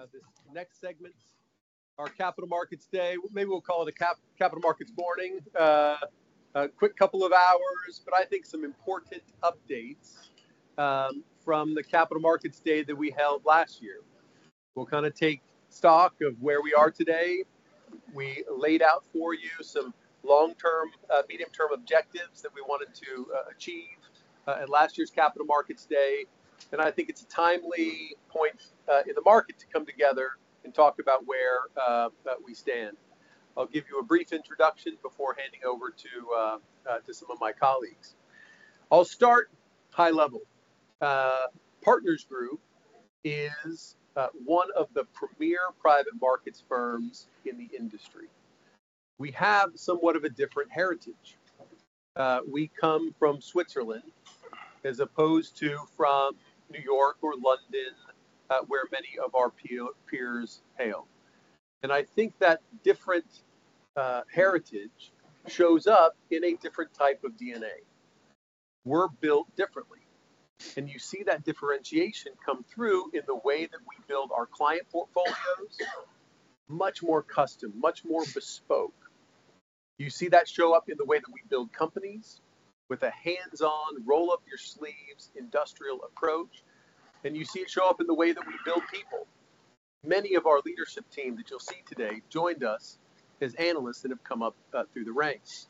To this next segment, our Capital Markets Day. Maybe we'll call it a Capital Markets Morning. A quick couple of hours, but I think some important updates from the Capital Markets Day that we held last year. We'll kinda take stock of where we are today. We laid out for you some long-term medium-term objectives that we wanted to achieve at last year's Capital Markets Day, and I think it's a timely point in the market to come together and talk about where we stand. I'll give you a brief introduction before handing over to some of my colleagues. I'll start high level. Partners Group is one of the premier private markets firms in the industry. We have somewhat of a different heritage. We come from Switzerland as opposed to from New York or London, where many of our peers hail. I think that different heritage shows up in a different type of DNA. We're built differently, and you see that differentiation come through in the way that we build our client portfolios. Much more custom, much more bespoke. You see that show up in the way that we build companies with a hands-on, roll-up-your-sleeves industrial approach, and you see it show up in the way that we build people. Many of our leadership team that you'll see today joined us as analysts that have come up through the ranks.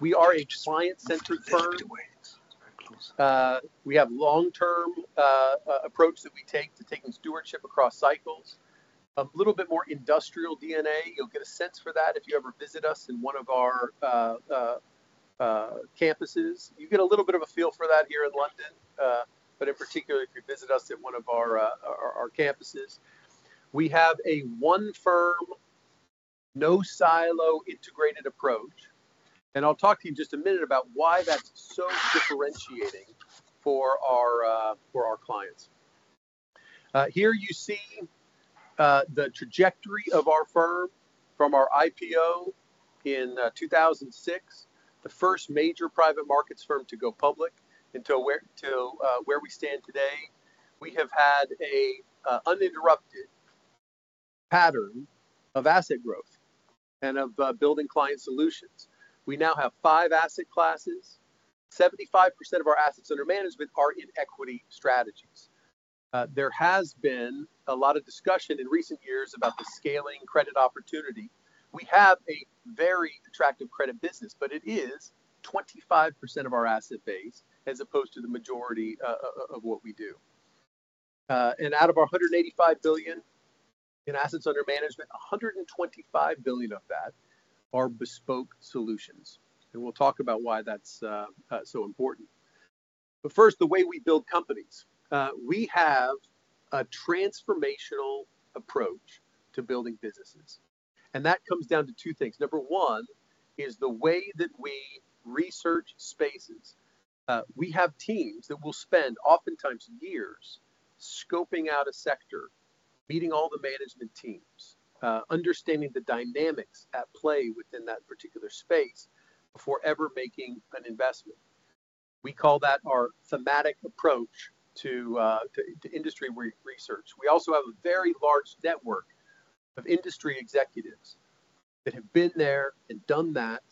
We are a client-centric firm. We have long-term approach that we take to taking stewardship across cycles. A little bit more industrial DNA. You'll get a sense for that if you ever visit us in one of our campuses. You get a little bit of a feel for that here in London, but in particular, if you visit us at one of our campuses. We have a one firm, no silo integrated approach, and I'll talk to you in just a minute about why that's so differentiating for our clients. Here you see the trajectory of our firm from our IPO in 2006, the first major private markets firm to go public, until where we stand today. We have had an uninterrupted pattern of asset growth and of building client solutions. We now have five asset classes. 75% of our assets under management are in equity strategies. There has been a lot of discussion in recent years about the scaling credit opportunity. We have a very attractive credit business, but it is 25% of our asset base as opposed to the majority of what we do. Out of our $185 billion in assets under management, $125 billion of that are bespoke solutions, and we'll talk about why that's so important. First, the way we build companies. We have a transformational approach to building businesses, and that comes down to two things. Number one is the way that we research spaces. We have teams that will spend oftentimes years scoping out a sector, meeting all the management teams, understanding the dynamics at play within that particular space before ever making an investment. We call that our thematic approach to industry research. We also have a very large network of industry executives that have been there and done that,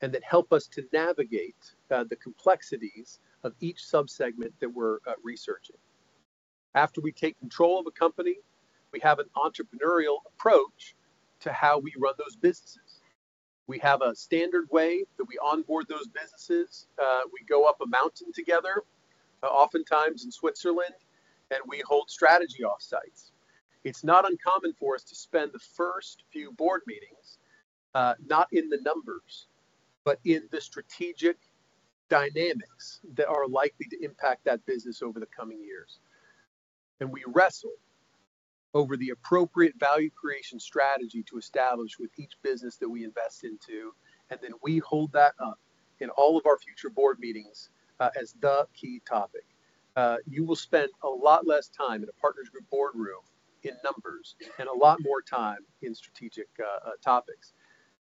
and that help us to navigate the complexities of each sub-segment that we're researching. After we take control of a company, we have an entrepreneurial approach to how we run those businesses. We have a standard way that we onboard those businesses. We go up a mountain together, oftentimes in Switzerland, and we hold strategy off-sites. It's not uncommon for us to spend the first few board meetings, not in the numbers, but in the strategic dynamics that are likely to impact that business over the coming years. We wrestle over the appropriate value creation strategy to establish with each business that we invest into, and then we hold that up in all of our future board meetings as the key topic. You will spend a lot less time in a Partners Group board room in numbers and a lot more time in strategic topics.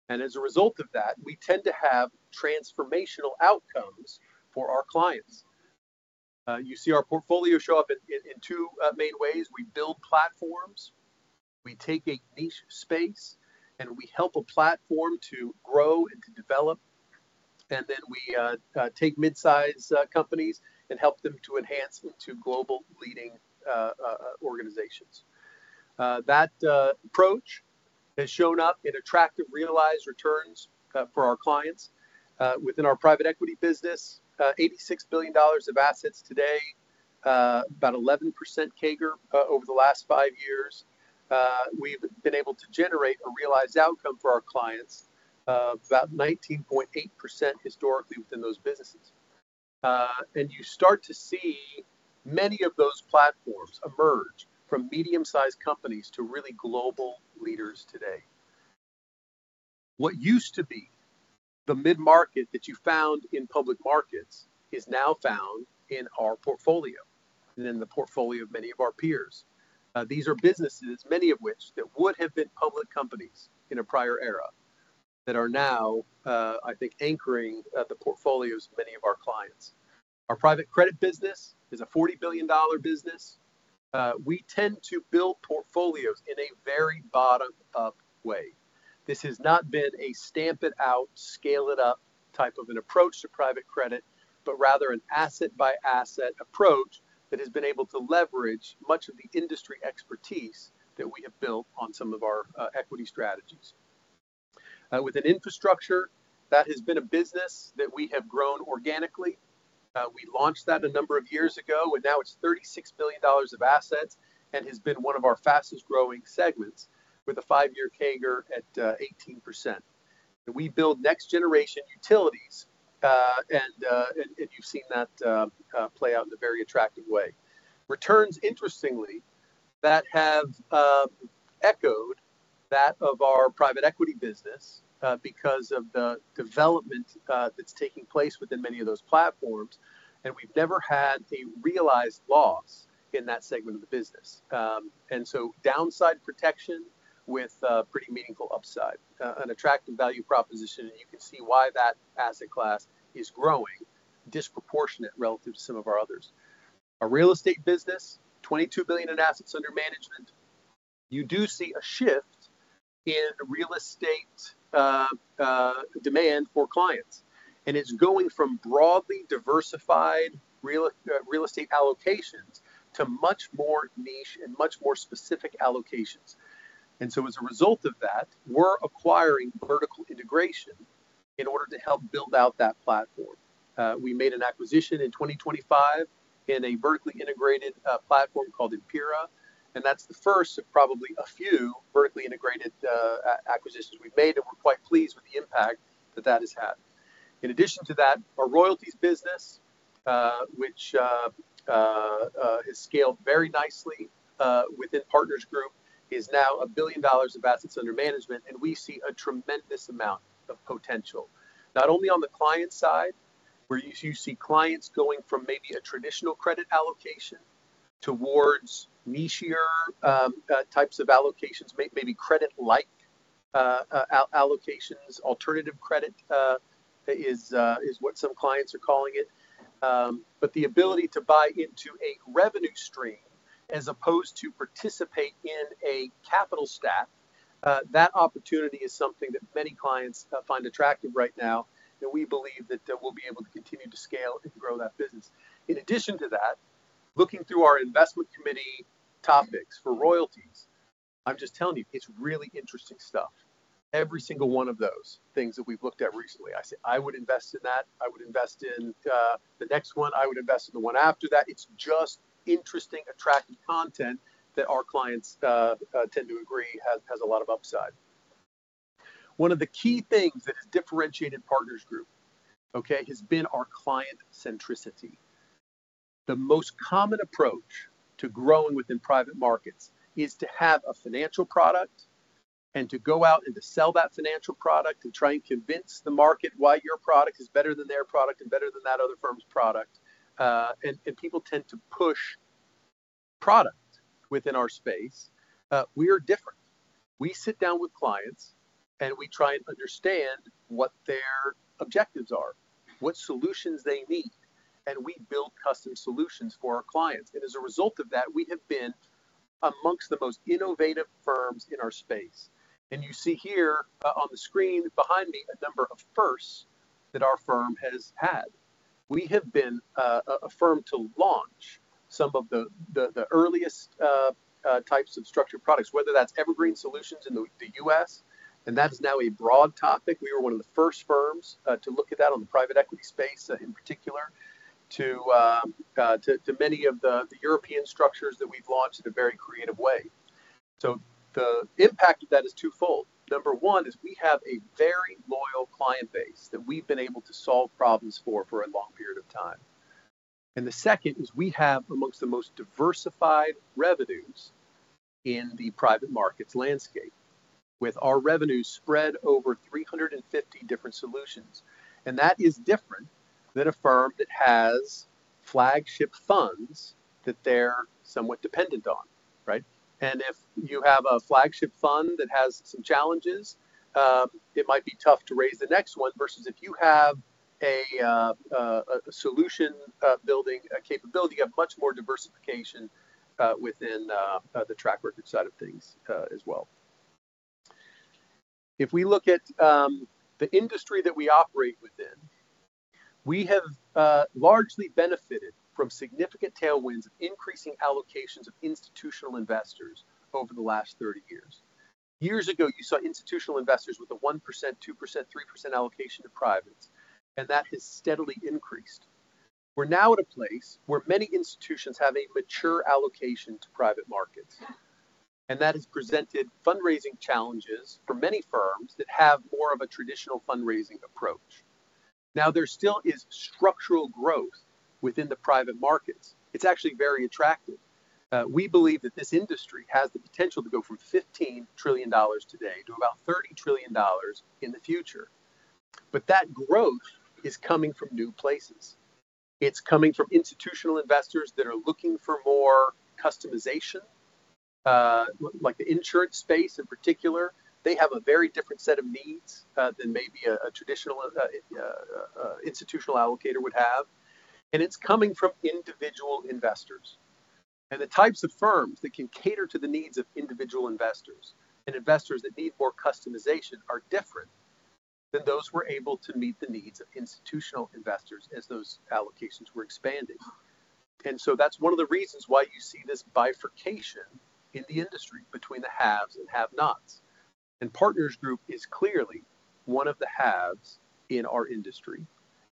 As a result of that, we tend to have transformational outcomes for our clients. You see our portfolio show up in two main ways. We build platforms. We take a niche space, and we help a platform to grow and to develop, and then we take mid-size companies and help them to enhance to global leading organizations. That approach has shown up in attractive realized returns for our clients. Within our private equity business, $86 billion of assets today, about 11% CAGR over the last five years. We've been able to generate a realized outcome for our clients of about 19.8% historically within those businesses. You start to see many of those platforms emerge from medium-sized companies to really global leaders today. What used to be the mid-market that you found in public markets is now found in our portfolio and in the portfolio of many of our peers. These are businesses, many of which that would have been public companies in a prior era that are now, I think anchoring the portfolios of many of our clients. Our private credit business is a $40 billion business. We tend to build portfolios in a very bottom-up way. This has not been a stamp-it-out, scale-it-up type of an approach to private credit, but rather an asset-by-asset approach that has been able to leverage much of the industry expertise that we have built on some of our equity strategies. With an infrastructure that has been a business that we have grown organically. We launched that a number of years ago, and now it's $36 billion of assets and has been one of our fastest-growing segments with a five-year CAGR at 18%. We build next-generation utilities, and you've seen that play out in a very attractive way. Returns, interestingly, that have echoed that of our private equity business, because of the development that's taking place within many of those platforms, and we've never had a realized loss in that segment of the business. Downside protection with pretty meaningful upside, an attractive value proposition, and you can see why that asset class is growing disproportionate relative to some of our others. Our real estate business, $22 billion in assets under management. You do see a shift in real estate demand for clients, and it's going from broadly diversified real estate allocations to much more niche and much more specific allocations. As a result of that, we're acquiring vertical integration in order to help build out that platform. We made an acquisition in 2025 in a vertically integrated platform called Empira, and that's the first of probably a few vertically integrated acquisitions we've made, and we're quite pleased with the impact that that has had. In addition to that, our royalties business, which is scaled very nicely within Partners Group, is now $1 billion of assets under management, and we see a tremendous amount of potential. Not only on the client side, where you see clients going from maybe a traditional credit allocation towards nichier types of allocations, maybe credit-like allocations. Alternative credit is what some clients are calling it. But the ability to buy into a revenue stream as opposed to participate in a capital stack, that opportunity is something that many clients find attractive right now, and we believe that we'll be able to continue to scale and grow that business. In addition to that, looking through our investment committee topics for royalties, I'm just telling you, it's really interesting stuff. Every single one of those things that we've looked at recently, I say, "I would invest in that. I would invest in the next one. I would invest in the one after that." It's just interesting, attractive content that our clients tend to agree has a lot of upside. One of the key things that has differentiated Partners Group, okay, has been our client-centricity. The most common approach to growing within private markets is to have a financial product and to go out and to sell that financial product and try and convince the market why your product is better than their product and better than that other firm's product. People tend to push product within our space. We are different. We sit down with clients, and we try and understand what their objectives are, what solutions they need, and we build custom solutions for our clients. As a result of that, we have been among the most innovative firms in our space. You see here, on the screen behind me, a number of firsts that our firm has had. We have been a firm to launch some of the earliest types of structured products, whether that's evergreen solutions in the U.S., and that's now a broad topic. We were one of the first firms to look at that on the private equity space, in particular to many of the European structures that we've launched in a very creative way. The impact of that is twofold. Number one is we have a very loyal client base that we've been able to solve problems for a long period of time. The second is we have among the most diversified revenues in the private markets landscape, with our revenues spread over 350 different solutions. That is different than a firm that has flagship funds that they're somewhat dependent on, right? If you have a flagship fund that has some challenges, it might be tough to raise the next one versus if you have a solution building capability. You have much more diversification within the track record side of things, as well. If we look at the industry that we operate within, we have largely benefited from significant tailwinds of increasing allocations of institutional investors over the last 30 years. Years ago, you saw institutional investors with a 1%, 2%, 3% allocation to privates, and that has steadily increased. We're now at a place where many institutions have a mature allocation to private markets, and that has presented fundraising challenges for many firms that have more of a traditional fundraising approach. Now, there still is structural growth within the private markets. It's actually very attractive. We believe that this industry has the potential to go from $15 trillion today to about $30 trillion in the future. But that growth is coming from new places. It's coming from institutional investors that are looking for more customization, like the insurance space in particular. They have a very different set of needs than maybe a traditional institutional allocator would have, and it's coming from individual investors. The types of firms that can cater to the needs of individual investors and investors that need more customization are different than those who were able to meet the needs of institutional investors as those allocations were expanding. That's one of the reasons why you see this bifurcation in the industry between the haves and have-nots. Partners Group is clearly one of the haves in our industry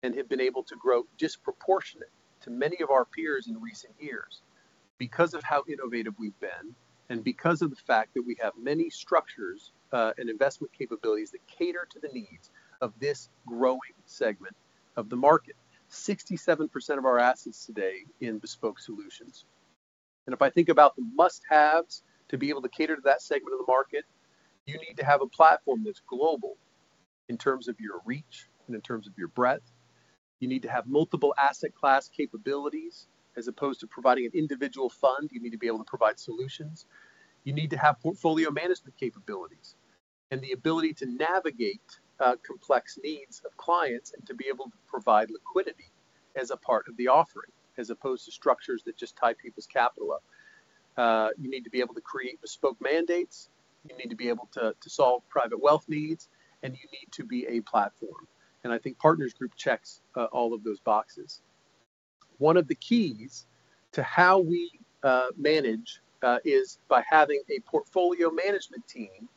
and have been able to grow disproportionate to many of our peers in recent years because of how innovative we've been, and because of the fact that we have many structures, and investment capabilities that cater to the needs of this growing segment of the market. 67% of our assets today in bespoke solutions. If I think about the must-haves to be able to cater to that segment of the market, you need to have a platform that's global in terms of your reach and in terms of your breadth. You need to have multiple asset class capabilities as opposed to providing an individual fund. You need to be able to provide solutions. You need to have portfolio management capabilities and the ability to navigate complex needs of clients and to be able to provide liquidity as a part of the offering, as opposed to structures that just tie people's capital up. You need to be able to create bespoke mandates, you need to be able to solve private wealth needs, and you need to be a platform. I think Partners Group checks all of those boxes. One of the keys to how we manage is by having a portfolio management team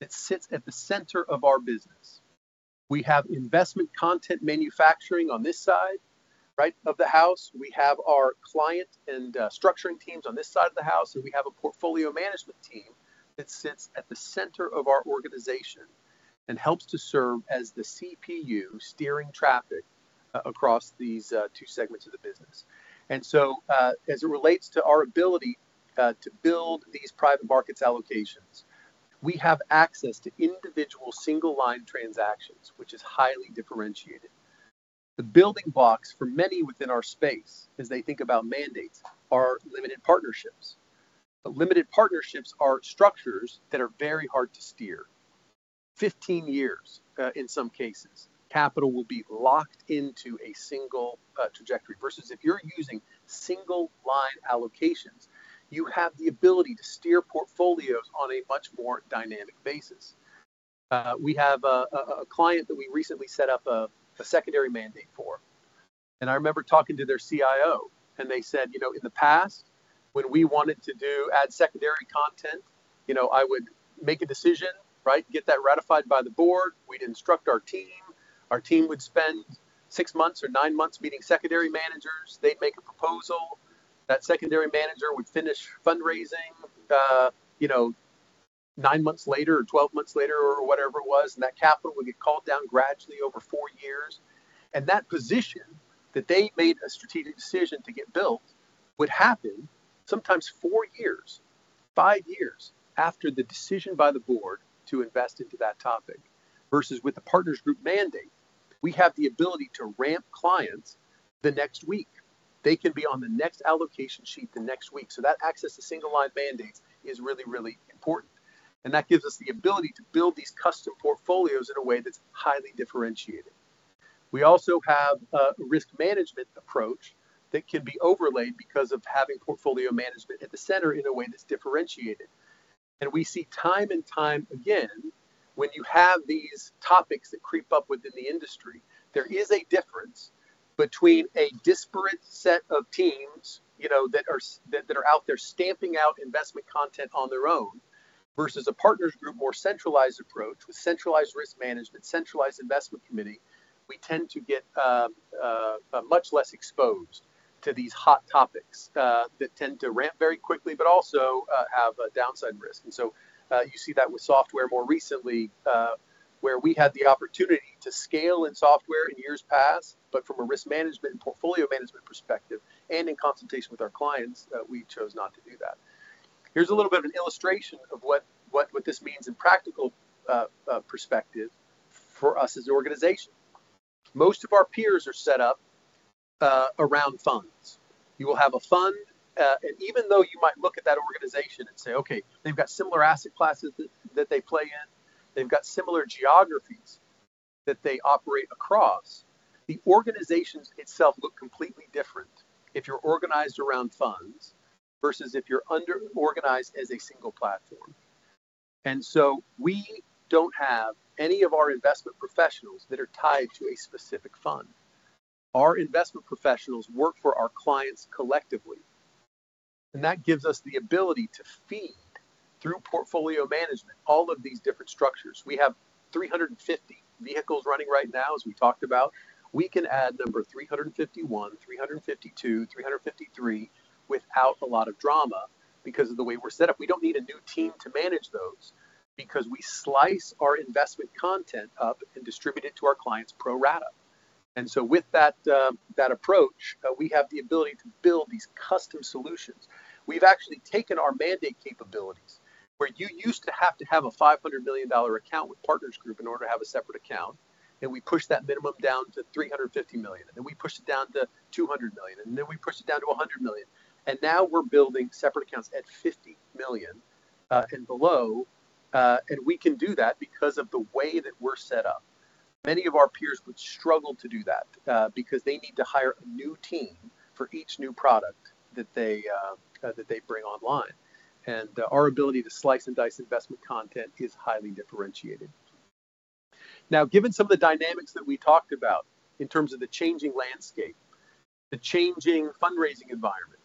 that sits at the center of our business. We have investment content manufacturing on this side, right, of the house. We have our client and structuring teams on this side of the house, and we have a portfolio management team that sits at the center of our organization and helps to serve as the CPU steering traffic across these two segments of the business. As it relates to our ability to build these private markets allocations, we have access to individual single-line transactions, which is highly differentiated. The building blocks for many within our space as they think about mandates are limited partnerships. Limited partnerships are structures that are very hard to steer. 15 years, in some cases, capital will be locked into a single trajectory, versus if you're using single-line allocations, you have the ability to steer portfolios on a much more dynamic basis. We have a client that we recently set up a secondary mandate for, and I remember talking to their CIO, and they said, "You know, in the past when we wanted to add secondary content, you know, I would make a decision, right? Get that ratified by the board. We'd instruct our team. Our team would spend six months or nine months meeting secondary managers. They'd make a proposal. That secondary manager would finish fundraising, nine months later or 12 months later or whatever it was, and that capital would get called down gradually over four years." That position that they made a strategic decision to get built would happen sometimes four years, five years after the decision by the board to invest into that topic. Versus with the Partners Group mandate, we have the ability to ramp clients the next week. They can be on the next allocation sheet the next week. So that access to single-line mandates is really, really important, and that gives us the ability to build these custom portfolios in a way that's highly differentiated. We also have a risk management approach that can be overlaid because of having portfolio management at the center in a way that's differentiated. We see time and time again, when you have these topics that creep up within the industry, there is a difference between a disparate set of teams, you know, that are out there stamping out investment content on their own versus a Partners Group more centralized approach with centralized risk management, centralized investment committee. We tend to get much less exposed to these hot topics that tend to ramp very quickly but also have a downside risk. You see that with software more recently, where we had the opportunity to scale in software in years past, but from a risk management and portfolio management perspective and in consultation with our clients, we chose not to do that. Here's a little bit of an illustration of what this means in practical perspective for us as an organization. Most of our peers are set up around funds. You will have a fund and even though you might look at that organization and say, "Okay, they've got similar asset classes that they play in, they've got similar geographies that they operate across," the organization itself looks completely different if you're organized around funds versus if you're organized as a single platform. We don't have any of our investment professionals that are tied to a specific fund. Our investment professionals work for our clients collectively, and that gives us the ability to feed through portfolio management all of these different structures. We have 350 vehicles running right now, as we talked about. We can add number 351, 352, 353 without a lot of drama because of the way we're set up. We don't need a new team to manage those because we slice our investment content up and distribute it to our clients pro rata. With that approach, we have the ability to build these custom solutions. We've actually taken our mandate capabilities, where you used to have to have a $500 million account with Partners Group in order to have a separate account, and we pushed that minimum down to $350 million, and then we pushed it down to $200 million, and then we pushed it down to $100 million. We're building separate accounts at $50 million and below, and we can do that because of the way that we're set up. Many of our peers would struggle to do that, because they need to hire a new team for each new product that they bring online. Our ability to slice and dice investment content is highly differentiated. Now, given some of the dynamics that we talked about in terms of the changing landscape, the changing fundraising environment,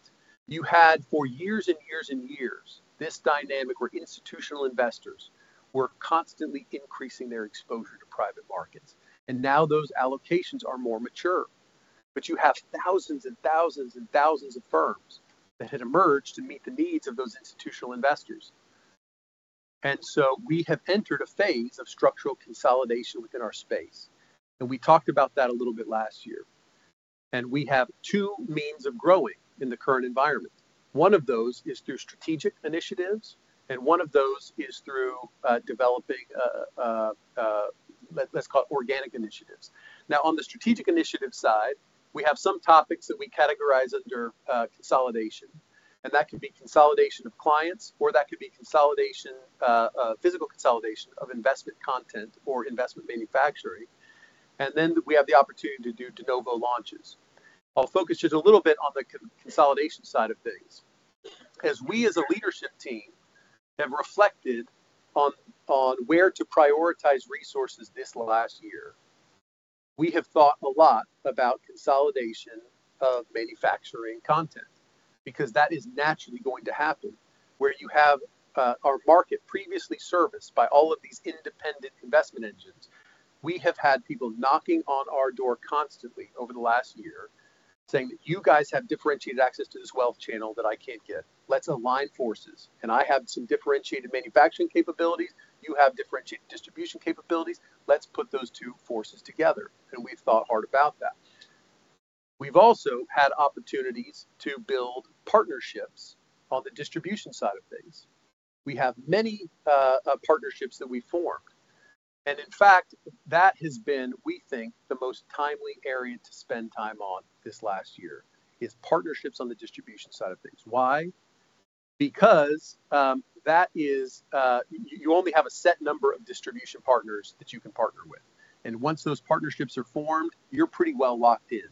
you had for years and years and years this dynamic where institutional investors were constantly increasing their exposure to private markets, and now those allocations are more mature. You have thousands and thousands and thousands of firms that had emerged to meet the needs of those institutional investors. We have entered a phase of structural consolidation within our space. We talked about that a little bit last year. We have two means of growing in the current environment. One of those is through strategic initiatives, and one of those is through developing, let's call it organic initiatives. Now, on the strategic initiative side, we have some topics that we categorize under consolidation, and that could be consolidation of clients, or that could be consolidation, physical consolidation of investment content or investment manufacturing. Then we have the opportunity to do de novo launches. I'll focus just a little bit on the consolidation side of things. As we, as a leadership team, have reflected on where to prioritize resources this last year, we have thought a lot about consolidation of manufacturing content because that is naturally going to happen where you have our market previously serviced by all of these independent investment engines. We have had people knocking on our door constantly over the last year saying, "You guys have differentiated access to this wealth channel that I can't get. Let's align forces. I have some differentiated manufacturing capabilities, you have differentiated distribution capabilities. Let's put those two forces together." We've thought hard about that. We've also had opportunities to build partnerships on the distribution side of things. We have many partnerships that we form. In fact, that has been, we think, the most timely area to spend time on this last year, is partnerships on the distribution side of things. Why? Because, that is, you only have a set number of distribution partners that you can partner with, and once those partnerships are formed, you're pretty well locked in.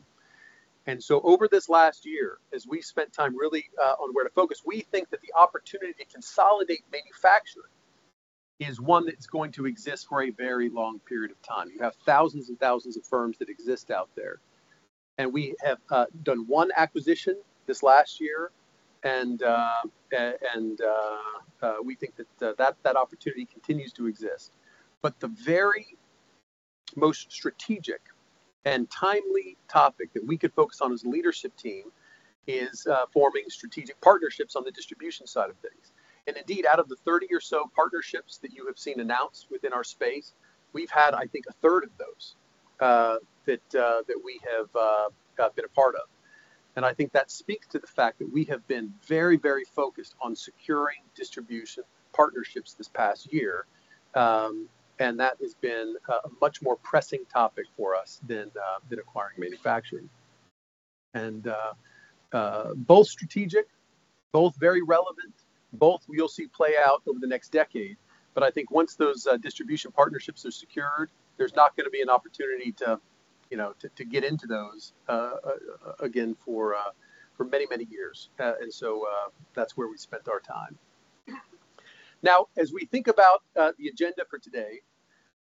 Over this last year, as we spent time really on where to focus, we think that the opportunity to consolidate manufacturing is one that's going to exist for a very long period of time. You have thousands and thousands of firms that exist out there, and we have done one acquisition this last year, and we think that that opportunity continues to exist. The very most strategic and timely topic that we could focus on as a leadership team is forming strategic partnerships on the distribution side of things. Indeed, out of the 30 or so partnerships that you have seen announced within our space, we've had, I think, 1/3 of those that we have been a part of. I think that speaks to the fact that we have been very, very focused on securing distribution partnerships this past year, and that has been a much more pressing topic for us than acquiring manufacturing. Both strategic, both very relevant, both we'll see play out over the next decade. I think once those distribution partnerships are secured, there's not gonna be an opportunity to, you know, to get into those again for many, many years. That's where we spent our time. Now, as we think about the agenda for today,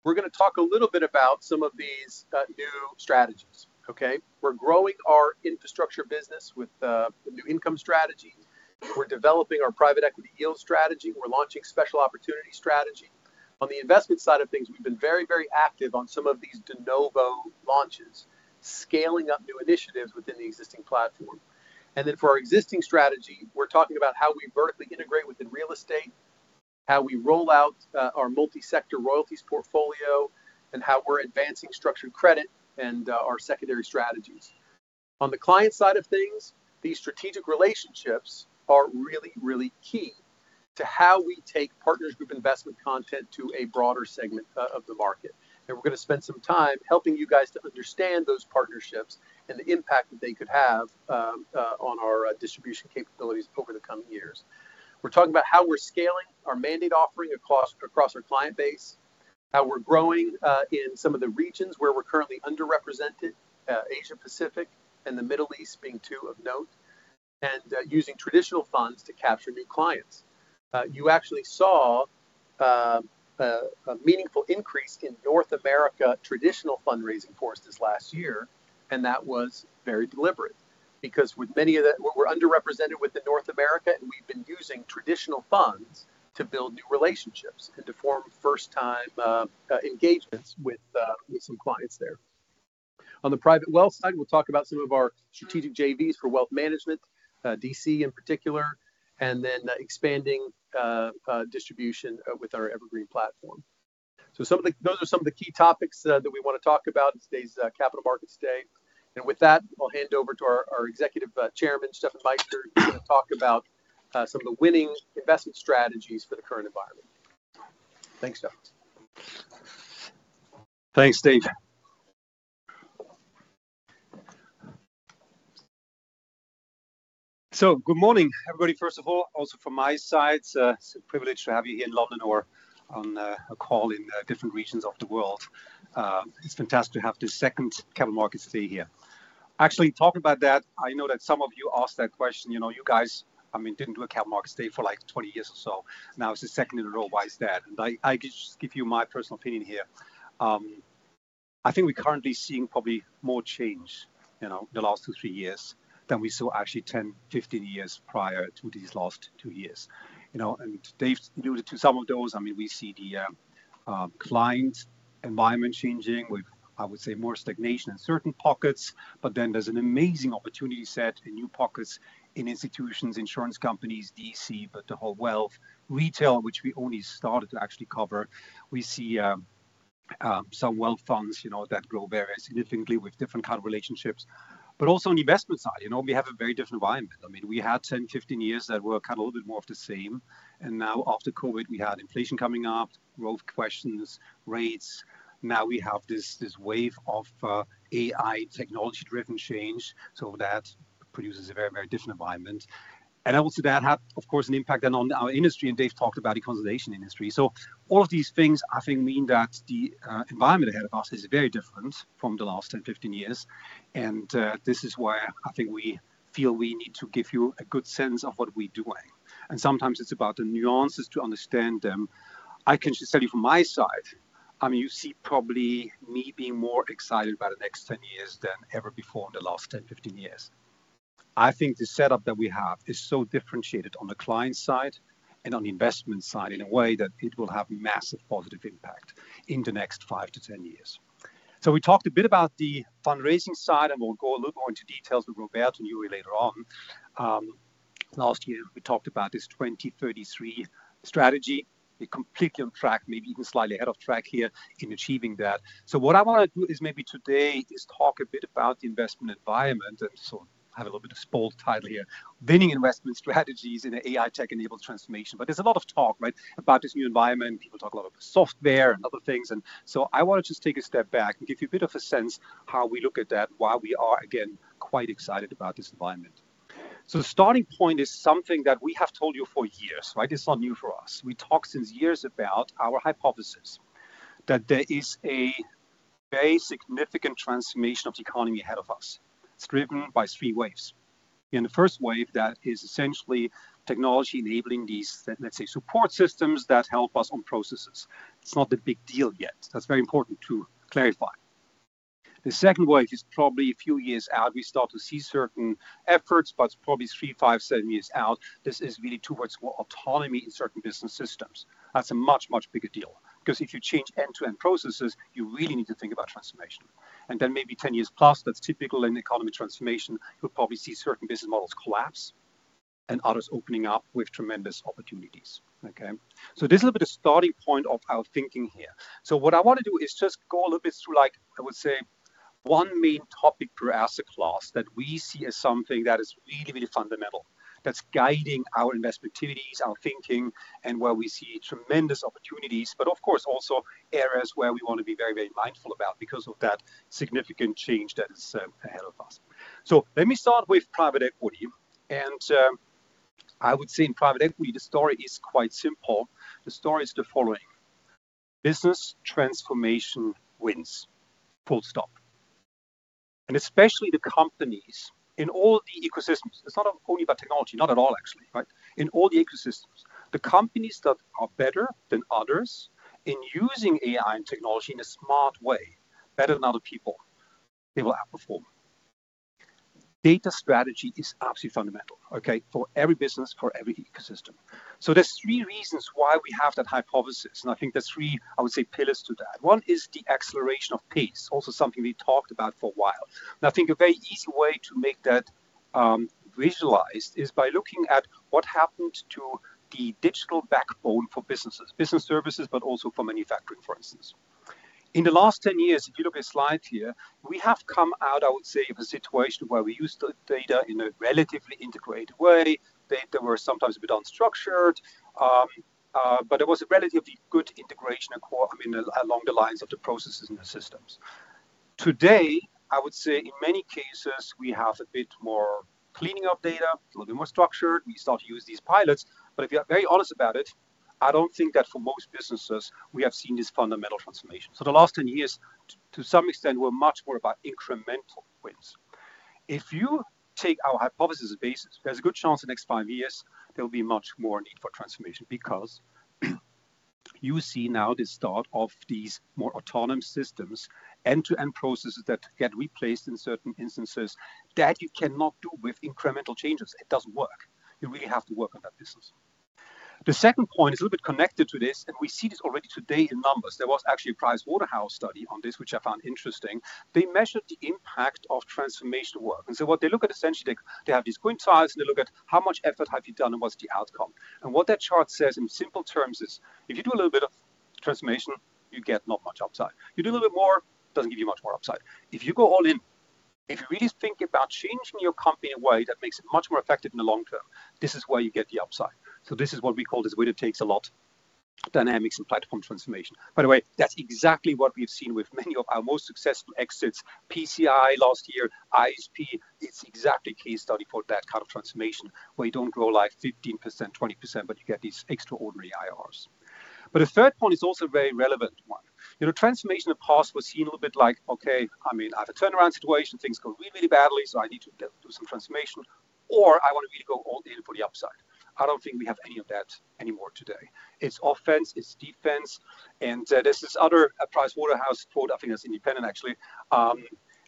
we're gonna talk a little bit about some of these new strategies. Okay? We're growing our infrastructure business with new income strategies. We're developing our private equity yield strategy. We're launching special opportunity strategy. On the investment side of things, we've been very, very active on some of these de novo launches, scaling up new initiatives within the existing platform. For our existing strategy, we're talking about how we vertically integrate within real estate, how we roll out our multi-sector royalties portfolio, and how we're advancing structured credit and our secondary strategies. On the client side of things, these strategic relationships are really, really key to how we take Partners Group investment content to a broader segment of the market. We're gonna spend some time helping you guys to understand those partnerships and the impact that they could have on our distribution capabilities over the coming years. We're talking about how we're scaling our mandate offering across our client base, how we're growing in some of the regions where we're currently underrepresented, Asia-Pacific and the Middle East being two of note, and using traditional funds to capture new clients. You actually saw a meaningful increase in North America traditional fundraising, of course, this last year, and that was very deliberate. Because we're underrepresented in North America, and we've been using traditional funds to build new relationships and to form first-time engagements with some clients there. On the private wealth side, we'll talk about some of our strategic JVs for wealth management, DC in particular. Then, expanding distribution with our Evergreen platform. Those are some of the key topics that we wanna talk about in today's Capital Markets Day. With that, I'll hand over to our executive chairman, Steffen Meister. He's gonna talk about some of the Winning Investment Strategies for the current environment. Thanks, Steffen. Thanks, Dave. Good morning, everybody. First of all, also from my side, it's a privilege to have you here in London or on a call in different regions of the world. It's fantastic to have the second Capital Markets Day here. Actually, talking about that, I know that some of you asked that question. You know, you guys, I mean, didn't do a Capital Markets Day for, like, 20 years or so. Now it's the second in a row. Why is that? I could just give you my personal opinion here. I think we're currently seeing probably more change, you know, in the last two to three years than we saw actually 10-15 years prior to these last two years. You know, Dave alluded to some of those. I mean, we see the client environment changing with, I would say, more stagnation in certain pockets, but then there's an amazing opportunity set in new pockets in institutions, insurance companies, DC, but the whole wealth retail, which we only started to actually cover. We see some wealth funds, you know, that grow very significantly with different kind of relationships. Also on the investment side, you know, we have a very different environment. I mean, we had 10, 15 years that were kind of a little bit more of the same. Now after COVID, we had inflation coming up, growth questions, rates. Now we have this wave of AI technology-driven change, so that produces a very, very different environment. Obviously that had, of course, an impact then on our industry, and Dave talked about the consolidation industry. All of these things, I think, mean that the environment ahead of us is very different from the last 10, 15 years. This is why I think we feel we need to give you a good sense of what we're doing. Sometimes it's about the nuances to understand them. I can just tell you from my side, I mean, you see probably me being more excited about the next 10 years than ever before in the last 10, 15 years. I think the setup that we have is so differentiated on the client side and on the investment side in a way that it will have massive positive impact in the next five to 10 years. We talked a bit about the fundraising side, and we'll go a little more into details with Roberto and Juri later on. Last year, we talked about this 2033 strategy. We're completely on track, maybe even slightly ahead of track here in achieving that. What I wanna do is maybe today is talk a bit about the investment environment and so have a little bit of a bold title here, Winning Investment Strategies in an AI Tech-Enabled Transformation. There's a lot of talk, right? About this new environment. People talk a lot about software and other things. I wanna just take a step back and give you a bit of a sense how we look at that, why we are again quite excited about this environment. The starting point is something that we have told you for years, right? It's not new for us. We talked since years about our hypothesis that there is a very significant transformation of the economy ahead of us. It's driven by three waves. In the first wave, that is essentially technology enabling these, let's say, support systems that help us on processes. It's not a big deal yet. That's very important to clarify. The second wave is probably a few years out. We start to see certain efforts, but probably three, five, seven years out. This is really towards more autonomy in certain business systems. That's a much, much bigger deal 'cause if you change end-to-end processes, you really need to think about transformation. Then maybe 10 years+, that's typical in economy transformation. You'll probably see certain business models collapse and others opening up with tremendous opportunities. Okay? This is a little bit of starting point of our thinking here. What I wanna do is just go a little bit through, like, I would say one main topic per asset class that we see as something that is really, really fundamental, that's guiding our investment activities, our thinking, and where we see tremendous opportunities, but of course also areas where we wanna be very, very mindful about because of that significant change that is ahead of us. Let me start with private equity. I would say in private equity, the story is quite simple. The story is the following. Business transformation wins. Full stop. And especially the companies in all the ecosystems. It's not only about technology, not at all actually, right? In all the ecosystems, the companies that are better than others in using AI and technology in a smart way, better than other people, they will outperform. Data strategy is absolutely fundamental, okay? For every business, for every ecosystem. There's three reasons why we have that hypothesis, and I think there's three, I would say, pillars to that. One is the acceleration of pace, also something we talked about for a while. I think a very easy way to make that visualized is by looking at what happened to the digital backbone for businesses, business services, but also for manufacturing, for instance. In the last 10 years, if you look at slides here, we have come out, I would say, of a situation where we used the data in a relatively integrated way. Data were sometimes a bit unstructured, but there was a relatively good integration I mean, along the lines of the processes and the systems. Today, I would say in many cases, we have a bit more cleaning of data, a little bit more structured. We start to use these pilots, but if you are very honest about it, I don't think that for most businesses we have seen this fundamental transformation. The last 10 years, to some extent, were much more about incremental wins. If you take our hypothesis as a basis, there's a good chance in the next five years there will be much more need for transformation because you see now the start of these more autonomous systems, end-to-end processes that get replaced in certain instances that you cannot do with incremental changes. It doesn't work. You really have to work on that business. The second point is a little bit connected to this, and we see this already today in numbers. There was actually a PricewaterhouseCoopers study on this, which I found interesting. They measured the impact of transformation work. What they look at essentially, like they have these coin toss, and they look at how much effort have you done and what's the outcome. What that chart says in simple terms is, if you do a little bit of transformation, you get not much upside. You do a little bit more, it doesn't give you much more upside. If you go all in, if you really think about changing your company in a way that makes it much more effective in the long term, this is where you get the upside. This is what we call this winner-takes-all dynamics and platform transformation. By the way, that's exactly what we've seen with many of our most successful exits. PCI last year, ISP, it's exactly a case study for that kind of transformation, where you don't grow like 15%, 20%, but you get these extraordinary IRRs. The third point is also a very relevant one. You know, transformation in the past was seen a little bit like, okay, I mean, I have a turnaround situation, things go really, really badly, so I need to do some transformation, or I want to really go all in for the upside. I don't think we have any of that anymore today. It's offense, it's defense, and there's this other PricewaterhouseCoopers quote, I think that's independent actually.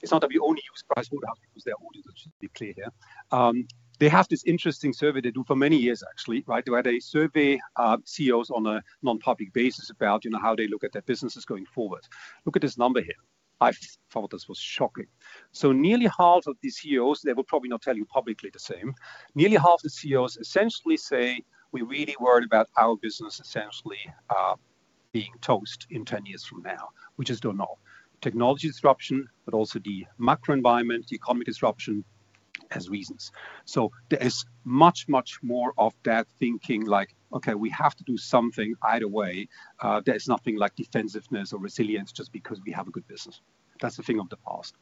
It's not that we only use PricewaterhouseCoopers because they're auditors, to be clear here. They have this interesting survey they do for many years actually, right? Where they survey CEOs on a non-public basis about, you know, how they look at their businesses going forward. Look at this number here. I thought this was shocking. Nearly half of the CEOs, they will probably not tell you publicly the same. Nearly half the CEOs essentially say, "We're really worried about our business essentially, being toast in 10 years from now." We just don't know. Technology disruption, but also the macro environment, the economic disruption has reasons. There is much, much more of that thinking like, "Okay, we have to do something either way. There's nothing like defensiveness or resilience just because we have a good business." That's a thing of the past.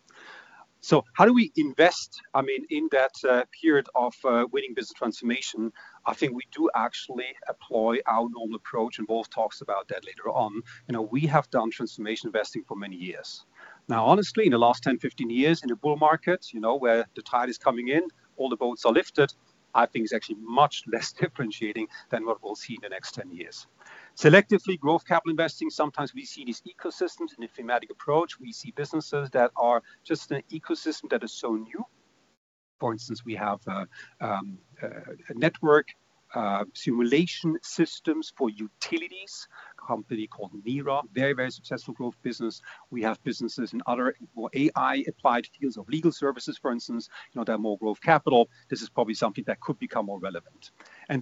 How do we invest? I mean, in that period of winning business transformation, I think we do actually employ our normal approach, and Wolf talks about that later on. You know, we have done transformation investing for many years. Now, honestly, in the last 10, 15 years in a bull market, you know, where the tide is coming in, all the boats are lifted, I think it's actually much less differentiating than what we'll see in the next 10 years. Selectively growth capital investing, sometimes we see these ecosystems in a thematic approach. We see businesses that are just an ecosystem that is so new. For instance, we have a network simulation systems for utilities, a company called Neara, very, very successful growth business. We have businesses in other more AI-applied fields of legal services, for instance. You know, they have more growth capital. This is probably something that could become more relevant.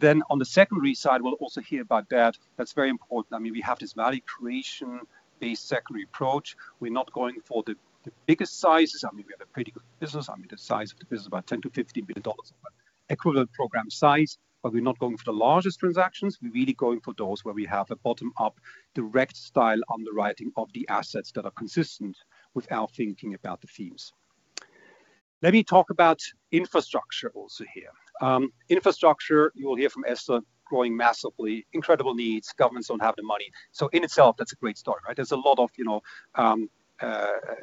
Then on the secondary side, we'll also hear about that. That's very important. I mean, we have this value creation-based secondary approach. We're not going for the biggest sizes. I mean, we have a pretty good business. I mean, the size of the business is about $10 billion-$15 billion equivalent program size, but we're not going for the largest transactions. We're really going for those where we have a bottom-up direct style underwriting of the assets that are consistent with our thinking about the themes. Let me talk about infrastructure also here. Infrastructure, you will hear from Esther, growing massively. Incredible needs. Governments don't have the money. In itself, that's a great start, right? There's a lot of, you know,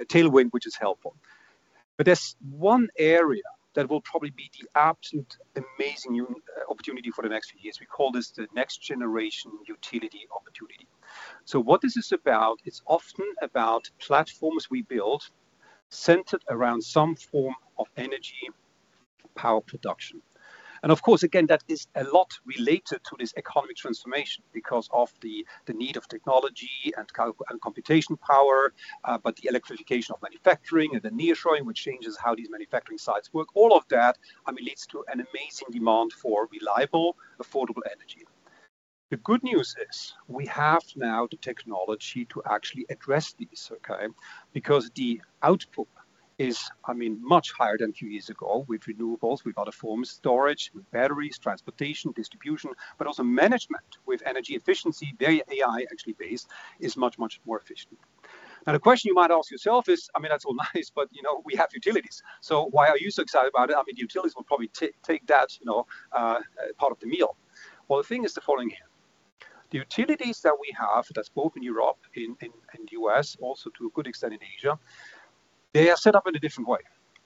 tailwind which is helpful. There's one area that will probably be the absolute amazing opportunity for the next few years. We call this the next generation utility opportunity. What is this about? It's often about platforms we build centered around some form of energy power production. Of course, again, that is a lot related to this economic transformation because of the need of technology and computation power, but the electrification of manufacturing and the near-shoring, which changes how these manufacturing sites work. All of that, I mean, leads to an amazing demand for reliable, affordable energy. The good news is we have now the technology to actually address these, okay? Because the output is, I mean, much higher than a few years ago with renewables, with other forms of storage, with batteries, transportation, distribution, but also management with energy efficiency, very AI actually based, is much, much more efficient. Now, the question you might ask yourself is, I mean, that's all nice, but you know, we have utilities. So why are you so excited about it? I mean, utilities will probably take that, you know, part of the meal. Well, the thing is the following here. The utilities that we have, that's both in Europe, in U.S., also to a good extent in Asia, they are set up in a different way.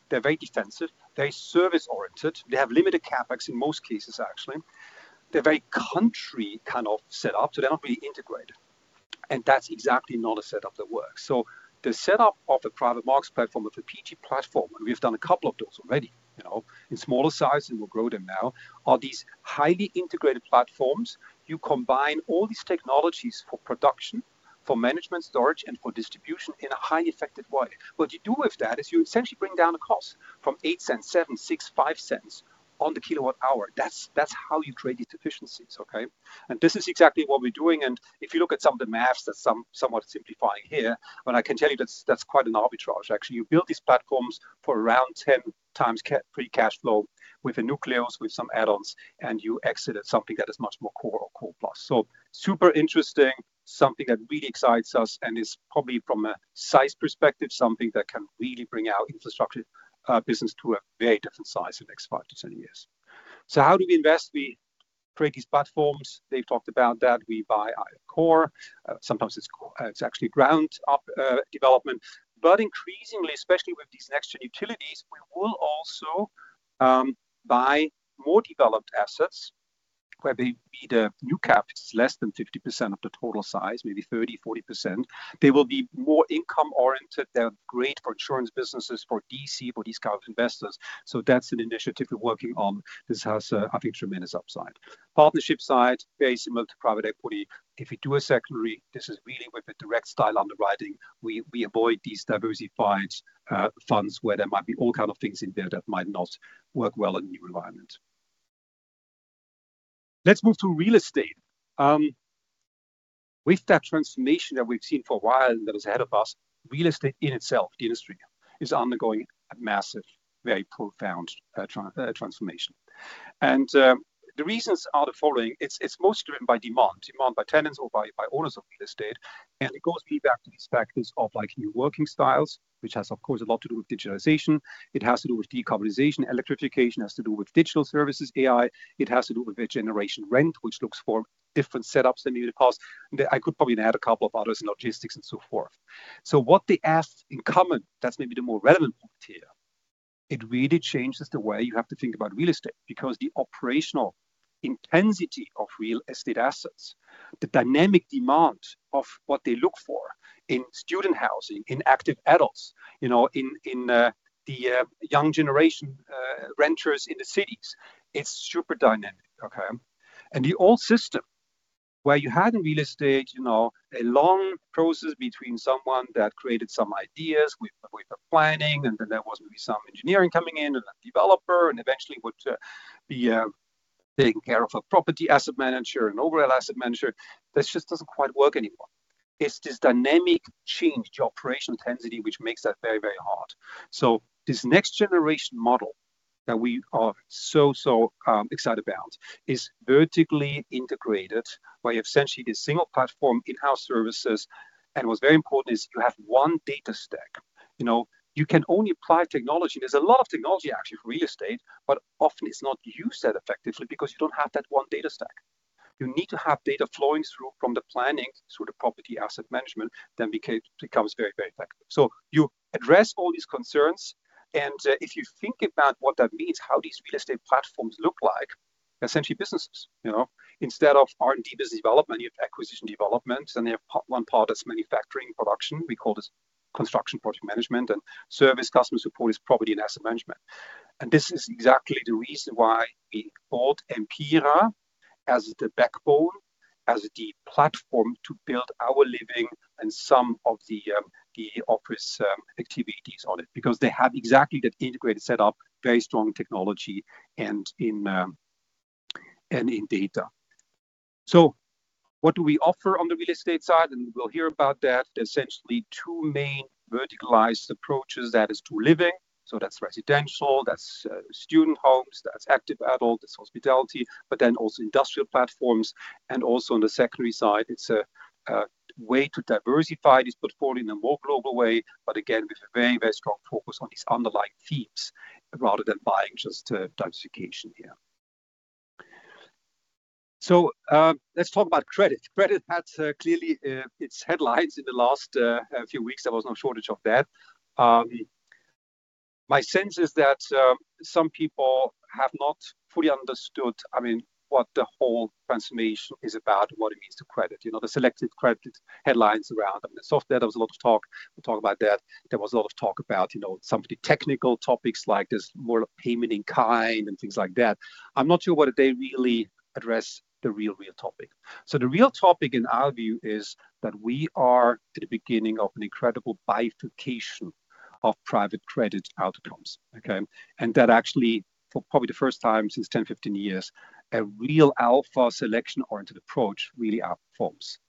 They're very defensive. They're service-oriented. They have limited CapEx in most cases, actually. They're very country kind of set up, so they're not really integrated. That's exactly not a setup that works. The setup of the private markets platform of the PG platform, and we've done a couple of those already, you know, in smaller size, and we'll grow them now, are these highly integrated platforms. You combine all these technologies for production, for management storage, and for distribution in a highly effective way. What you do with that is you essentially bring down the cost from $0.08, $0.07, $0.06, $0.05 per kWh. That's how you create these efficiencies, okay? This is exactly what we're doing, and if you look at some of the math that's somewhat simplifying here, but I can tell you that's quite an arbitrage actually. You build these platforms for around 10x free cash flow with a nucleus, with some add-ons, and you exit at something that is much more core or core plus. Super interesting, something that really excites us and is probably from a size perspective, something that can really bring our infrastructure business to a very different size in the next five to 10 years. How do we invest? We create these platforms. They've talked about that. We buy core. Sometimes it's actually ground up development. But increasingly, especially with these next-gen utilities, we will also buy more developed assets whereby the new CapEx is less than 50% of the total size, maybe 30-40%. They will be more income-oriented. They're great for insurance businesses, for DC, for discount investors. That's an initiative we're working on. This has, I think tremendous upside. Platform side, very similar to private equity. If we do a secondary, this is really with a direct style underwriting. We avoid these diversified funds where there might be all kind of things in there that might not work well in the new environment. Let's move to real estate. With that transformation that we've seen for a while and that is ahead of us, real estate in itself, the industry, is undergoing a massive, very profound transformation. The reasons are the following. It is mostly driven by demand by tenants or by owners of real estate. It goes really back to these factors of, like, new working styles, which has, of course, a lot to do with digitalization. It has to do with decarbonization. Electrification has to do with digital services, AI. It has to do with a generation rent, which looks for different setups than maybe the past. I could probably add a couple of others in logistics and so forth. What they asked in common, that's maybe the more relevant point here. It really changes the way you have to think about real estate because the operational intensity of real estate assets, the dynamic demand of what they look for in student housing, in active adults, you know, in the young generation renters in the cities, it's super dynamic. Okay. The old system where you had in real estate, you know, a long process between someone that created some ideas with the planning, and then there was maybe some engineering coming in and a developer and eventually would be taking care of a property asset manager, an overall asset manager. That just doesn't quite work anymore. It's this dynamic change to operational intensity which makes that very, very hard. This next generation model that we are so excited about is vertically integrated by essentially the single platform in-house services. What's very important is you have one data stack. You know, you can only apply technology. There's a lot of technology actually for real estate, but often it's not used that effectively because you don't have that one data stack. You need to have data flowing through from the planning through the property asset management, then becomes very, very effective. You address all these concerns, and if you think about what that means, how these real estate platforms look like, essentially businesses, you know. Instead of R&D, business development, you have acquisition development, and you have one part is manufacturing production. We call this construction project management, and service customer support is property and asset management. This is exactly the reason why we bought Empira as the backbone, as the platform to build our living and some of the the office activities on it, because they have exactly that integrated setup, very strong technology and in and in data. What do we offer on the real estate side? We'll hear about that. Essentially two main verticalized approaches. That is to living, so that's residential, that's student homes, that's active adult, that's hospitality, but then also industrial platforms, and also on the secondary side, it's a way to diversify this portfolio in a more global way, but again, with a very, very strong focus on these underlying themes rather than buying just diversification here. Let's talk about credit. Credit had clearly its headlines in the last few weeks. There was no shortage of that. My sense is that some people have not fully understood, I mean, what the whole transformation is about and what it means to credit. You know, the selective credit headlines around, I mean, SoftBank, there was a lot of talk, we talk about that. There was a lot of talk about, you know, some of the technical topics like this more payment in kind and things like that. I'm not sure whether they really address the real topic. The real topic in our view is that we are at the beginning of an incredible bifurcation of private credit outcomes, okay? And that actually, for probably the first time since 10, 15 years, a real alpha selection-oriented approach really outperforms.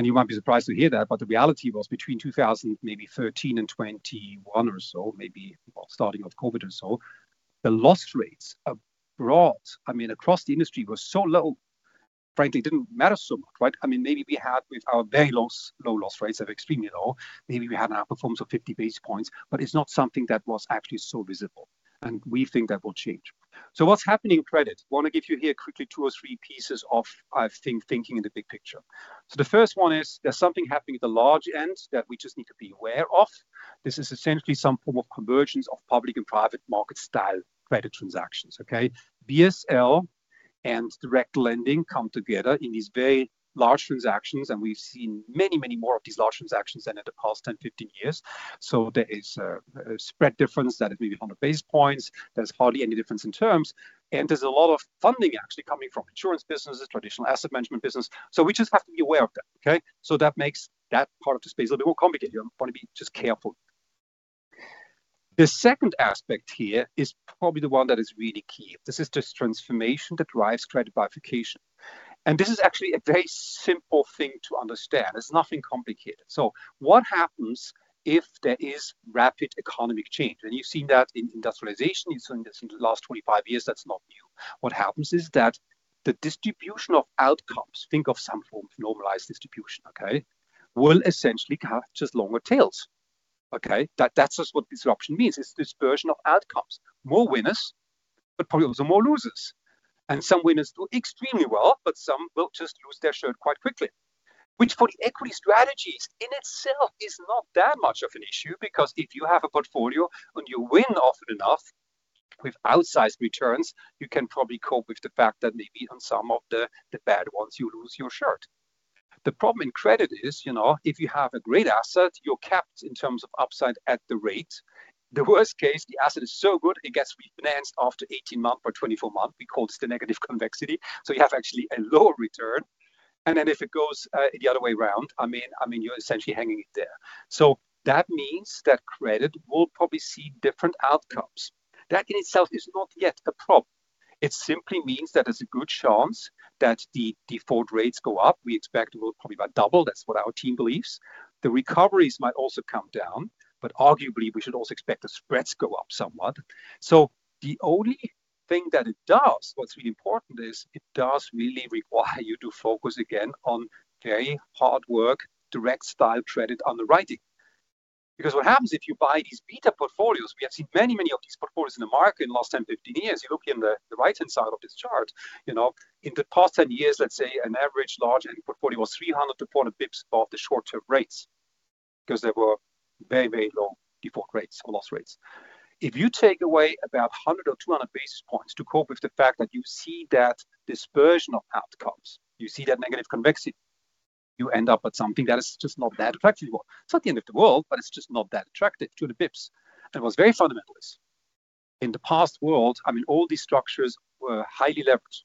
You might be surprised to hear that, but the reality was between 2013 and 2021 or so, maybe, well, start of COVID or so, the loss rates across the industry were so low, frankly, it didn't matter so much, right? I mean, maybe we had with our very low loss rates extremely low. Maybe we had an outperformance of 50 basis points, but it's not something that was actually so visible, and we think that will change. What's happening in credit? Wanna give you here quickly two or three pieces of, I think, thinking in the big picture. The first one is there's something happening at the large end that we just need to be aware of. This is essentially some form of convergence of public and private market style credit transactions, okay? BSL and direct lending come together in these very large transactions, and we've seen many, many more of these large transactions than in the past 10, 15 years. There is a spread difference that is maybe 100 basis points. There's hardly any difference in terms. There's a lot of funding actually coming from insurance businesses, traditional asset management business. We just have to be aware of that, okay? That makes that part of the space a little bit more complicated. I wanna be just careful. The second aspect here is probably the one that is really key. This is this transformation that drives credit bifurcation. This is actually a very simple thing to understand. It's nothing complicated. What happens if there is rapid economic change? You've seen that in industrialization. You've seen this in the last 25 years, that's not new. What happens is that the distribution of outcomes, think of some form of normalized distribution, okay, will essentially have just longer tails. Okay? That, that's just what disruption means. It's dispersion of outcomes. More winners, but probably also more losers. Some winners do extremely well, but some will just lose their shirt quite quickly. Which for the equity strategies in itself is not that much of an issue, because if you have a portfolio and you win often enough with outsized returns, you can probably cope with the fact that maybe on some of the bad ones, you lose your shirt. The problem in credit is, you know, if you have a great asset, you're capped in terms of upside at the rate. The worst case, the asset is so good it gets refinanced after 18 month or 24 month. We call this the negative convexity. You have actually a lower return. Then if it goes the other way around, I mean, you're essentially hanging it there. That means that credit will probably see different outcomes. That in itself is not yet a problem. It simply means that there's a good chance that the default rates go up. We expect it will probably about double. That's what our team believes. The recoveries might also come down, but arguably we should also expect the spreads go up somewhat. The only thing that it does, what's really important is it does really require you to focus again on very hard work, direct style credit underwriting. Because what happens if you buy these beta portfolios, we have seen many, many of these portfolios in the market in the last 10, 15 years. You look in the right-hand side of this chart, you know, in the past 10 years, let's say an average large end portfolio was 300-400 basis points above the short-term rates, because there were very, very low default rates or loss rates. If you take away about 100 or 200 basis points to cope with the fact that you see that dispersion of outcomes, you see that negative convexity, you end up with something that is just not that attractive. It's not the end of the world, but it's just not that attractive to the basis points. It was very fundamentally. In the past world, I mean, all these structures were highly leveraged.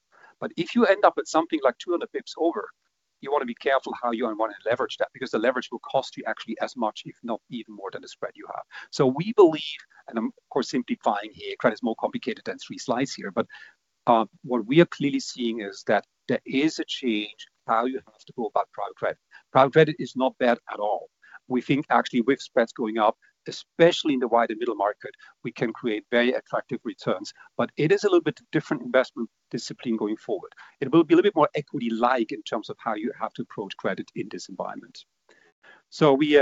If you end up with something like 200 basis points over, you wanna be careful how you wanna leverage that because the leverage will cost you actually as much, if not even more than the spread you have. We believe, and I'm of course simplifying here, credit is more complicated than three slides here, but what we are clearly seeing is that there is a change how you have to go about private credit. Private credit is not bad at all. We think actually with spreads going up, especially in the wider middle market, we can create very attractive returns. It is a little bit different investment discipline going forward. It will be a little bit more equity-like in terms of how you have to approach credit in this environment. We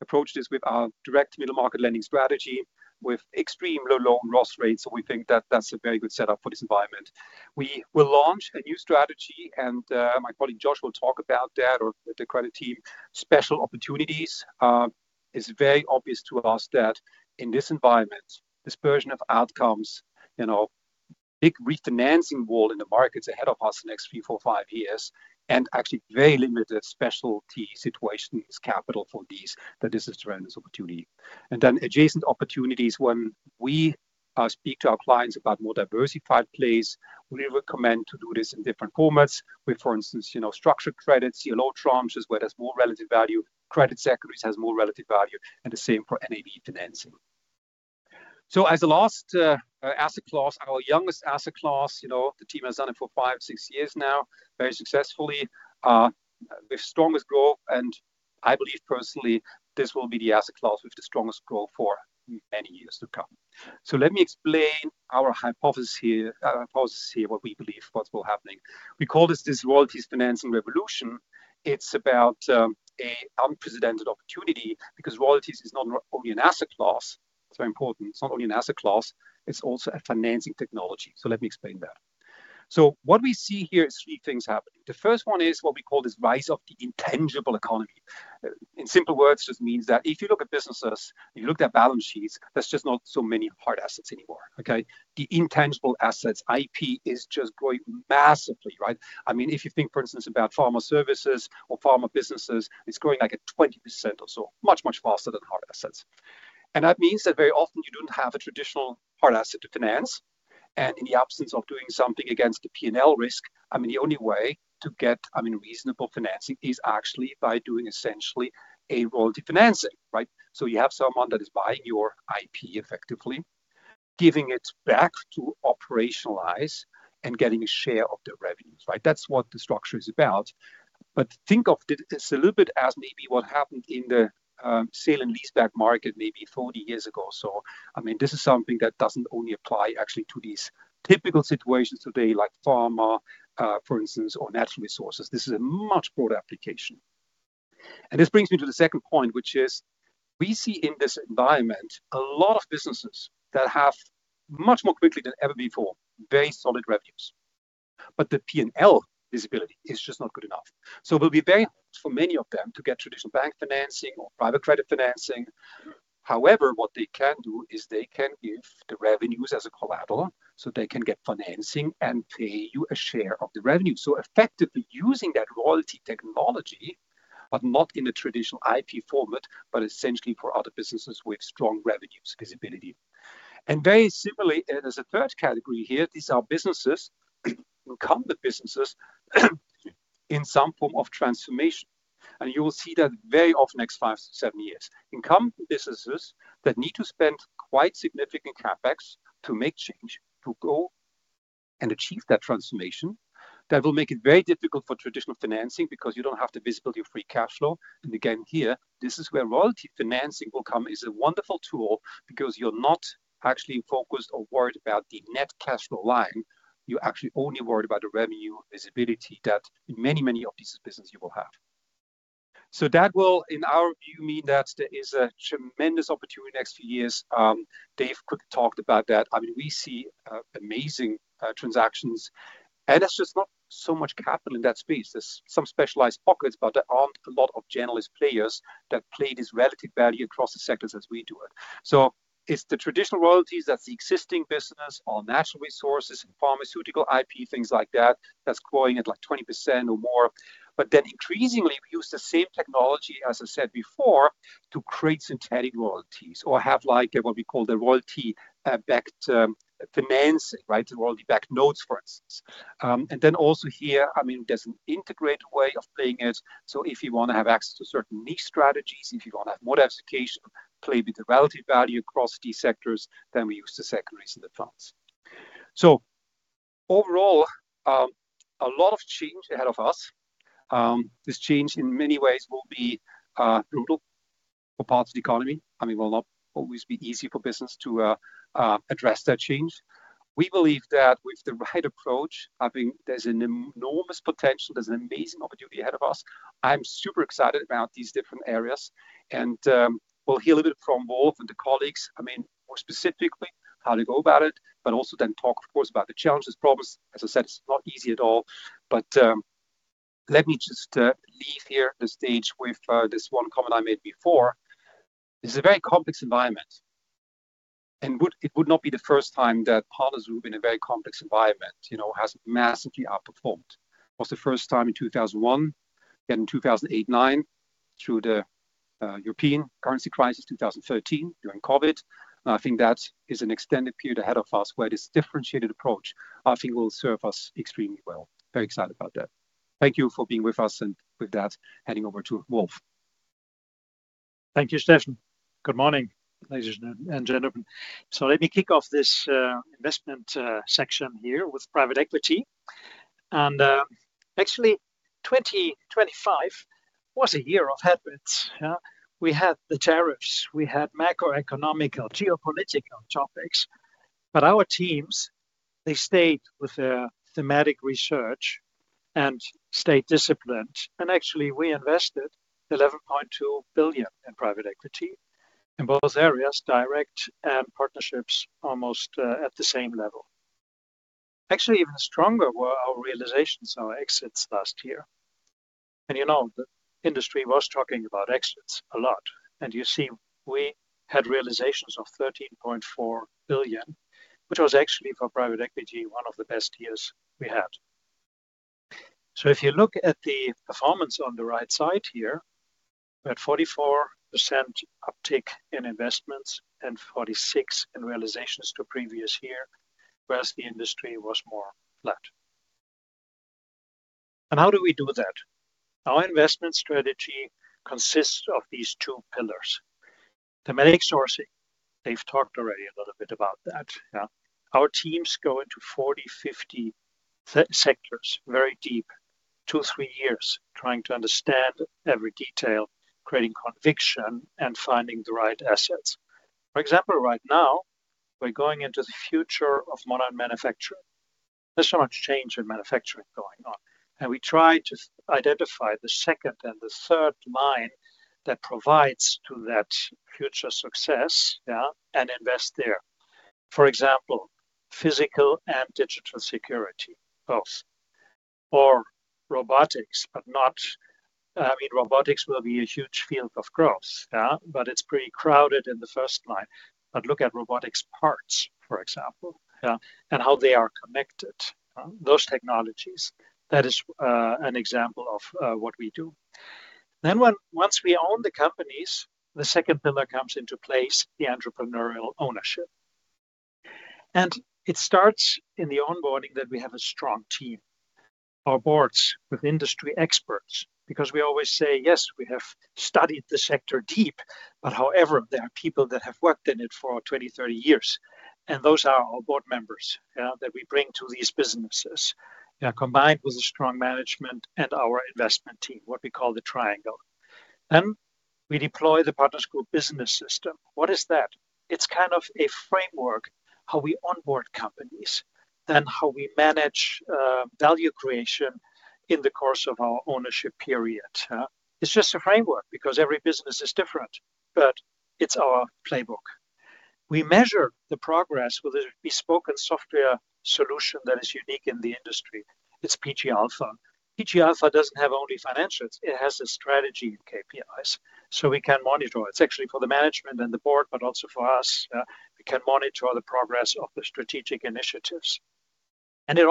approach this with our direct middle market lending strategy with extreme low loan loss rates, so we think that that's a very good setup for this environment. We will launch a new strategy and my colleague Josh will talk about that or the credit team. Special opportunities is very obvious to us that in this environment, dispersion of outcomes, you know, big refinancing wall in the markets ahead of us the next three, four, five years, and actually very limited special situations capital for these, that this is a tremendous opportunity. Then adjacent opportunities, when we speak to our clients about more diversified plays, we recommend to do this in different formats with, for instance, you know, structured credits, CLO tranches, where there's more relative value, credit securities has more relative value, and the same for NAV financing. As a last asset class, our youngest asset class, you know, the team has done it for five to six years now very successfully. The strongest growth, and I believe personally this will be the asset class with the strongest growth for many years to come. Let me explain our hypothesis here, what we believe will happen. We call this royalties financing revolution. It's about an unprecedented opportunity because royalties is not only an asset class. It's very important. It's not only an asset class, it's also a financing technology. Let me explain that. What we see here is three things happening. The first one is what we call this rise of the intangible economy. In simple words, just means that if you look at businesses and you look at balance sheets, there's just not so many hard assets anymore, okay? The intangible assets, IP, is just growing massively, right? I mean, if you think, for instance, about pharma services or pharma businesses, it's growing like at 20% or so, much, much faster than hard assets. That means that very often you don't have a traditional hard asset to finance. In the absence of doing something against the P&L risk, I mean, the only way to get, I mean, reasonable financing is actually by doing essentially a royalty financing, right? You have someone that is buying your IP effectively, giving it back to operationalize and getting a share of the revenues, right? That's what the structure is about. Think of this a little bit as maybe what happened in the sale and leaseback market maybe 40 years ago. I mean, this is something that doesn't only apply actually to these typical situations today, like pharma, for instance, or natural resources. This is a much broader application. This brings me to the second point, which is we see in this environment a lot of businesses that have much more quickly than ever before, very solid revenues. The P&L visibility is just not good enough. It will be very hard for many of them to get traditional bank financing or private credit financing. However, what they can do is they can give the revenues as a collateral, so they can get financing and pay you a share of the revenue. Effectively using that royalty technology, but not in a traditional IP format, but essentially for other businesses with strong revenue visibility. Very similarly, there's a third category here. These are businesses, incumbent businesses in some form of transformation. You will see that very often next five to seven years. Incumbent businesses that need to spend quite significant CapEx to make change, to go and achieve that transformation, that will make it very difficult for traditional financing because you don't have the visibility of free cash flow. Again, here, this is where royalty financing will come. It's a wonderful tool because you're not actually focused or worried about the net cash flow line. You're actually only worried about the revenue visibility that in many, many of these businesses you will have. That will, in our view, mean that there is a tremendous opportunity next few years. Dave could talk about that. I mean, we see amazing transactions, and there's just not so much capital in that space. There's some specialized pockets, but there aren't a lot of generalist players that play this relative value across the sectors as we do it. It's the traditional royalties, that's the existing business or natural resources, pharmaceutical IP, things like that's growing at like 20% or more. Increasingly, we use the same technology, as I said before, to create synthetic royalties or have like what we call the royalty-backed demands, right, the royalty-backed notes, for instance. Also here, I mean, there's an integrated way of playing it. If you wanna have access to certain niche strategies, if you wanna have more diversification, play with the relative value across these sectors, then we use the secondaries and advance. Overall, a lot of change ahead of us. This change in many ways will be brutal for parts of the economy. I mean, will not always be easy for business to address that change. We believe that with the right approach, I think there's an enormous potential. There's an amazing opportunity ahead of us. I'm super excited about these different areas, and we'll hear a little bit from Wolf and the colleagues, I mean, more specifically how to go about it, but also then talk of course about the challenges, problems. As I said, it's not easy at all. Let me just leave the stage with this one comment I made before. This is a very complex environment. It would not be the first time that Partners who've been in a very complex environment, you know, has massively outperformed. It was the first time in 2001, then in 2008, 2009, through the European currency crisis, 2013, during COVID. I think that is an extended period ahead of us where this differentiated approach, I think, will serve us extremely well. Very excited about that. Thank you for being with us, and with that, handing over to Wolf. Thank you, Steffen. Good morning, ladies and gentlemen. Let me kick off this investment section here with private equity. Actually, 2025 was a year of headwinds, yeah. We had the tariffs, we had macroeconomic or geopolitical topics. Our teams, they stayed with their thematic research and stayed disciplined. Actually, we invested $11.2 billion in private equity. In both areas, direct and partnerships almost at the same level. Actually, even stronger were our realizations, our exits last year. You know, the industry was talking about exits a lot. You see we had realizations of $13.4 billion, which was actually for private equity, one of the best years we had. If you look at the performance on the right side here, we had 44% uptick in investments and 46% in realizations to previous year, whereas the industry was more flat. How do we do that? Our investment strategy consists of these two pillars. Thematic sourcing, Dave talked already a little bit about that, yeah. Our teams go into 40, 50 sectors very deep, two, three years, trying to understand every detail, creating conviction, and finding the right assets. For example, right now, we're going into the future of modern manufacturing. There's so much change in manufacturing going on, and we try to identify the second and the third line that provides to that future success, yeah, and invest there. For example, physical and digital security, both. Robotics will be a huge field of growth, yeah, but it's pretty crowded in the first line. Look at robotics parts, for example, yeah, and how they are connected, those technologies. That is an example of what we do. Once we own the companies, the second pillar comes into place, the entrepreneurial ownership. It starts in the onboarding that we have a strong team. Our boards with industry experts, because we always say, yes, we have studied the sector deep, but however, there are people that have worked in it for 20, 30 years, and those are our board members, yeah, that we bring to these businesses. Yeah, combined with a strong management and our investment team, what we call the triangle. We deploy the Partners Group business system. What is that? It's kind of a framework, how we onboard companies, then how we manage value creation in the course of our ownership period. It's just a framework because every business is different, but it's our playbook. We measure the progress with a bespoke software solution that is unique in the industry. It's PG Alpha. PG Alpha doesn't have only financials, it has the strategy in KPIs. So we can monitor. It's actually for the management and the board, but also for us. We can monitor the progress of the strategic initiatives. That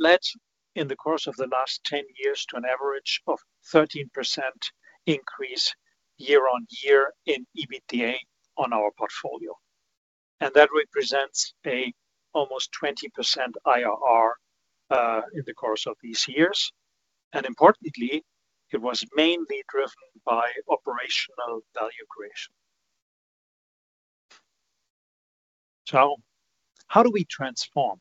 led, in the course of the last 10 years, to an average of 13% increase year-on-year in EBITDA on our portfolio. That represents an almost 20% IRR in the course of these years. Importantly, it was mainly driven by operational value creation. How do we transform?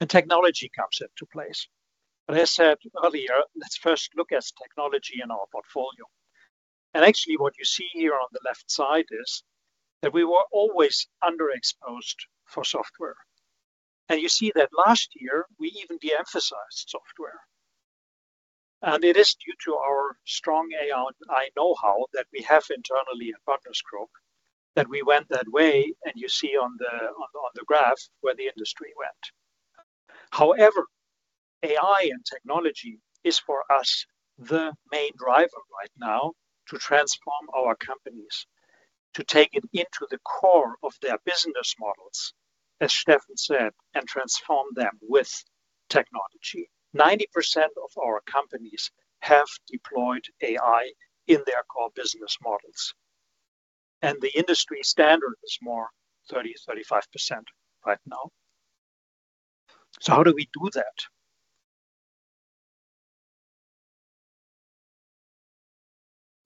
The technology comes into place. I said earlier, let's first look at technology in our portfolio. Actually what you see here on the left side is that we were always underexposed to software. You see that last year we even de-emphasized software. It is due to our strong AI know-how that we have internally at Partners Group that we went that way, and you see on the graph where the industry went. However, AI and technology is for us the main driver right now to transform our companies, to take it into the core of their business models, as Steffen said, and transform them with technology. 90% of our companies have deployed AI in their core business models, and the industry standard is more 30%-35% right now. How do we do that?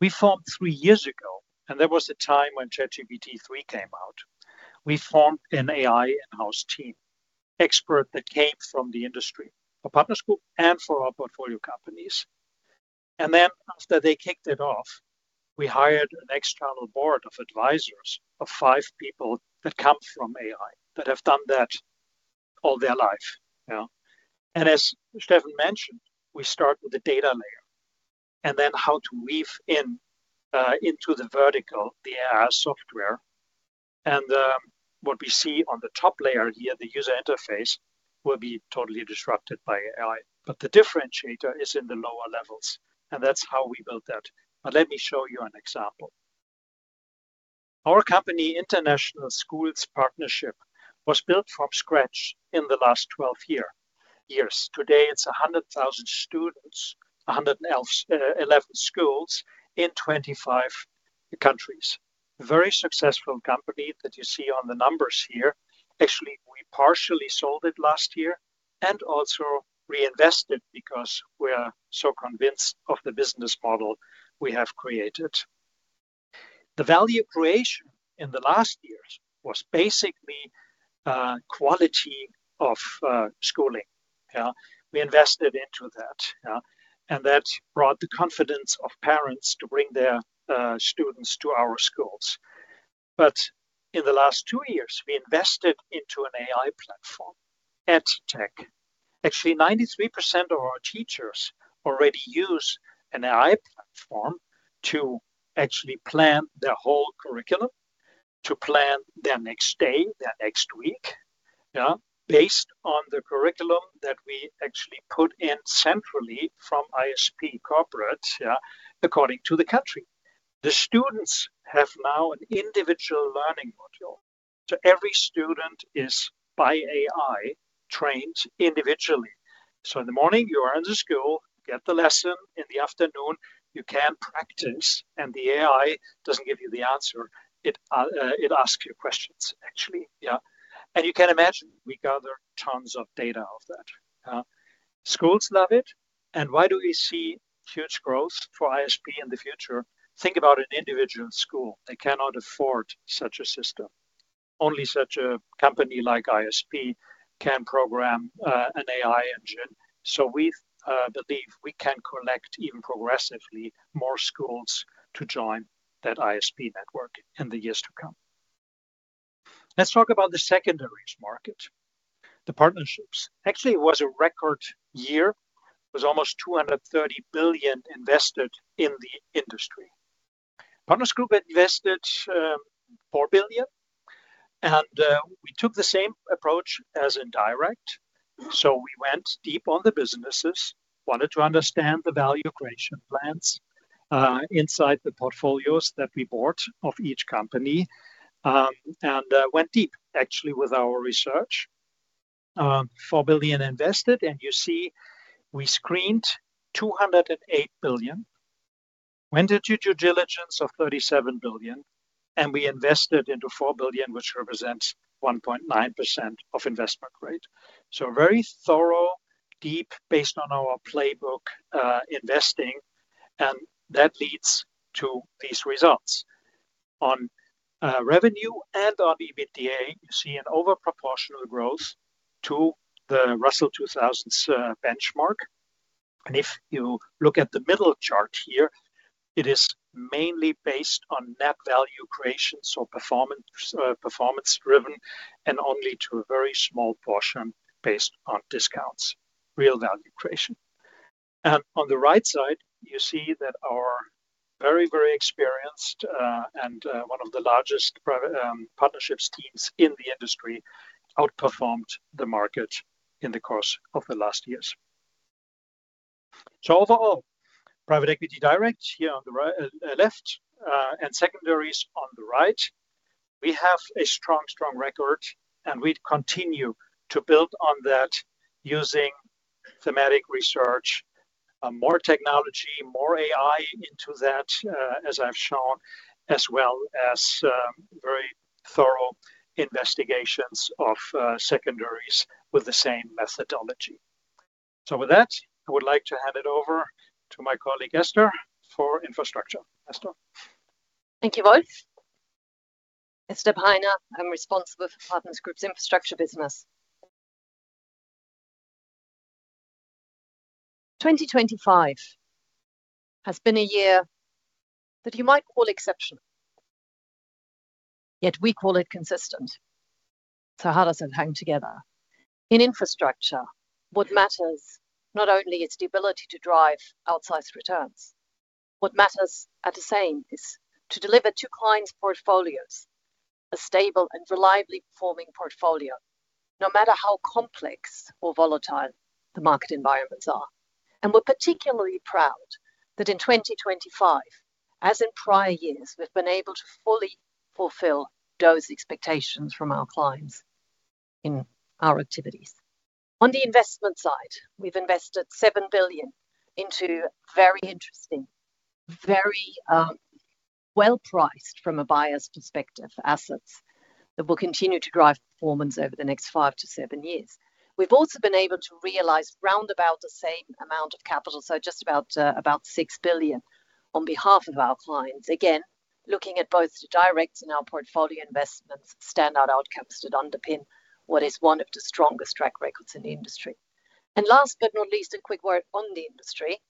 We formed three years ago, and there was a time when ChatGPT-3 came out. We formed an AI in-house team, expert that came from the industry for Partners Group and for our portfolio companies. Then after they kicked it off, we hired an external board of advisors of five people that come from AI that have done that all their life. Yeah. As Steffen mentioned, we start with the data layer and then how to weave in into the vertical, the AI software. What we see on the top layer here, the user interface, will be totally disrupted by AI. The differentiator is in the lower levels, and that's how we built that. Let me show you an example. Our company, International Schools Partnership, was built from scratch in the last 12 years. Today, it's 100,000 students, 111 schools in 25 countries. Very successful company that you see on the numbers here. Actually, we partially sold it last year and also reinvested because we're so convinced of the business model we have created. The value creation in the last years was basically quality of schooling. We invested into that. That brought the confidence of parents to bring their students to our schools. In the last two years, we invested into an AI platform, EdTech. Actually, 93% of our teachers already use an AI platform to actually plan their whole curriculum, to plan their next day, their next week, yeah, based on the curriculum that we actually put in centrally from ISP corporate, yeah, according to the country. The students have now an individual learning module. Every student is by AI trained individually. In the morning, you are in the school, get the lesson. In the afternoon, you can practice, and the AI doesn't give you the answer. It, it asks you questions, actually. Yeah. You can imagine we gather tons of data of that. Schools love it. Why do we see huge growth for ISP in the future? Think about an individual school. They cannot afford such a system. Only such a company like ISP can program, an AI engine. We believe we can collect even progressively more schools to join that ISP network in the years to come. Let's talk about the secondaries market. The secondaries actually was a record year. It was almost $230 billion invested in the industry. Partners Group invested $4 billion, and we took the same approach as in direct. We went deep on the businesses, wanted to understand the value creation plans inside the portfolios that we bought of each company, and went deep actually with our research. $4 billion invested, and you see we screened $208 billion, went into due diligence of $37 billion, and we invested into $4 billion, which represents 1.9% of investment rate. Very thorough, deep, based on our playbook, investing, and that leads to these results. On revenue and on EBITDA, you see an over proportional growth to the Russell 2000's benchmark. If you look at the middle chart here, it is mainly based on net value creation, so performance-driven, and only to a very small portion based on discounts, real value creation. On the right side, you see that our very, very experienced and one of the largest private partnerships teams in the industry outperformed the market in the course of the last years. Overall, private equity direct here on the left, and secondaries on the right, we have a strong record, and we continue to build on that using thematic research, more technology, more AI into that, as I've shown, as well as very thorough investigations of secondaries with the same methodology. With that, I would like to hand it over to my colleague, Esther, for infrastructure. Esther. Thank you, Wolf. Esther Peiner. I'm responsible for Partners Group's Infrastructure business. 2025 has been a year that you might call exceptional, yet we call it consistent, to harness and hang together. In infrastructure, what matters not only is the ability to drive outsized returns. What matters at the same is to deliver to clients' portfolios a stable and reliably performing portfolio, no matter how complex or volatile the market environments are. We're particularly proud that in 2025, as in prior years, we've been able to fully fulfill those expectations from our clients in our activities. On the investment side, we've invested $7 billion into very interesting, very well-priced, from a buyer's perspective, assets that will continue to drive performance over the next five to seven years. We've also been able to realize around about the same amount of capital, so just about $6 billion, on behalf of our clients. Again, looking at both the direct and our portfolio investments, standout outcomes that underpin what is one of the strongest track records in the industry. Last but not least, a quick word on the industry.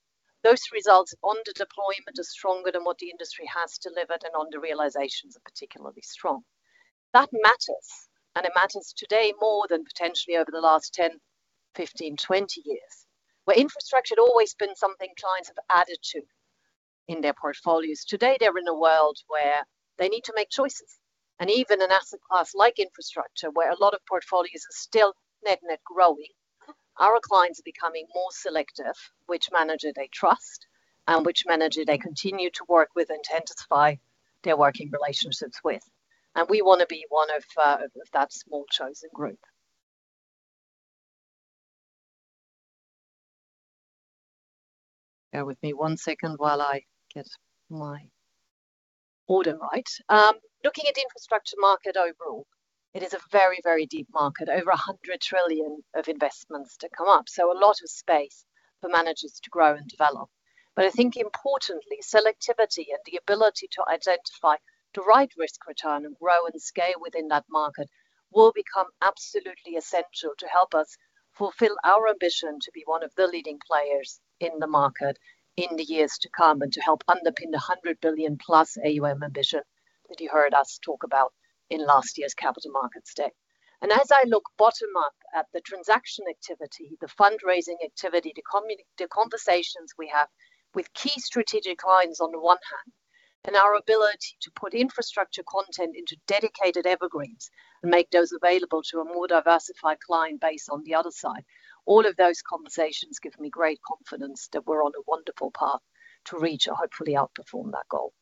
Those results on the deployment are stronger than what the industry has delivered, and on the realizations are particularly strong. That matters, and it matters today more than potentially over the last 10, 15, 20 years. Where infrastructure has always been something clients have added to in their portfolios, today they're in a world where they need to make choices. Even an asset class like infrastructure, where a lot of portfolios are still net-net growing, our clients are becoming more selective which manager they trust and which manager they continue to work with, intensify their working relationships with. We wanna be one of that small chosen group. Bear with me one second while I get my order right. Looking at the infrastructure market overall, it is a very, very deep market. Over $100 trillion of investments to come up, so a lot of space for managers to grow and develop. I think importantly, selectivity and the ability to identify the right risk return and grow and scale within that market will become absolutely essential to help us fulfill our ambition to be one of the leading players in the market in the years to come, and to help underpin the $100 billion+ AUM ambition that you heard us talk about in last year's Capital Markets Day. As I look bottom up at the transaction activity, the fundraising activity, the conversations we have with key strategic clients on the one hand, and our ability to put infrastructure content into dedicated evergreens and make those available to a more diversified client base on the other side, all of those conversations give me great confidence that we're on a wonderful path to reach or hopefully outperform that goal.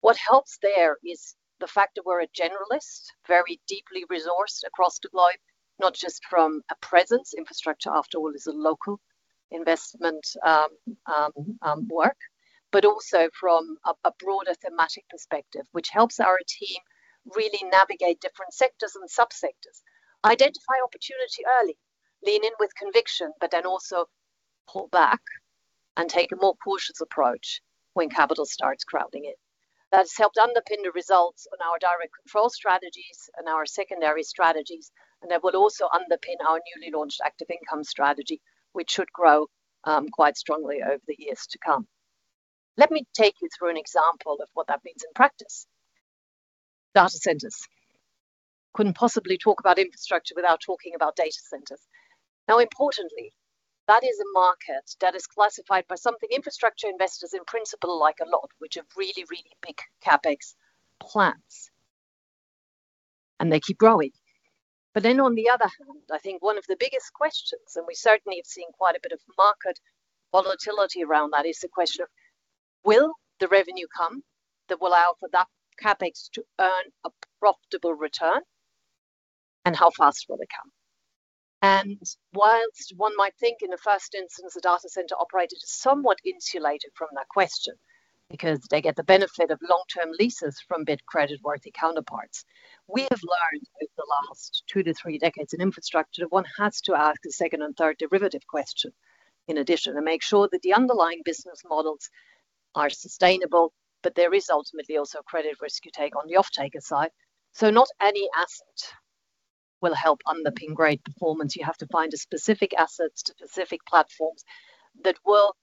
What helps there is the fact that we're a generalist, very deeply resourced across the globe, not just from a presence, infrastructure after all is a local investment, but also from a broader thematic perspective, which helps our team really navigate different sectors and subsectors, identify opportunity early, lean in with conviction, but then also pull back and take a more cautious approach when capital starts crowding in. That's helped underpin the results on our direct control strategies and our secondary strategies, and that will also underpin our newly launched active income strategy, which should grow quite strongly over the years to come. Let me take you through an example of what that means in practice. Data centers. Couldn't possibly talk about infrastructure without talking about data centers. Now, importantly, that is a market that is classified by something infrastructure investors in principle like a lot, which are really, really big CapEx plants, and they keep growing. On the other hand, I think one of the biggest questions, and we certainly have seen quite a bit of market volatility around that, is the question of, will the revenue come that will allow for that CapEx to earn a profitable return? And how fast will it come? While one might think in the first instance, the data center operator is somewhat insulated from that question because they get the benefit of long-term leases from big creditworthy counterparts, we have learned over the last two to three decades in infrastructure that one has to ask the second and third derivative question in addition and make sure that the underlying business models are sustainable, but there is ultimately also credit risk you take on the off-taker side. Not any asset will help underpin great performance. You have to find a specific assets to specific platforms that will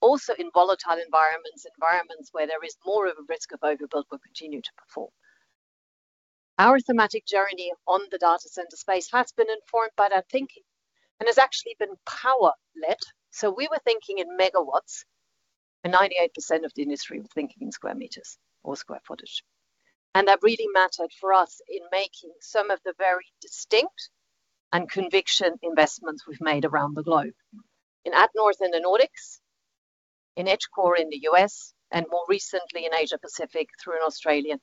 also in volatile environments where there is more of a risk of overbuild, will continue to perform. Our thematic journey on the data center space has been informed by that thinking and has actually been power-led. We were thinking in megawatts, and 98% of the industry were thinking in square meters or square footage. That really mattered for us in making some of the very distinct and conviction investments we've made around the globe. In atNorth in the Nordics, in EdgeCore in the U.S., and more recently in Asia Pacific through an Australian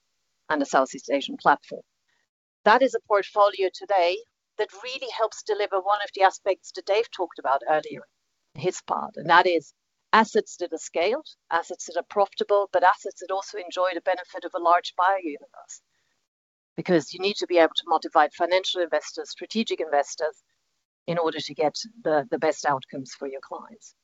and a Southeast Asian platform. That is a portfolio today that really helps deliver one of the aspects that Dave talked about earlier in his part, and that is assets that are scaled, assets that are profitable, but assets that also enjoy the benefit of a large buyer universe. Because you need to be able to mobilize financial investors, strategic investors in order to get the best outcomes for your clients.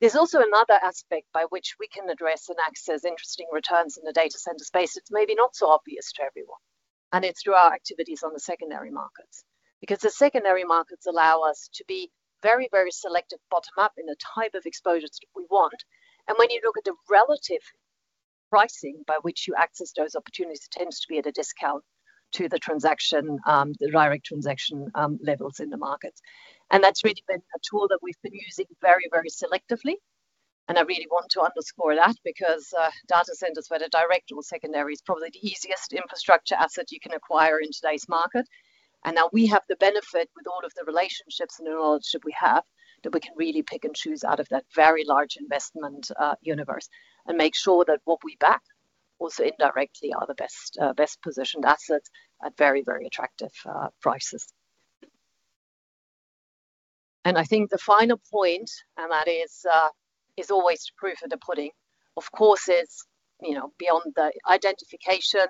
There's also another aspect by which we can address and access interesting returns in the data center space that's maybe not so obvious to everyone, and it's through our activities on the secondary markets. Because the secondary markets allow us to be very, very selective bottom-up in the type of exposures we want. When you look at the relative pricing by which you access those opportunities, it tends to be at a discount to the transaction, the direct transaction, levels in the markets. That's really been a tool that we've been using very, very selectively, and I really want to underscore that because data centers, whether direct or secondary, is probably the easiest infrastructure asset you can acquire in today's market. Now we have the benefit with all of the relationships and the knowledge that we have, that we can really pick and choose out of that very large investment universe and make sure that what we back also indirectly are the best positioned assets at very, very attractive prices. I think the final point, and that is always the proof of the pudding. Of course, it's, you know, beyond the identification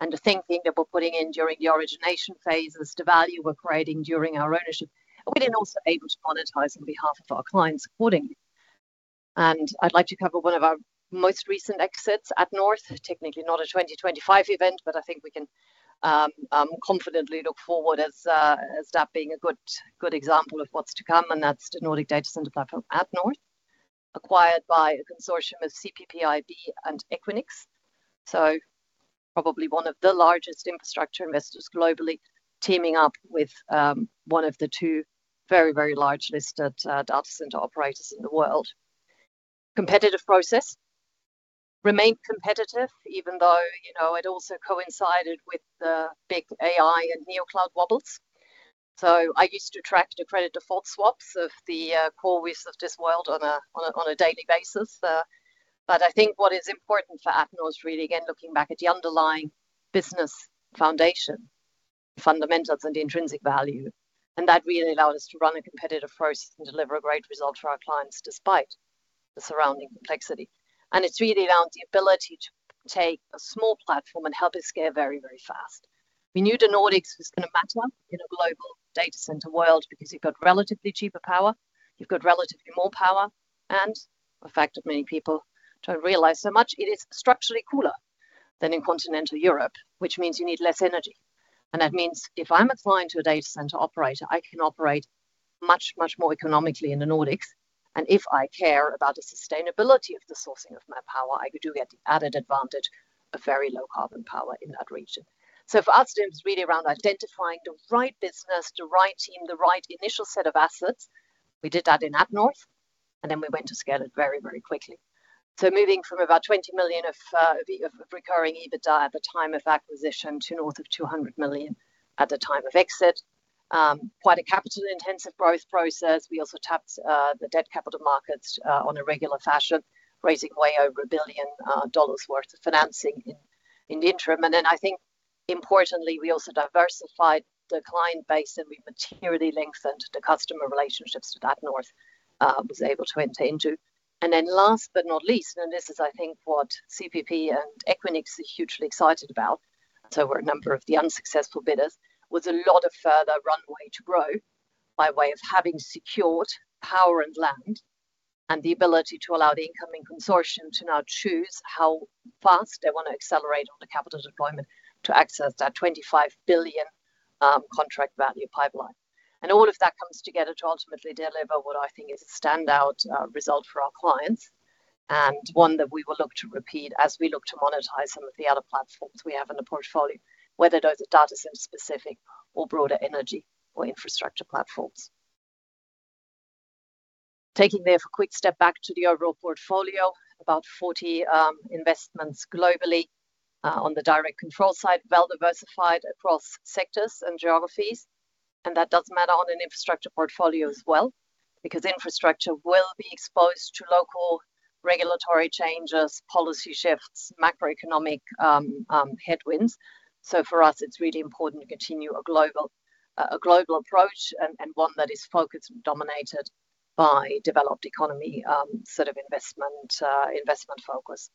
and the thinking that we're putting in during the origination phase as to value we're creating during our ownership. We've been also able to monetize on behalf of our clients accordingly. I'd like to cover one of our most recent exits atNorth. Technically not a 2025 event, but I think we can confidently look forward as that being a good example of what's to come, and that's the Nordic Data Center platform atNorth, acquired by a consortium of CPPIB and Equinix. Probably one of the largest infrastructure investors globally, teaming up with one of the two very, very large listed data center operators in the world. Competitive process remained competitive even though, you know, it also coincided with the big AI and neocloud wobbles. I used to track the credit default swaps of the core risks of this world on a daily basis. I think what is important for atNorth is really, again, looking back at the underlying business foundation fundamentals and the intrinsic value. That really allowed us to run a competitive process and deliver a great result for our clients despite the surrounding complexity. It's really around the ability to take a small platform and help it scale very, very fast. We knew the Nordics was gonna matter in a global data center world because you've got relatively cheaper power, you've got relatively more power, and a fact that many people don't realize so much, it is structurally cooler than in continental Europe, which means you need less energy. That means if I'm a client to a data center operator, I can operate much, much more economically in the Nordics. If I care about the sustainability of the sourcing of my power, I do get the added advantage of very low carbon power in that region. For us, it was really around identifying the right business, the right team, the right initial set of assets. We did that in atNorth, and then we went to scale it very, very quickly. Moving from about $20 million of recurring EBITDA at the time of acquisition to north of $200 million at the time of exit, quite a capital intensive growth process. We also tapped the debt capital markets on a regular fashion, raising way over $1 billion worth of financing in the interim. I think importantly, we also diversified the client base, and we materially lengthened the customer relationships that atNorth was able to enter into. Then last but not least, and this is I think what CPP and Equinix are hugely excited about, and so were a number of the unsuccessful bidders, was a lot of further runway to grow by way of having secured power and land and the ability to allow the incoming consortium to now choose how fast they wanna accelerate on the capital deployment to access that $25 billion contract value pipeline. All of that comes together to ultimately deliver what I think is a standout result for our clients, and one that we will look to repeat as we look to monetize some of the other platforms we have in the portfolio, whether those are data center specific or broader energy or infrastructure platforms. Taking therefore a quick step back to the overall portfolio, about 40 investments globally on the direct control side, well diversified across sectors and geographies, and that does matter on an infrastructure portfolio as well, because infrastructure will be exposed to local regulatory changes, policy shifts, macroeconomic headwinds. For us, it's really important to continue a global approach and one that is focused and dominated by developed economy sort of investment focus.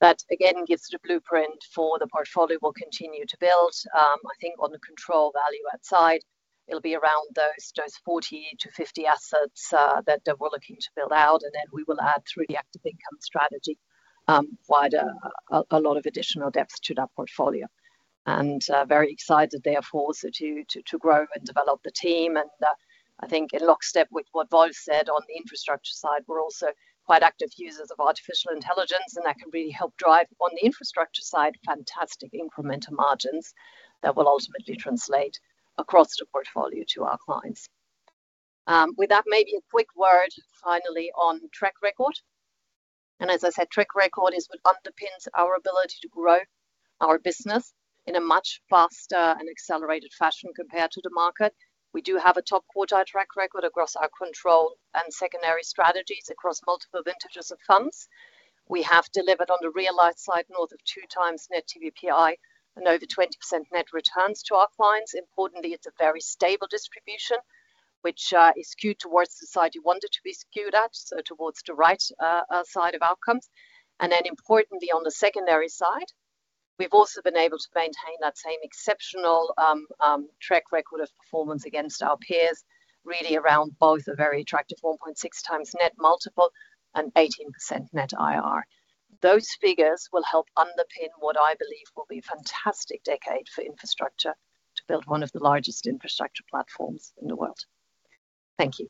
That again gives the blueprint for the portfolio we'll continue to build. I think on the control value add side, it'll be around those 40-50 assets that we're looking to build out, and then we will add through the active income strategy with a lot of additional depth to that portfolio. Very excited therefore so to grow and develop the team. I think in lockstep with what Wolf said on the infrastructure side, we're also quite active users of artificial intelligence, and that can really help drive on the infrastructure side, fantastic incremental margins that will ultimately translate across the portfolio to our clients. With that, maybe a quick word finally on track record. As I said, track record is what underpins our ability to grow our business in a much faster and accelerated fashion compared to the market. We do have a top quartile track record across our control and secondary strategies across multiple vintages of funds. We have delivered on the realized side north of two times net TVPI and over 20% net returns to our clients. Importantly, it's a very stable distribution. Which is skewed towards the side you want it to be skewed at, so towards the right side of outcomes. Importantly, on the secondary side, we've also been able to maintain that same exceptional track record of performance against our peers, really around both a very attractive 1.6x net and 18% net IRR. Those figures will help underpin what I believe will be a fantastic decade for infrastructure to build one of the largest infrastructure platforms in the world. Thank you.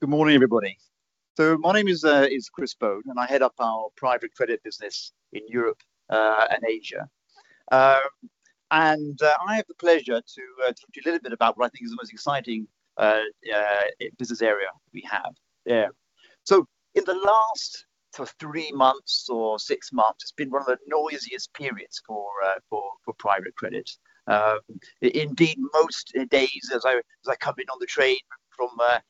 Good morning, everybody. My name is Chris Bone, and I head up our Private Credit business in Europe and Asia. I have the pleasure to talk to you a little bit about what I think is the most exciting business area we have. In the last sort of three months or six months, it's been one of the noisiest periods for private credit. Indeed, most days as I come in on the train from into work,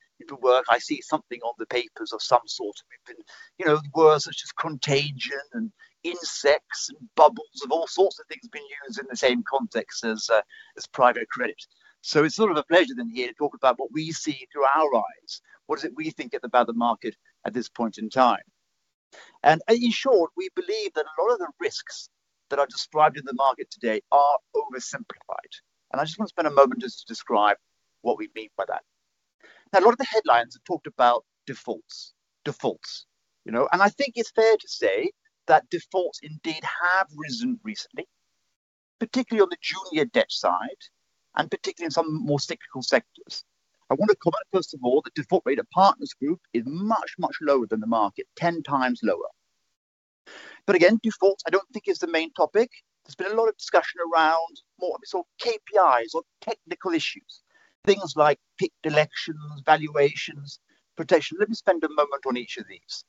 I see something on the papers of some sort. We've been, you know, words such as contagion and insects and bubbles and all sorts of things being used in the same context as private credit. It's sort of a pleasure then here to talk about what we see through our eyes. What is it we think about the market at this point in time? In short, we believe that a lot of the risks that are described in the market today are oversimplified. I just want to spend a moment just to describe what we mean by that. Now, a lot of the headlines have talked about defaults, you know. I think it's fair to say that defaults indeed have risen recently, particularly on the junior debt side and particularly in some more cyclical sectors. I want to comment, first of all, the default rate of Partners Group is much, much lower than the market, 10 times lower. Again, defaults I don't think is the main topic. There's been a lot of discussion around more of sort of KPIs or technical issues, things like geopolitical tensions, valuations, protection. Let me spend a moment on each of these.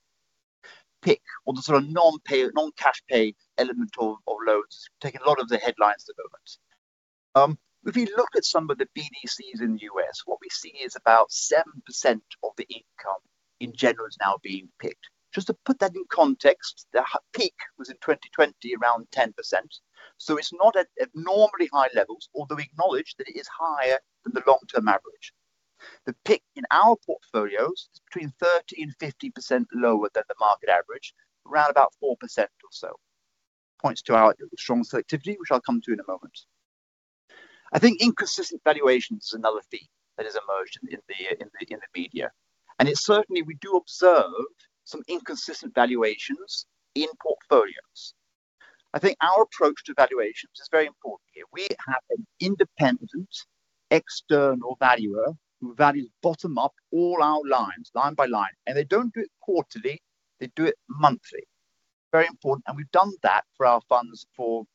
PIK, or the sort of non-pay, non-cash pay element of loans has taken a lot of the headlines at the moment. If you look at some of the BDCs in the U.S., what we see is about 7% of the income in general is now being PIK. Just to put that in context, the peak was in 2020, around 10%. It's not at abnormally high levels, although we acknowledge that it is higher than the long-term average. The PIK in our portfolios is between 30%-50% lower than the market average, around about 4% or so. Points to our strong selectivity, which I'll come to in a moment. I think inconsistent valuation is another theme that has emerged in the media. It's certainly we do observe some inconsistent valuations in portfolios. I think our approach to valuations is very important here. We have an independent external valuer who values bottom up all our lines, line by line. They don't do it quarterly, they do it monthly. Very important. We've done that for our funds for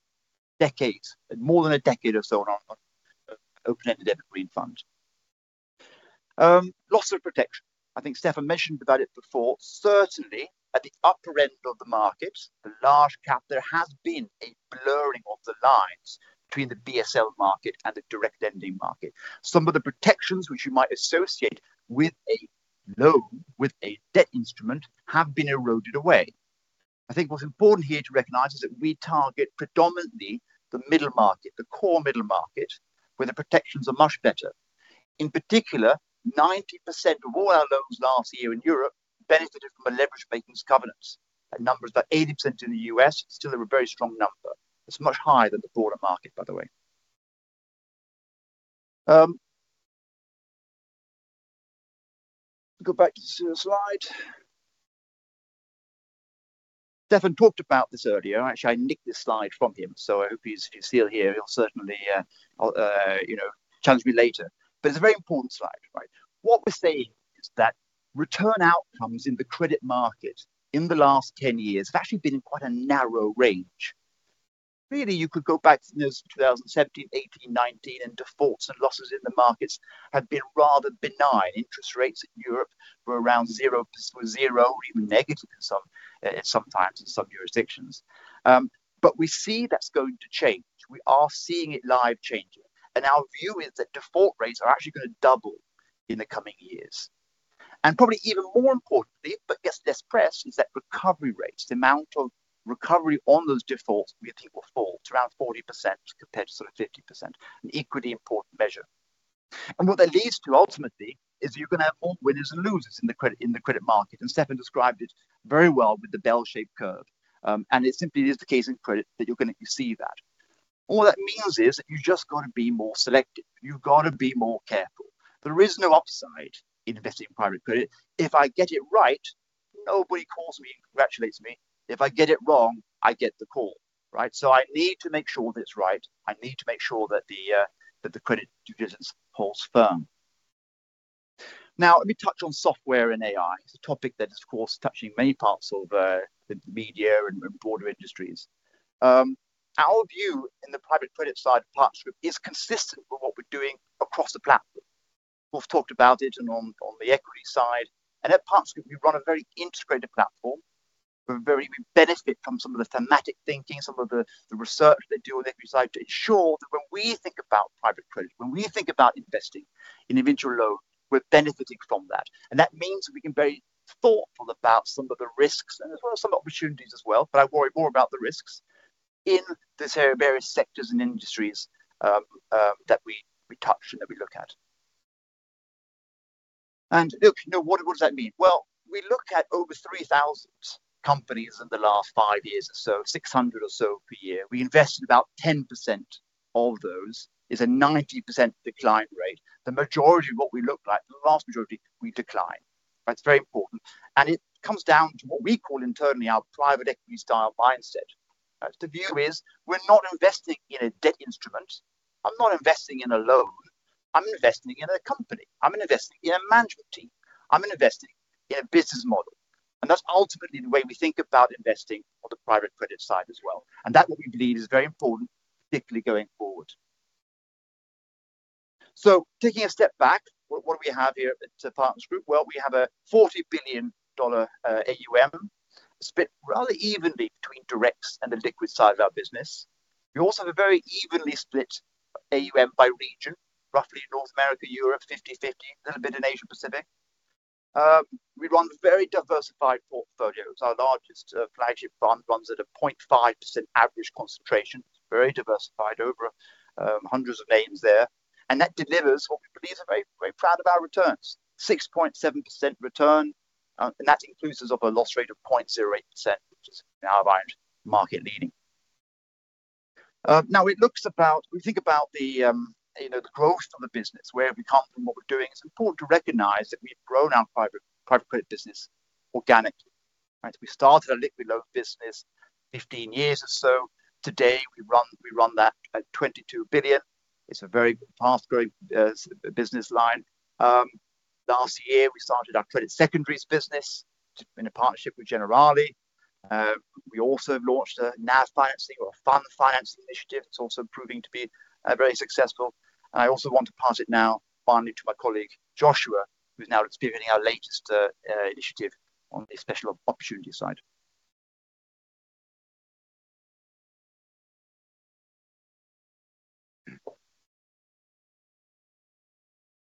decades, more than a decade or so on our open-ended equity fund. Loss of protection. I think Steffen mentioned about it before. Certainly at the upper end of the markets, the large cap, there has been a blurring of the lines between the BSL market and the direct lending market. Some of the protections which you might associate with a loan, with a debt instrument have been eroded away. I think what's important here to recognize is that we target predominantly the middle market, the core middle market, where the protections are much better. In particular, 90% of all our loans last year in Europe benefited from a leverage maintenance governance. A number about 80% in the U.S. still have a very strong number. It's much higher than the broader market, by the way. Go back to the slide. Steffen talked about this earlier. Actually, I nicked this slide from him, so I hope he's, if he's still here, he'll certainly, you know, challenge me later. It's a very important slide, right? What we're saying is that return outcomes in the credit market in the last 10 years have actually been in quite a narrow range. Really, you could go back to those 2017, 2018, 2019, and defaults and losses in the markets have been rather benign. Interest rates in Europe were around zero, even negative sometimes in some jurisdictions. We see that's going to change. We are seeing it live changing. Our view is that default rates are actually gonna double in the coming years. Probably even more importantly, but less pressed, is that recovery rates, the amount of recovery on those defaults, we think will fall to around 40% compared to sort of 50%, an equally important measure. What that leads to ultimately is you're gonna have winners and losers in the credit market. Steffen described it very well with the bell-shaped curve. It simply is the case in credit that you're gonna see that. All that means is that you just got to be more selective. You've got to be more careful. There is no upside in investing in private credit. If I get it right, nobody calls me and congratulates me. If I get it wrong, I get the call, right? I need to make sure that it's right. I need to make sure that the credit due diligence holds firm. Now, let me touch on software and AI. It's a topic that is, of course, touching many parts of the media and broader industries. Our view in the private credit side of Partners Group is consistent with what we're doing across the platform. We've talked about it and on the equity side. at Partners Group, we run a very integrated platform. We're very we benefit from some of the thematic thinking, some of the research they do on the equity side to ensure that when we think about private credit, when we think about investing in individual loan, we're benefiting from that. That means that we can very thoughtful about some of the risks, and as well as some opportunities as well, but I worry more about the risks in these various sectors and industries, that we touch and that we look at. Look, you know, what does that mean? Well, we look at over 3,000 companies in the last five years or so, 600 or so per year. We invest in about 10% of those, is a 90% decline rate. The majority of what we look like, the vast majority, we decline. That's very important, and it comes down to what we call internally our private equity style mindset. The view is we're not investing in a debt instrument. I'm not investing in a loan. I'm investing in a company. I'm investing in a management team. I'm investing in a business model. That's ultimately the way we think about investing on the private credit side as well. That, we believe, is very important, particularly going forward. Taking a step back, what do we have here at the Partners Group? Well, we have a $40 billion AUM split rather evenly between directs and the liquid side of our business. We also have a very evenly split AUM by region, roughly North America, Europe, 50/50, little bit in Asia Pacific. We run very diversified portfolios. Our largest flagship fund runs at 0.5% average concentration. It's very diversified over hundreds of names there. That delivers what we believe is very, very proud of our returns, 6.7% return. That includes as of a loss rate of 0.08%, which is in our mind market-leading. We think about the, you know, the growth of the business, where we come from, what we're doing. It's important to recognize that we've grown our private credit business organically, right? We started a liquid loan business 15 years or so. Today, we run that at $22 billion. It's a very fast-growing business line. Last year, we started our credit secondaries business in a partnership with Generali. We also launched a NAV financing or fund financing initiative. It's also proving to be very successful. I also want to pass it now finally to my colleague, Joshua, who's now explaining our latest initiative on the special opportunity side.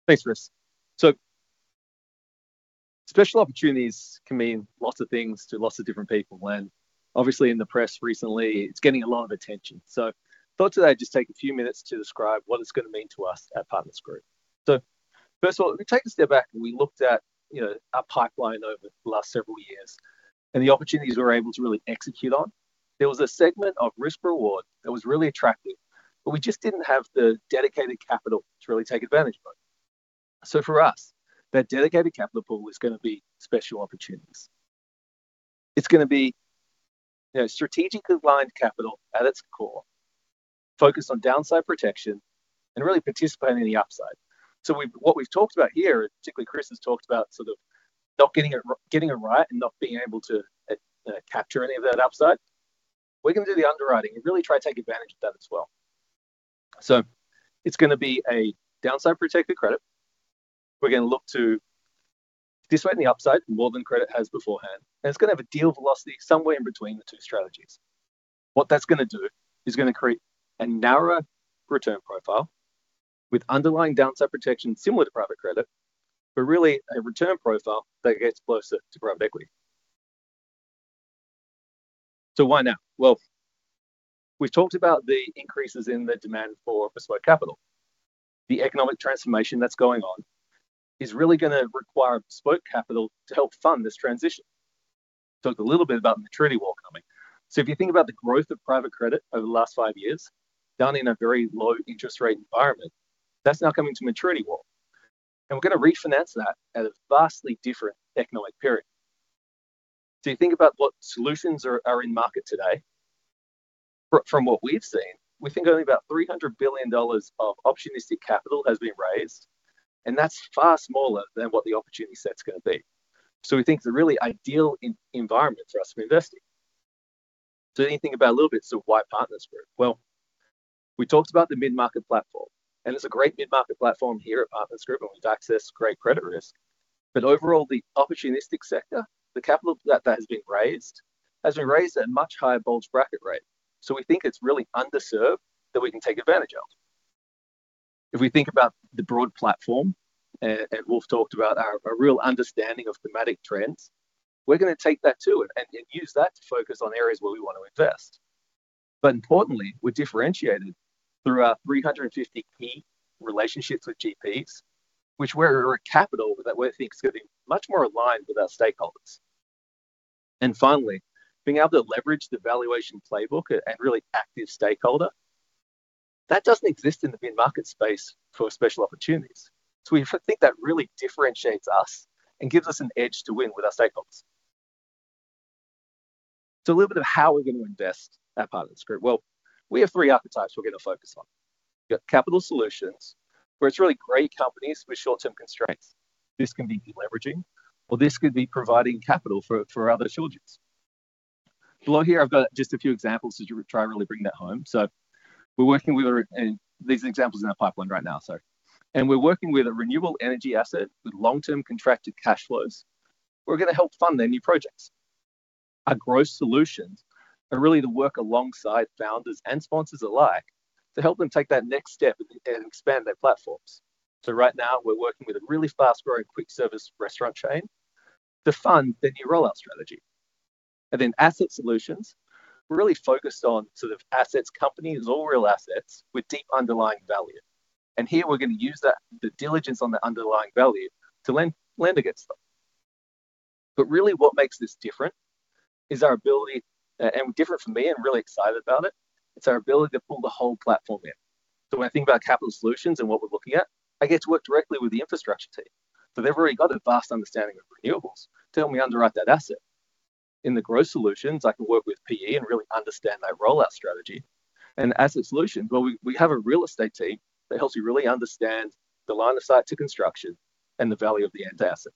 Thanks, Chris. Special opportunities can mean lots of things to lots of different people, and obviously in the press recently, it's getting a lot of attention. Thought today I'd just take a few minutes to describe what it's gonna mean to us at Partners Group. First of all, if we take a step back and we looked at, you know, our pipeline over the last several years and the opportunities we're able to really execute on, there was a segment of risk reward that was really attractive, but we just didn't have the dedicated capital to really take advantage of it. For us, that dedicated capital pool is gonna be special opportunities. It's gonna be, you know, strategically aligned capital at its core, focused on downside protection and really participating in the upside. What we've talked about here, particularly Chris, has talked about sort of not getting it right and not being able to capture any of that upside. We're gonna do the underwriting and really try to take advantage of that as well. It's gonna be a downside protected credit. We're gonna look to participate in the upside more than credit has beforehand, and it's gonna have a deal velocity somewhere in between the two strategies. What that's gonna do is gonna create a narrower return profile with underlying downside protection similar to private credit, but really a return profile that gets closer to private equity. Why now? Well, we've talked about the increases in the demand for bespoke capital. The economic transformation that's going on is really gonna require bespoke capital to help fund this transition. Talked a little bit about maturity wall coming. If you think about the growth of private credit over the last five years, done in a very low interest rate environment, that's now coming to maturity wall. We're gonna refinance that at a vastly different economic period. You think about what solutions are in market today. From what we've seen, we think only about $300 billion of opportunistic capital has been raised, and that's far smaller than what the opportunity set's gonna be. We think it's a really ideal environment for us to be investing. You think about a little bit, so why Partners Group? Well, we talked about the mid-market platform, and there's a great mid-market platform here at Partners Group, and we've accessed great credit risk. Overall, the opportunistic sector, the capital that has been raised has been raised at a much higher bulge bracket rate. We think it's really underserved that we can take advantage of. If we think about the broad platform, and Wolf talked about our real understanding of thematic trends, we're gonna take that too and use that to focus on areas where we want to invest. Importantly, we're differentiated through our 350 key relationships with GPs, through which we allocate capital that we think is gonna be much more aligned with our stakeholders. Finally, being able to leverage the valuation playbook with a really active stakeholder that doesn't exist in the mid-market space for special opportunities. We think that really differentiates us and gives us an edge to win with our stakeholders. A little bit of how we're gonna invest at Partners Group. We have three archetypes we're gonna focus on. We've got capital solutions, where it's really great companies with short-term constraints. This can be de-leveraging, or this could be providing capital for other shortages. Below here, I've got just a few examples to try to really bring that home. These are examples in our pipeline right now. We're working with a renewable energy asset with long-term contracted cash flows. We're gonna help fund their new projects. Our growth solutions are really to work alongside founders and sponsors alike to help them take that next step and expand their platforms. Right now we're working with a really fast-growing quick service restaurant chain to fund their new rollout strategy. Asset solutions, we're really focused on sort of assets, companies, all real assets with deep underlying value. We're gonna use that, the diligence on the underlying value to lend against them. Really what makes this different is our ability and different for me. I'm really excited about it. It's our ability to pull the whole platform in. When I think about capital solutions and what we're looking at, I get to work directly with the infrastructure team. They've already got a vast understanding of renewables to help me underwrite that asset. In the growth solutions, I can work with PE and really understand their rollout strategy. Asset solution, well, we have a real estate team that helps you really understand the line of sight to construction and the value of the end asset.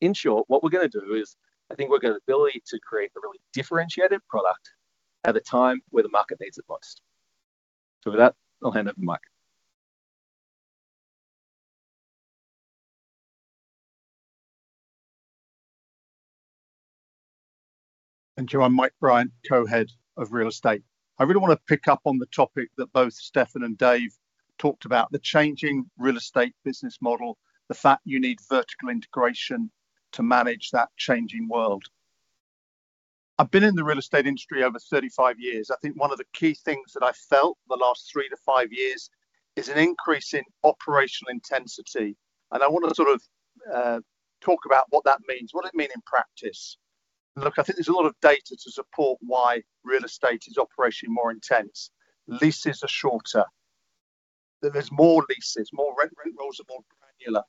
In short, what we're gonna do is, I think we've got an ability to create a really differentiated product at the time where the market needs it most. With that, I'll hand over to Mike. Thank you. I'm Mike Bryant, Co-Head of Real Estate. I really wanna pick up on the topic that both Steffen and Dave talked about, the changing real estate business model, the fact you need vertical integration to manage that changing world. I've been in the real estate industry over 35 years. I think one of the key things that I felt the last three to five years is an increase in operational intensity, and I wanna sort of talk about what that means. What does it mean in practice? Look, I think there's a lot of data to support why real estate is operating more intensely. Leases are shorter. There's more leases, more rent rolls are more granular.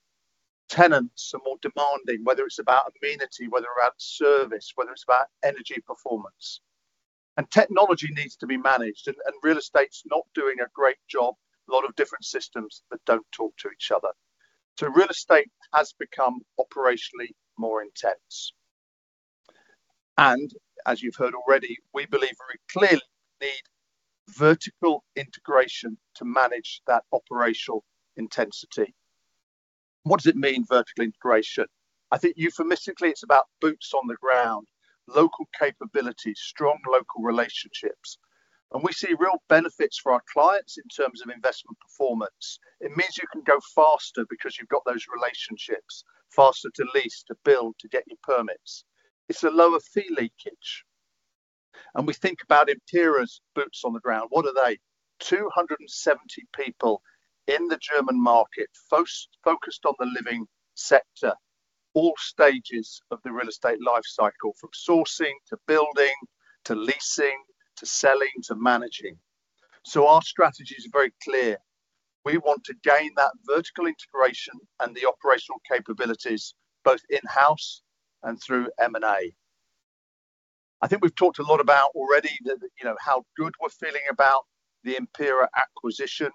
Tenants are more demanding, whether it's about amenity, whether about service, whether it's about energy performance. Technology needs to be managed and real estate's not doing a great job. A lot of different systems that don't talk to each other. Real estate has become operationally more intense. As you've heard already, we believe very clearly you need vertical integration to manage that operational intensity. What does it mean, vertical integration? I think euphemistically it's about boots on the ground, local capabilities, strong local relationships, and we see real benefits for our clients in terms of investment performance. It means you can go faster because you've got those relationships. Faster to lease, to build, to get your permits. It's a lower fee leakage. We think about Empira's boots on the ground. What are they? 270 people in the German market, focused on the living sector, all stages of the real estate life cycle, from sourcing to building, to leasing, to selling, to managing. Our strategy's very clear. We want to gain that vertical integration and the operational capabilities both in-house and through M&A. I think we've talked a lot about already, you know, how good we're feeling about the Empira acquisition.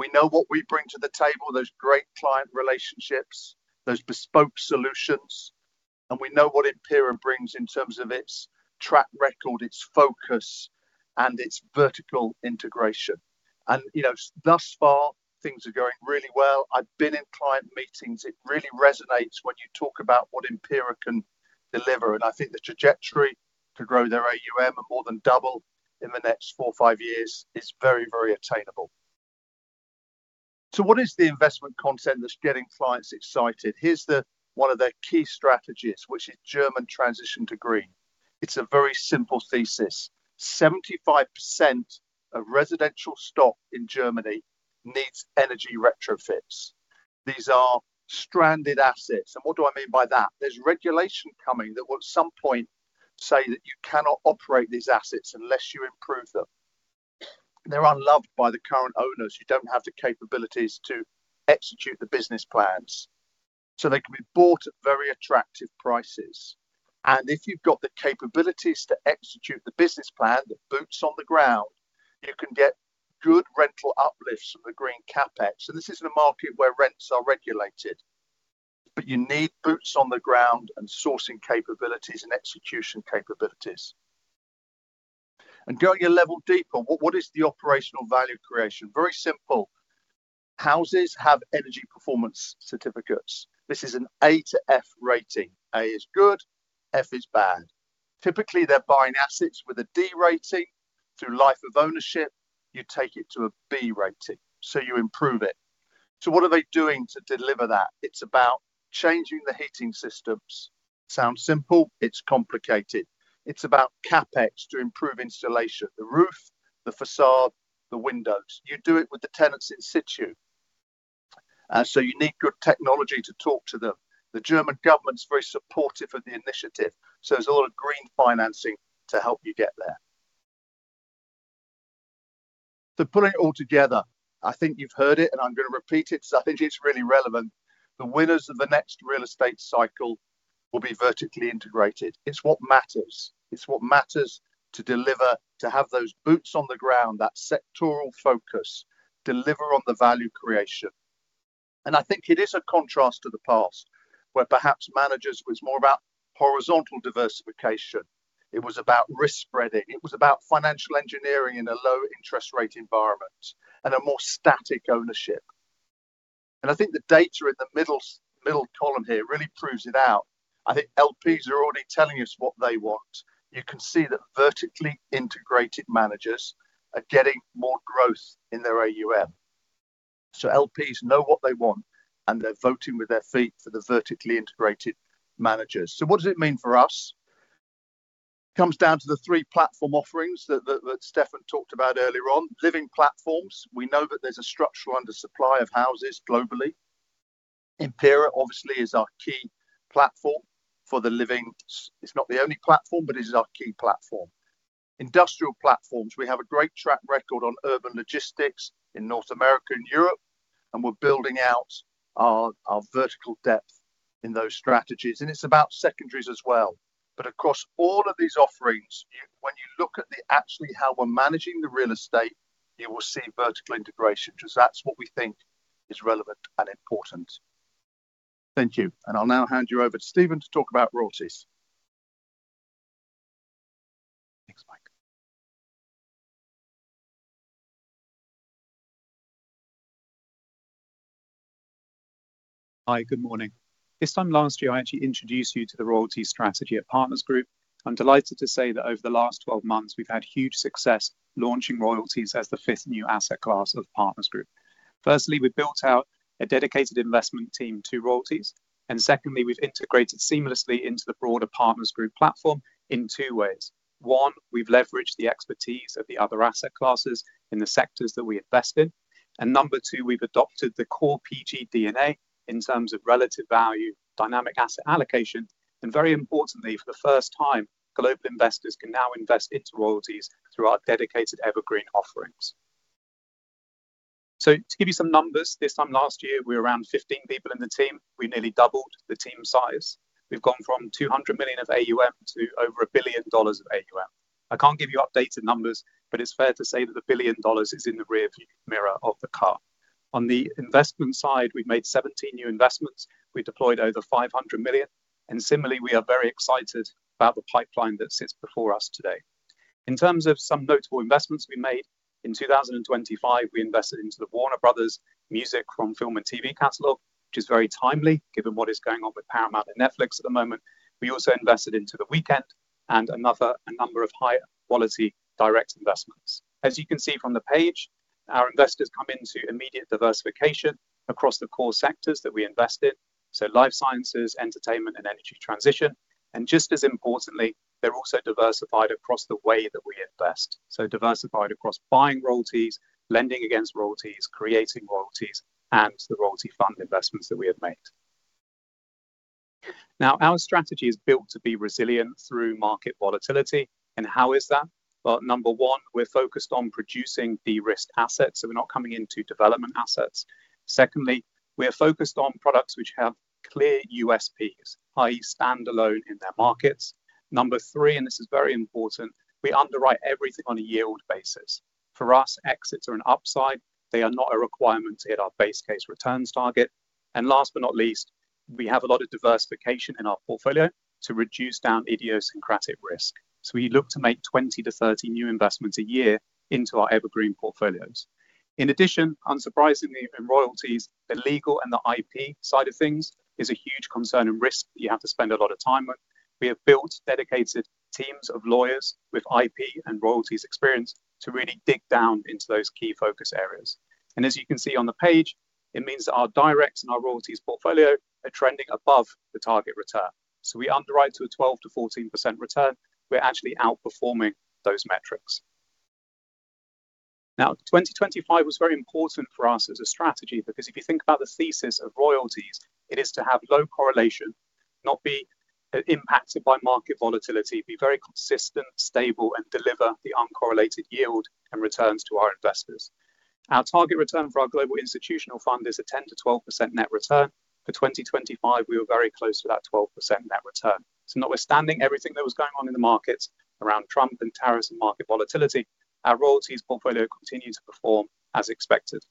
We know what we bring to the table, those great client relationships, those bespoke solutions, and we know what Empira brings in terms of its track record, its focus, and its vertical integration. You know, thus far, things are going really well. I've been in client meetings. It really resonates when you talk about what Empira can deliver, and I think the trajectory to grow their AUM more than double in the next four or five years is very, very attainable. What is the investment concept that's getting clients excited? Here's the, one of the key strategies, which is German transition to green. It's a very simple thesis. 75% of residential stock in Germany needs energy retrofits. These are stranded assets. What do I mean by that? There's regulation coming that will at some point say that you cannot operate these assets unless you improve them. They're unloved by the current owners who don't have the capabilities to execute the business plans, so they can be bought at very attractive prices. If you've got the capabilities to execute the business plan, the boots on the ground, you can get good rental uplifts from the green CapEx. This is in a market where rents are regulated. You need boots on the ground and sourcing capabilities and execution capabilities. Going a level deeper, what is the operational value creation? Very simple. Houses have energy performance certificates. This is an A to F rating. A is good, F is bad. Typically, they're buying assets with a D rating. Through life of ownership, you take it to a B rating, so you improve it. What are they doing to deliver that? It's about changing the heating systems. Sounds simple. It's complicated. It's about CapEx to improve installation, the roof, the facade, the windows. You do it with the tenants in situ. You need good technology to talk to them. The German government's very supportive of the initiative, so there's a lot of green financing to help you get there. Putting it all together, I think you've heard it, and I'm gonna repeat it 'cause I think it's really relevant. The winners of the next real estate cycle will be vertically integrated. It's what matters. It's what matters to deliver, to have those boots on the ground, that sectoral focus, deliver on the value creation. I think it is a contrast to the past, where perhaps managers was more about horizontal diversification. It was about risk spreading. It was about financial engineering in a low interest rate environment and a more static ownership. I think the data in the middle column here really proves it out. I think LPs are already telling us what they want. You can see that vertically integrated managers are getting more growth in their AUM. LPs know what they want, and they're voting with their feet for the vertically integrated managers. What does it mean for us? Comes down to the three platform offerings that Steffen talked about earlier on. Living platforms, we know that there's a structural undersupply of houses globally. Empira obviously is our key platform for the living. It's not the only platform, but it is our key platform. Industrial platforms, we have a great track record on urban logistics in North America and Europe, and we're building out our vertical depth in those strategies, and it's about secondaries as well. Across all of these offerings, you, when you look at the actually how we're managing the real estate, you will see vertical integration because that's what we think is relevant and important. Thank you. I'll now hand you over to Stephen to talk about royalties. Thanks, Mike. Hi, good morning. This time last year, I actually introduced you to the royalty strategy at Partners Group. I'm delighted to say that over the last 12 months, we've had huge success launching royalties as the fifth new asset class of Partners Group. Firstly, we built out a dedicated investment team to royalties. Secondly, we've integrated seamlessly into the broader Partners Group platform in two ways. One, we've leveraged the expertise of the other asset classes in the sectors that we invest in. Number two, we've adopted the core PG DNA in terms of relative value, dynamic asset allocation, and very importantly, for the first time, global investors can now invest into royalties through our dedicated evergreen offerings. To give you some numbers, this time last year, we were around 15 people in the team. We nearly doubled the team size. We've gone from $200 million of AUM to over $1 billion of AUM. I can't give you updated numbers, but it's fair to say that $1 billion is in the rear view mirror of the car. On the investment side, we've made 17 new investments. We deployed over $500 million, and similarly, we are very excited about the pipeline that sits before us today. In terms of some notable investments we made, in 2025, we invested into the Warner Bros. music from film and TV catalog, which is very timely given what is going on with Paramount and Netflix at the moment. We also invested into The Weeknd and a number of high-quality direct investments. As you can see from the page, our investors come into immediate diversification across the core sectors that we invest in, so life sciences, entertainment, and energy transition. Just as importantly, they're also diversified across the way that we invest. Diversified across buying royalties, lending against royalties, creating royalties, and the royalty fund investments that we have made. Now our strategy is built to be resilient through market volatility. How is that? Well, number one, we're focused on producing de-risked assets, so we're not coming into development assets. Secondly, we are focused on products which have clear USPs, i.e., standalone in their markets. Number three, and this is very important, we underwrite everything on a yield basis. For us, exits are an upside. They are not a requirement to hit our base case returns target. Last but not least, we have a lot of diversification in our portfolio to reduce down idiosyncratic risk. We look to make 20-30 new investments a year into our evergreen portfolios. In addition, unsurprisingly, in royalties, the legal and the IP side of things is a huge concern and risk you have to spend a lot of time with. We have built dedicated teams of lawyers with IP and royalties experience to really dig down into those key focus areas. As you can see on the page, it means that our direct and our royalties portfolio are trending above the target return. We underwrite to a 12%-14% return. We're actually outperforming those metrics. Now, 2025 was very important for us as a strategy because if you think about the thesis of royalties, it is to have low correlation, not be impacted by market volatility, be very consistent, stable, and deliver the uncorrelated yield and returns to our investors. Our target return for our global institutional fund is a 10%-12% net return. For 2025, we were very close to that 12% net return. Notwithstanding everything that was going on in the market around Trump and tariffs and market volatility, our royalties portfolio continued to perform as expected.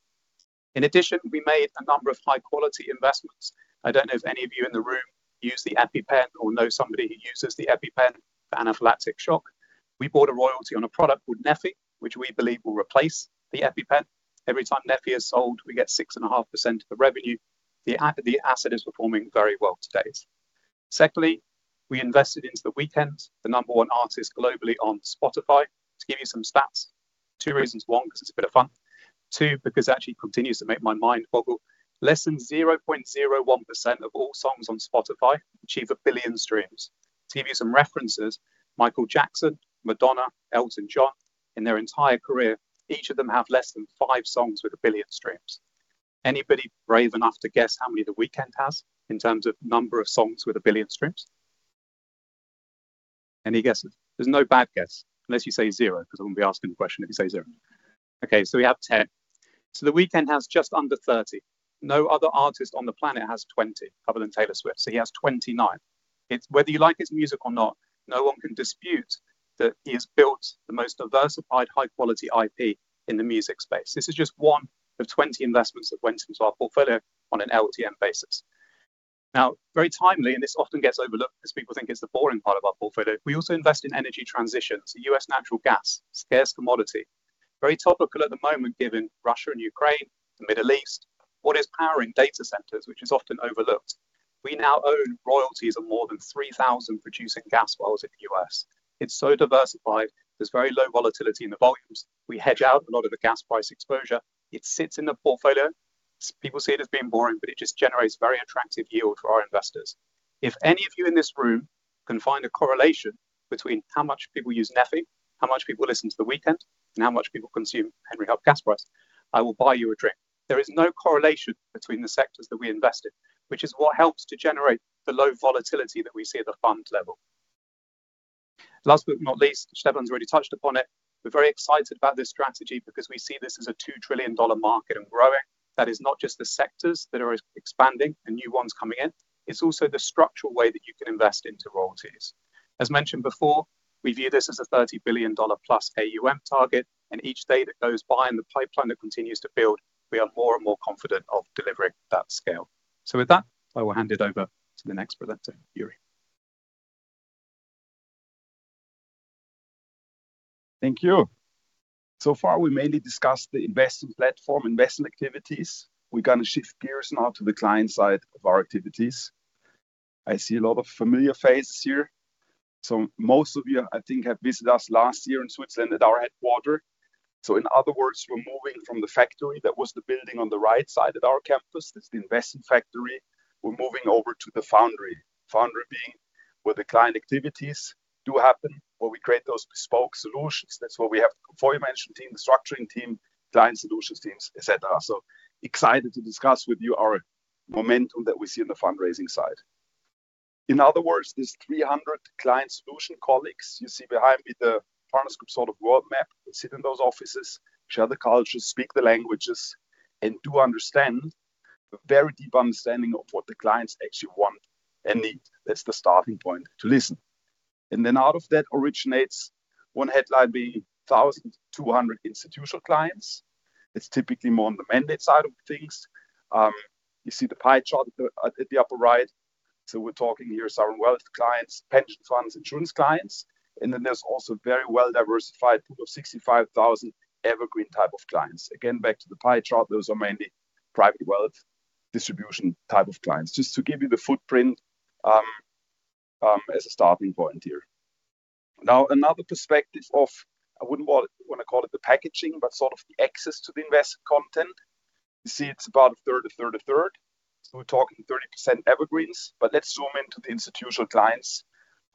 In addition, we made a number of high-quality investments. I don't know if any of you in the room use the EpiPen or know somebody who uses the EpiPen for anaphylactic shock. We bought a royalty on a product called neffy, which we believe will replace the EpiPen. Every time neffy is sold, we get 6.5% of the revenue. The asset is performing very well to date. Secondly, we invested into The Weeknd, the number one artist globally on Spotify. To give you some stats, two reasons. One, because it's a bit of fun. Two, because it actually continues to make my mind boggle. Less than 0.01% of all songs on Spotify achieve a billion streams. To give you some references, Michael Jackson, Madonna, Elton John, in their entire career, each of them have less than five songs with a billion streams. Anybody brave enough to guess how many The Weeknd has in terms of number of songs with a billion streams? Any guesses? There's no bad guess unless you say zero, 'cause I wouldn't be asking the question if you say zero. Okay, so we have 10. The Weeknd has just under 30. No other artist on the planet has 20, other than Taylor Swift. He has 29. It's whether you like his music or not, no one can dispute that he has built the most diversified, high-quality IP in the music space. This is just one of 20 investments that went into our portfolio on an LTM basis. Now, very timely, and this often gets overlooked because people think it's the boring part of our portfolio. We also invest in energy transition, so U.S. natural gas, scarce commodity. Very topical at the moment, given Russia and Ukraine, the Middle East. What is powering data centers, which is often overlooked. We now own royalties of more than 3,000 producing gas wells in the U.S. It's so diversified. There's very low volatility in the volumes. We hedge out a lot of the gas price exposure. It sits in the portfolio. Some people see it as being boring, but it just generates very attractive yield for our investors. If any of you in this room can find a correlation between how much people use neffy, how much people listen to The Weeknd, and how much people consume Henry Hub gas price, I will buy you a drink. There is no correlation between the sectors that we invest in, which is what helps to generate the low volatility that we see at the fund level. Last but not least, Steffen's already touched upon it. We're very excited about this strategy because we see this as a $2 trillion market and growing. That is not just the sectors that are expanding and new ones coming in, it's also the structural way that you can invest into royalties. As mentioned before, we view this as a $30 billion+ AUM target, and each day that goes by and the pipeline that continues to build, we are more and more confident of delivering that scale. With that, I will hand it over to the next presenter, Juri Jenkner. Thank you. So far, we mainly discussed the investing platform, investment activities. We're gonna shift gears now to the client side of our activities. I see a lot of familiar faces here. Most of you, I think, have visited us last year in Switzerland at our headquarters. In other words, we're moving from the factory that was the building on the right side of our campus. That's the investment factory. We're moving over to the foundry. Foundry being where the client activities do happen, where we create those bespoke solutions. That's where we have the portfolio management team, the structuring team, client solutions teams, et cetera. Excited to discuss with you our momentum that we see on the fundraising side. In other words, these 300 client solution colleagues you see behind me, the Partners Group sort of world map, sit in those offices, share the culture, speak the languages, and do understand, a very deep understanding of what the clients actually want and need. That's the starting point, to listen. Out of that originates one headline being 1,200 institutional clients. It's typically more on the mandate side of things. You see the pie chart at the upper right. We're talking here sovereign wealth clients, pension funds, insurance clients. There's also a very well-diversified pool of 65,000 evergreen type of clients. Again, back to the pie chart, those are mainly private wealth distribution type of clients. Just to give you the footprint, as a starting point here. Now another perspective of. I wouldn't call it the packaging, but sort of the access to the invested content. You see it's about 1/3, 1/3, 1/3. So we're talking 30% evergreens. Let's zoom into the institutional clients,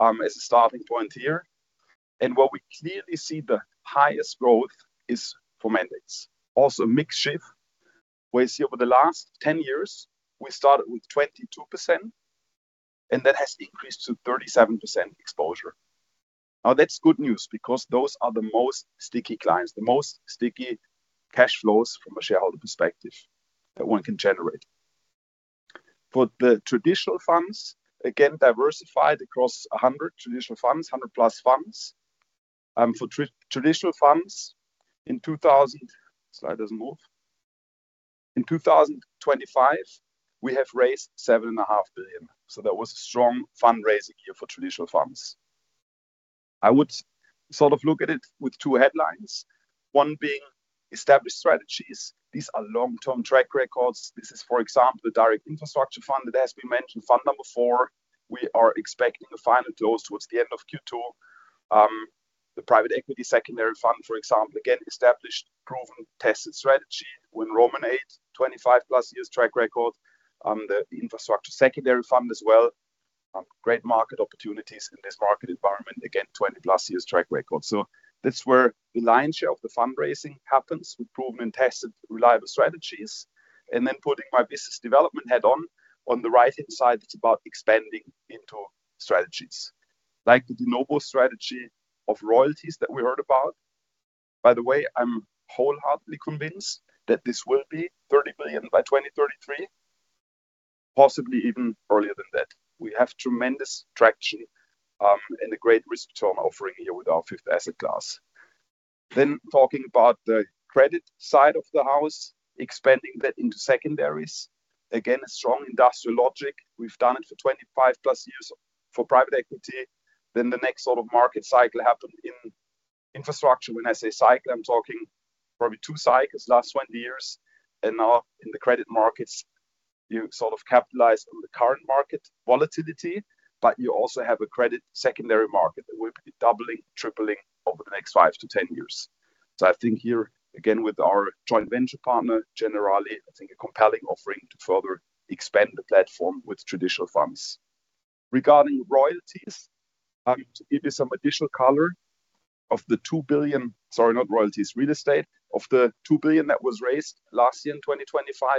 as a starting point here. What we clearly see the highest growth is for mandates. Also mix shift, where you see over the last 10 years, we started with 22%, and that has increased to 37% exposure. Now, that's good news because those are the most sticky clients, the most sticky cash flows from a shareholder perspective that one can generate. For the traditional funds, again, diversified across 100 traditional funds, 100+ funds. For traditional funds in 2025, we have raised $7.5 billion. That was a strong fundraising year for traditional funds. I would sort of look at it with two headlines. One being established strategies. These are long-term track records. This is, for example, the direct infrastructure fund that as we mentioned, fund number four, we are expecting the final close towards the end of Q2. The private equity secondary fund, for example, again, established, proven, tested strategy with Fund VIII, 25+ years track record. The infrastructure secondary fund as well, great market opportunities in this market environment. Again, 20+ years track record. That's where the lion's share of the fundraising happens with proven, tested, reliable strategies. Putting my business development hat on the right-hand side, it's about expanding into strategies like the de novo strategy of royalties that we heard about. By the way, I'm wholeheartedly convinced that this will be $30 billion by 2033, possibly even earlier than that. We have tremendous traction, and a great risk term offering here with our fifth asset class. Talking about the credit side of the house, expanding that into secondaries. Again, a strong industrial logic. We've done it for 25+ years for private equity. The next sort of market cycle happened in infrastructure. When I say cycle, I'm talking probably two cycles last 20 years. Now in the credit markets, you sort of capitalize on the current market volatility, but you also have a credit secondary market that will be doubling, tripling over the next five to 10 years. I think here, again, with our joint venture partner, Generali, I think a compelling offering to further expand the platform with traditional funds. Regarding royalties, to give you some additional color. Sorry, not royalties, real estate. Of the $2 billion that was raised last year in 2025,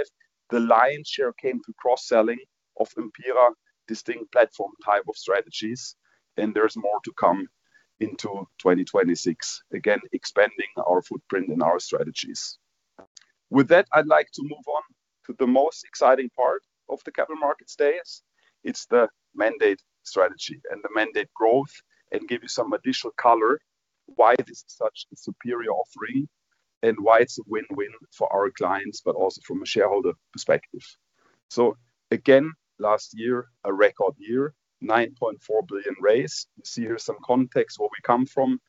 the lion's share came through cross-selling of Empira distinct platform type of strategies. There's more to come into 2026. Again, expanding our footprint and our strategies. With that, I'd like to move on to the most exciting part of the Capital Markets Days. It's the mandate strategy and the mandate growth, and give you some additional color why this is such a superior offering. Why it's a win-win for our clients, but also from a shareholder perspective. Again, last year, a record year, $9.4 billion raised. You see here some context where we come from.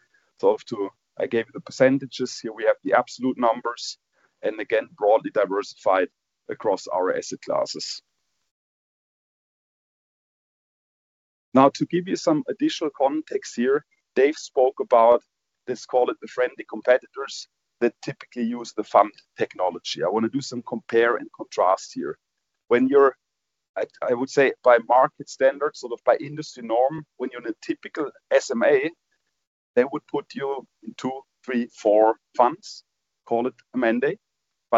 I gave you the percentages. Here we have the absolute numbers, and again, broadly diversified across our asset classes. Now, to give you some additional context here, Dave spoke about this, call it the friendly competitors that typically use the fund technology. I wanna do some compare and contrast here. When you're in a typical SMA, they would put you in two, three, four funds. Call it a mandate.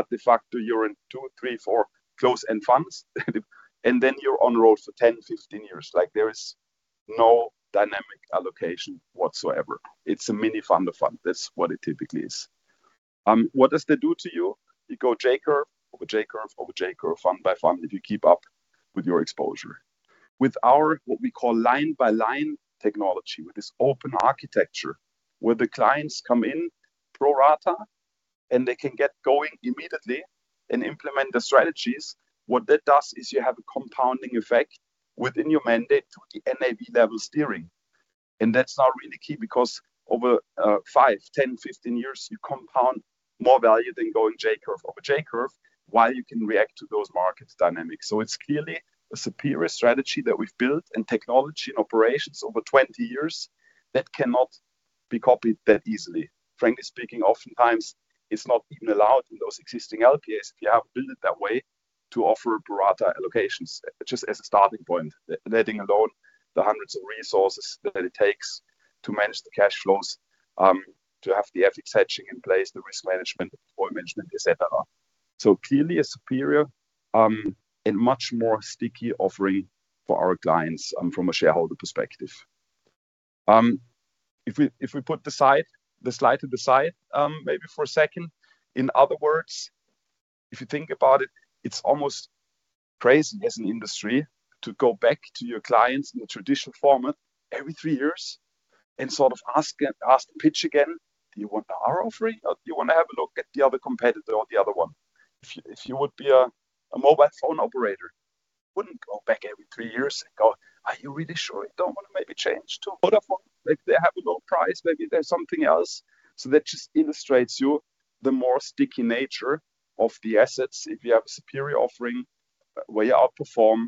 De facto, you're in two, three, four closed-end funds. Then you're in for 10, 15 years. Like, there is no dynamic allocation whatsoever. It's a mini fund of funds. That's what it typically is. What does that do to you? You go J-curve over J-curve over J-curve, fund by fund, if you keep up with your exposure. With our, what we call line-by-line technology, with this open architecture, where the clients come in pro rata, and they can get going immediately and implement the strategies, what that does is you have a compounding effect within your mandate to the NAV level steering. That's now really key because over five, 10, 15 years, you compound more value than going J-curve over J-curve while you can react to those market dynamics. It's clearly a superior strategy that we've built in technology and operations over 20 years that cannot be copied that easily. Frankly speaking, oftentimes it's not even allowed in those existing LPAs if you have built it that way to offer pro rata allocations, just as a starting point. Let alone the hundreds of resources that it takes to manage the cash flows, to have the FX hedging in place, the risk management, the deployment, et cetera. So clearly a superior, and much more sticky offering for our clients, from a shareholder perspective. If we put the slide to the side, maybe for a second. In other words, if you think about it's almost crazy as an industry to go back to your clients in a traditional format every three years and sort of ask to pitch again. Do you want our offering? Or do you wanna have a look at the other competitor or the other one? If you would be a mobile phone operator, you wouldn't go back every three years and go, "Are you really sure you don't wanna maybe change to Vodafone? Maybe they have a low price. Maybe there's something else." That just illustrates you the more sticky nature of the assets if you have a superior offering where you outperform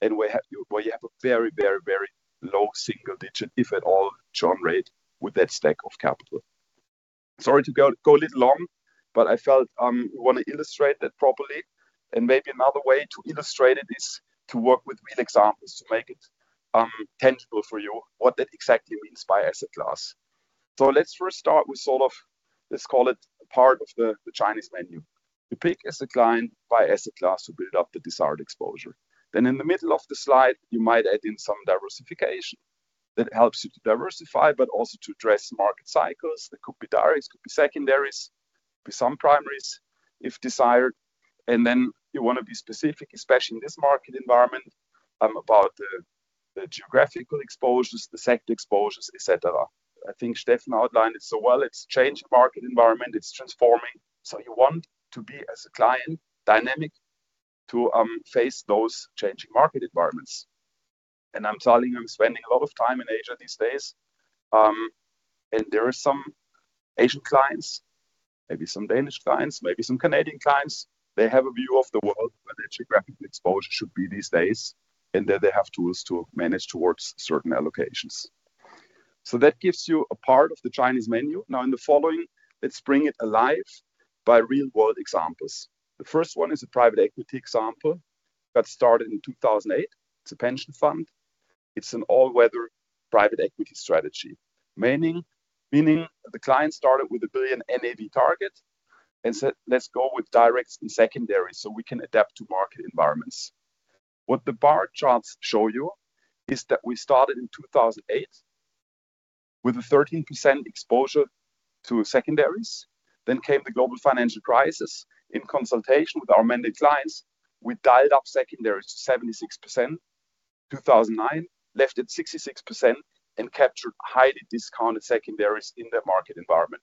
and where you have a very low single digit, if at all, churn rate with that stack of capital. Sorry to go a little long, but I felt we wanna illustrate that properly. Maybe another way to illustrate it is to work with real examples to make it tangible for you what that exactly means by asset class. Let's first start with sort of, let's call it a part of the Chinese menu. You pick as a client by asset class to build up the desired exposure. In the middle of the slide, you might add in some diversification that helps you to diversify, but also to address market cycles. That could be direct, could be secondaries, could be some primaries if desired. You wanna be specific, especially in this market environment, about the geographical exposures, the sector exposures, et cetera. I think Steffen outlined it so well. It's changing market environment, it's transforming. You want to be, as a client, dynamic to face those changing market environments. I'm telling you, I'm spending a lot of time in Asia these days. There are some Asian clients, maybe some Danish clients, maybe some Canadian clients. They have a view of the world where their geographic exposure should be these days, and then they have tools to manage towards certain allocations. That gives you a part of the Chinese menu. Now, in the following, let's bring it alive by real-world examples. The first one is a private equity example that started in 2008. It's a pension fund. It's an all-weather private equity strategy. Meaning, the client started with a $1 billion NAV target and said, "Let's go with direct and secondary, so we can adapt to market environments." What the bar charts show you is that we started in 2008 with a 13% exposure to secondaries. Then came the global financial crisis. In consultation with our mandate clients, we dialed up secondaries to 76%. 2009, left at 66% and captured highly discounted secondaries in that market environment.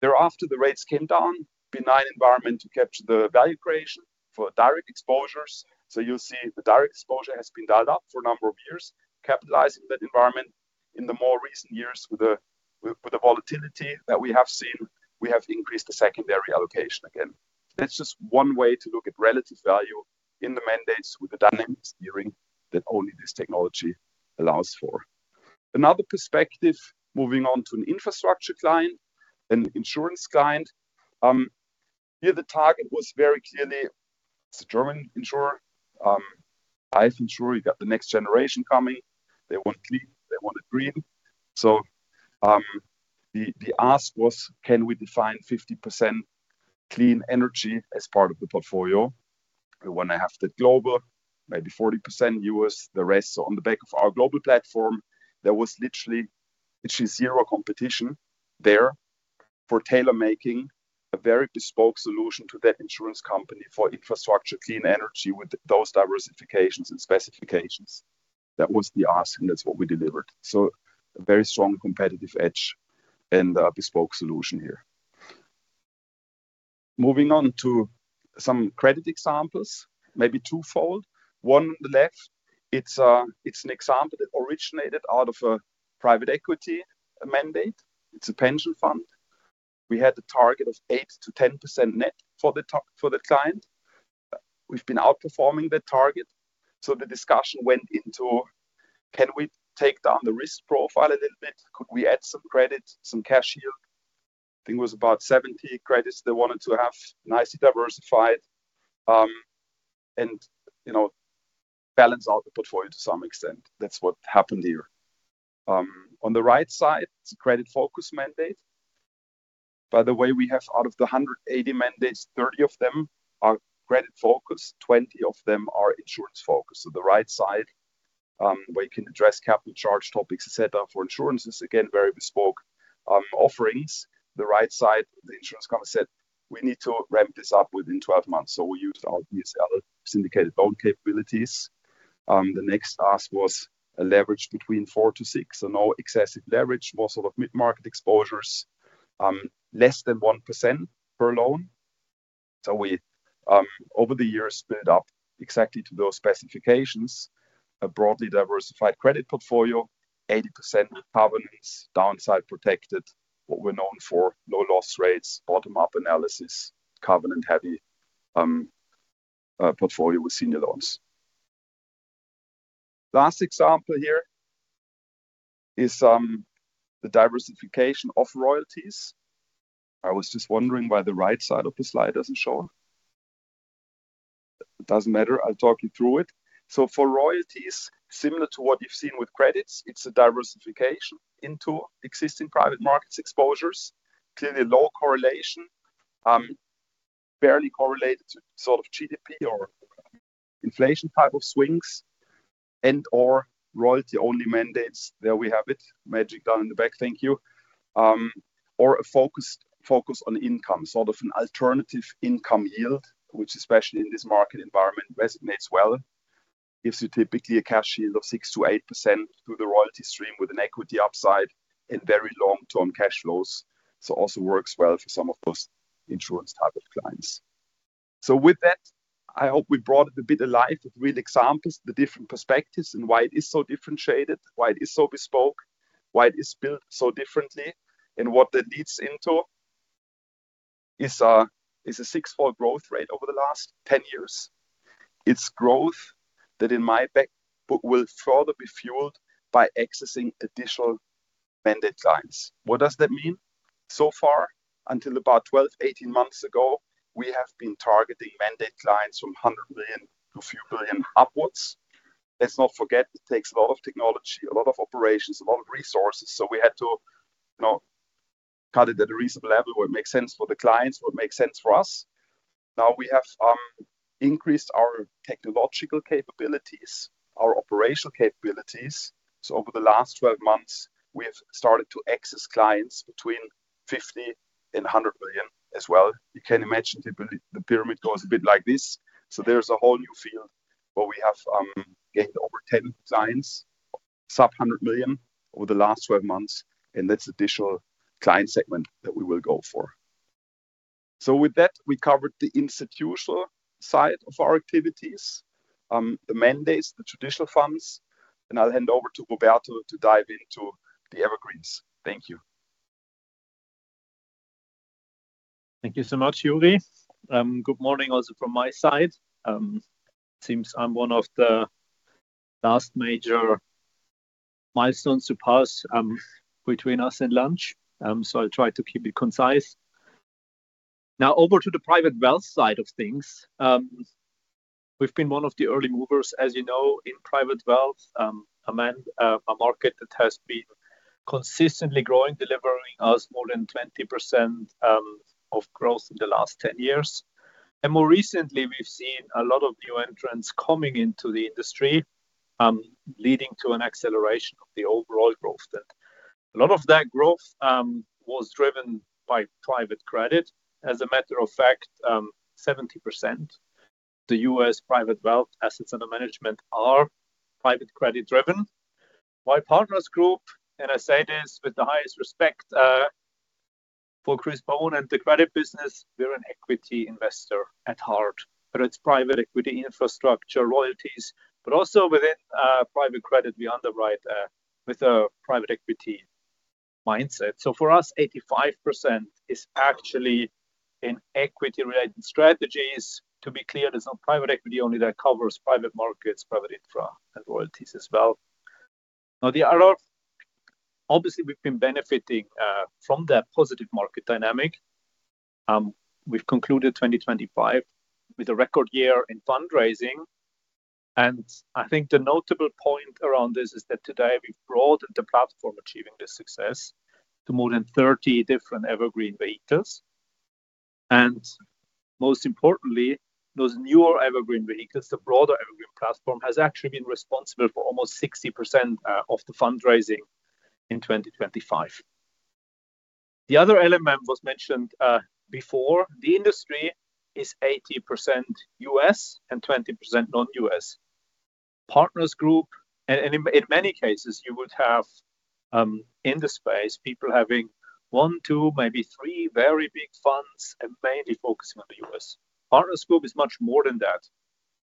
Thereafter, the rates came down. Benign environment to capture the value creation for direct exposures. You'll see the direct exposure has been dialed up for a number of years, capitalizing that environment. In the more recent years with the volatility that we have seen, we have increased the secondary allocation again. That's just one way to look at relative value in the mandates with the dynamic steering that only this technology allows for. Another perspective, moving on to an infrastructure client, an insurance client. Here the target was very clearly it's a German insurer. Life insurer. You got the next generation coming. They want clean, they wanted green. The ask was, can we define 50% clean energy as part of the portfolio? We wanna have that global, maybe 40% U.S., the rest on the back of our global platform. There was literally zero competition there for tailor-making a very bespoke solution to that insurance company for infrastructure clean energy with those diversifications and specifications. That was the ask, and that's what we delivered. A very strong competitive edge and a bespoke solution here. Moving on to some credit examples, maybe twofold. One on the left, it's an example that originated out of a private equity mandate. It's a pension fund. We had a target of 8%-10% net for the client. We've been outperforming that target, so the discussion went into, can we take down the risk profile a little bit? Could we add some credit, some cash yield? I think it was about 70 credits they wanted to have nicely diversified, and you know, balance out the portfolio to some extent. That's what happened here. On the right side, it's a credit-focused mandate. By the way, we have out of the 180 mandates, 30 of them are credit-focused, 20 of them are insurance-focused. The right side, where you can address capital charge topics, etc., for insurances, again, very bespoke offerings. The right side, the insurance company said, "We need to ramp this up within 12 months." We used our BSL syndicated loan capabilities. The next ask was a leverage between 4-6x. No excessive leverage, more sort of mid-market exposures, less than 1% per loan. We, over the years, built up exactly to those specifications a broadly diversified credit portfolio, 80% with covenants, downside protected, what we're known for, low loss rates, bottom-up analysis, covenant-heavy portfolio with senior loans. Last example here is the diversification of royalties. I was just wondering why the right side of the slide doesn't show. It doesn't matter. I'll talk you through it. For royalties, similar to what you've seen with credits, it's a diversification into existing private markets exposures, clearly low correlation, barely correlated to sort of GDP or inflation type of swings and/or royalty-only mandates. There we have it. Magic done in the back. Thank you. Or a focus on income, sort of an alternative income yield, which especially in this market environment resonates well. Gives you typically a cash yield of 6%-8% through the royalty stream with an equity upside and very long-term cash flows. Also works well for some of those insurance type of clients. With that, I hope we brought it a bit alive with real examples, the different perspectives, and why it is so differentiated, why it is so bespoke, why it is built so differently, and what that leads into is a six-fold growth rate over the last 10 years. It's growth that in my book will further be fueled by accessing additional mandate clients. What does that mean? So far, until about 12-18 months ago, we have been targeting mandate clients from $100 million to a few billion upwards. Let's not forget it takes a lot of technology, a lot of operations, a lot of resources. We had to, you know, cut it at a reasonable level where it makes sense for the clients, what makes sense for us. Now we have increased our technological capabilities, our operational capabilities. Over the last 12 months, we have started to access clients between $50 billion and $100 billion as well. You can imagine the pyramid goes a bit like this. There's a whole new field where we have gained over 10 clients, sub-$100 million, over the last 12 months, and that's additional client segment that we will go for. With that, we covered the institutional side of our activities, the mandates, the traditional funds, and I'll hand over to Roberto to dive into the evergreens. Thank you. Thank you so much, Juri. Good morning also from my side. Seems I'm one of the last major milestones to pass, between us and lunch, so I'll try to keep it concise. Now, over to the private wealth side of things. We've been one of the early movers, as you know, in private wealth, a market that has been consistently growing, delivering us more than 20% of growth in the last 10 years. More recently, we've seen a lot of new entrants coming into the industry, leading to an acceleration of the overall growth then. A lot of that growth was driven by private credit. As a matter of fact, 70% of the U.S. private wealth assets under management are private credit-driven. At Partners Group, I say this with the highest respect for Chris Bone and the credit business, we're an equity investor at heart. Whether it's private equity, infrastructure, royalties, but also within private credit, we underwrite with a private equity mindset. For us, 85% is actually in equity-related strategies. To be clear, there's no private equity only that covers private markets, private infra, and royalties as well. There are a lot, obviously, we've been benefiting from that positive market dynamic. We've concluded 2025 with a record year in fundraising, and I think the notable point around this is that today we've broadened the platform achieving this success to more than 30 different evergreen vehicles. Most importantly, those newer evergreen vehicles, the broader evergreen platform, has actually been responsible for almost 60% of the fundraising in 2025. The other element was mentioned before. The industry is 80% U.S. and 20% non-U.S. Partners Group. In many cases you would have, in the space, people having one, two, maybe three very big funds and mainly focusing on the U.S. Partners Group is much more than that.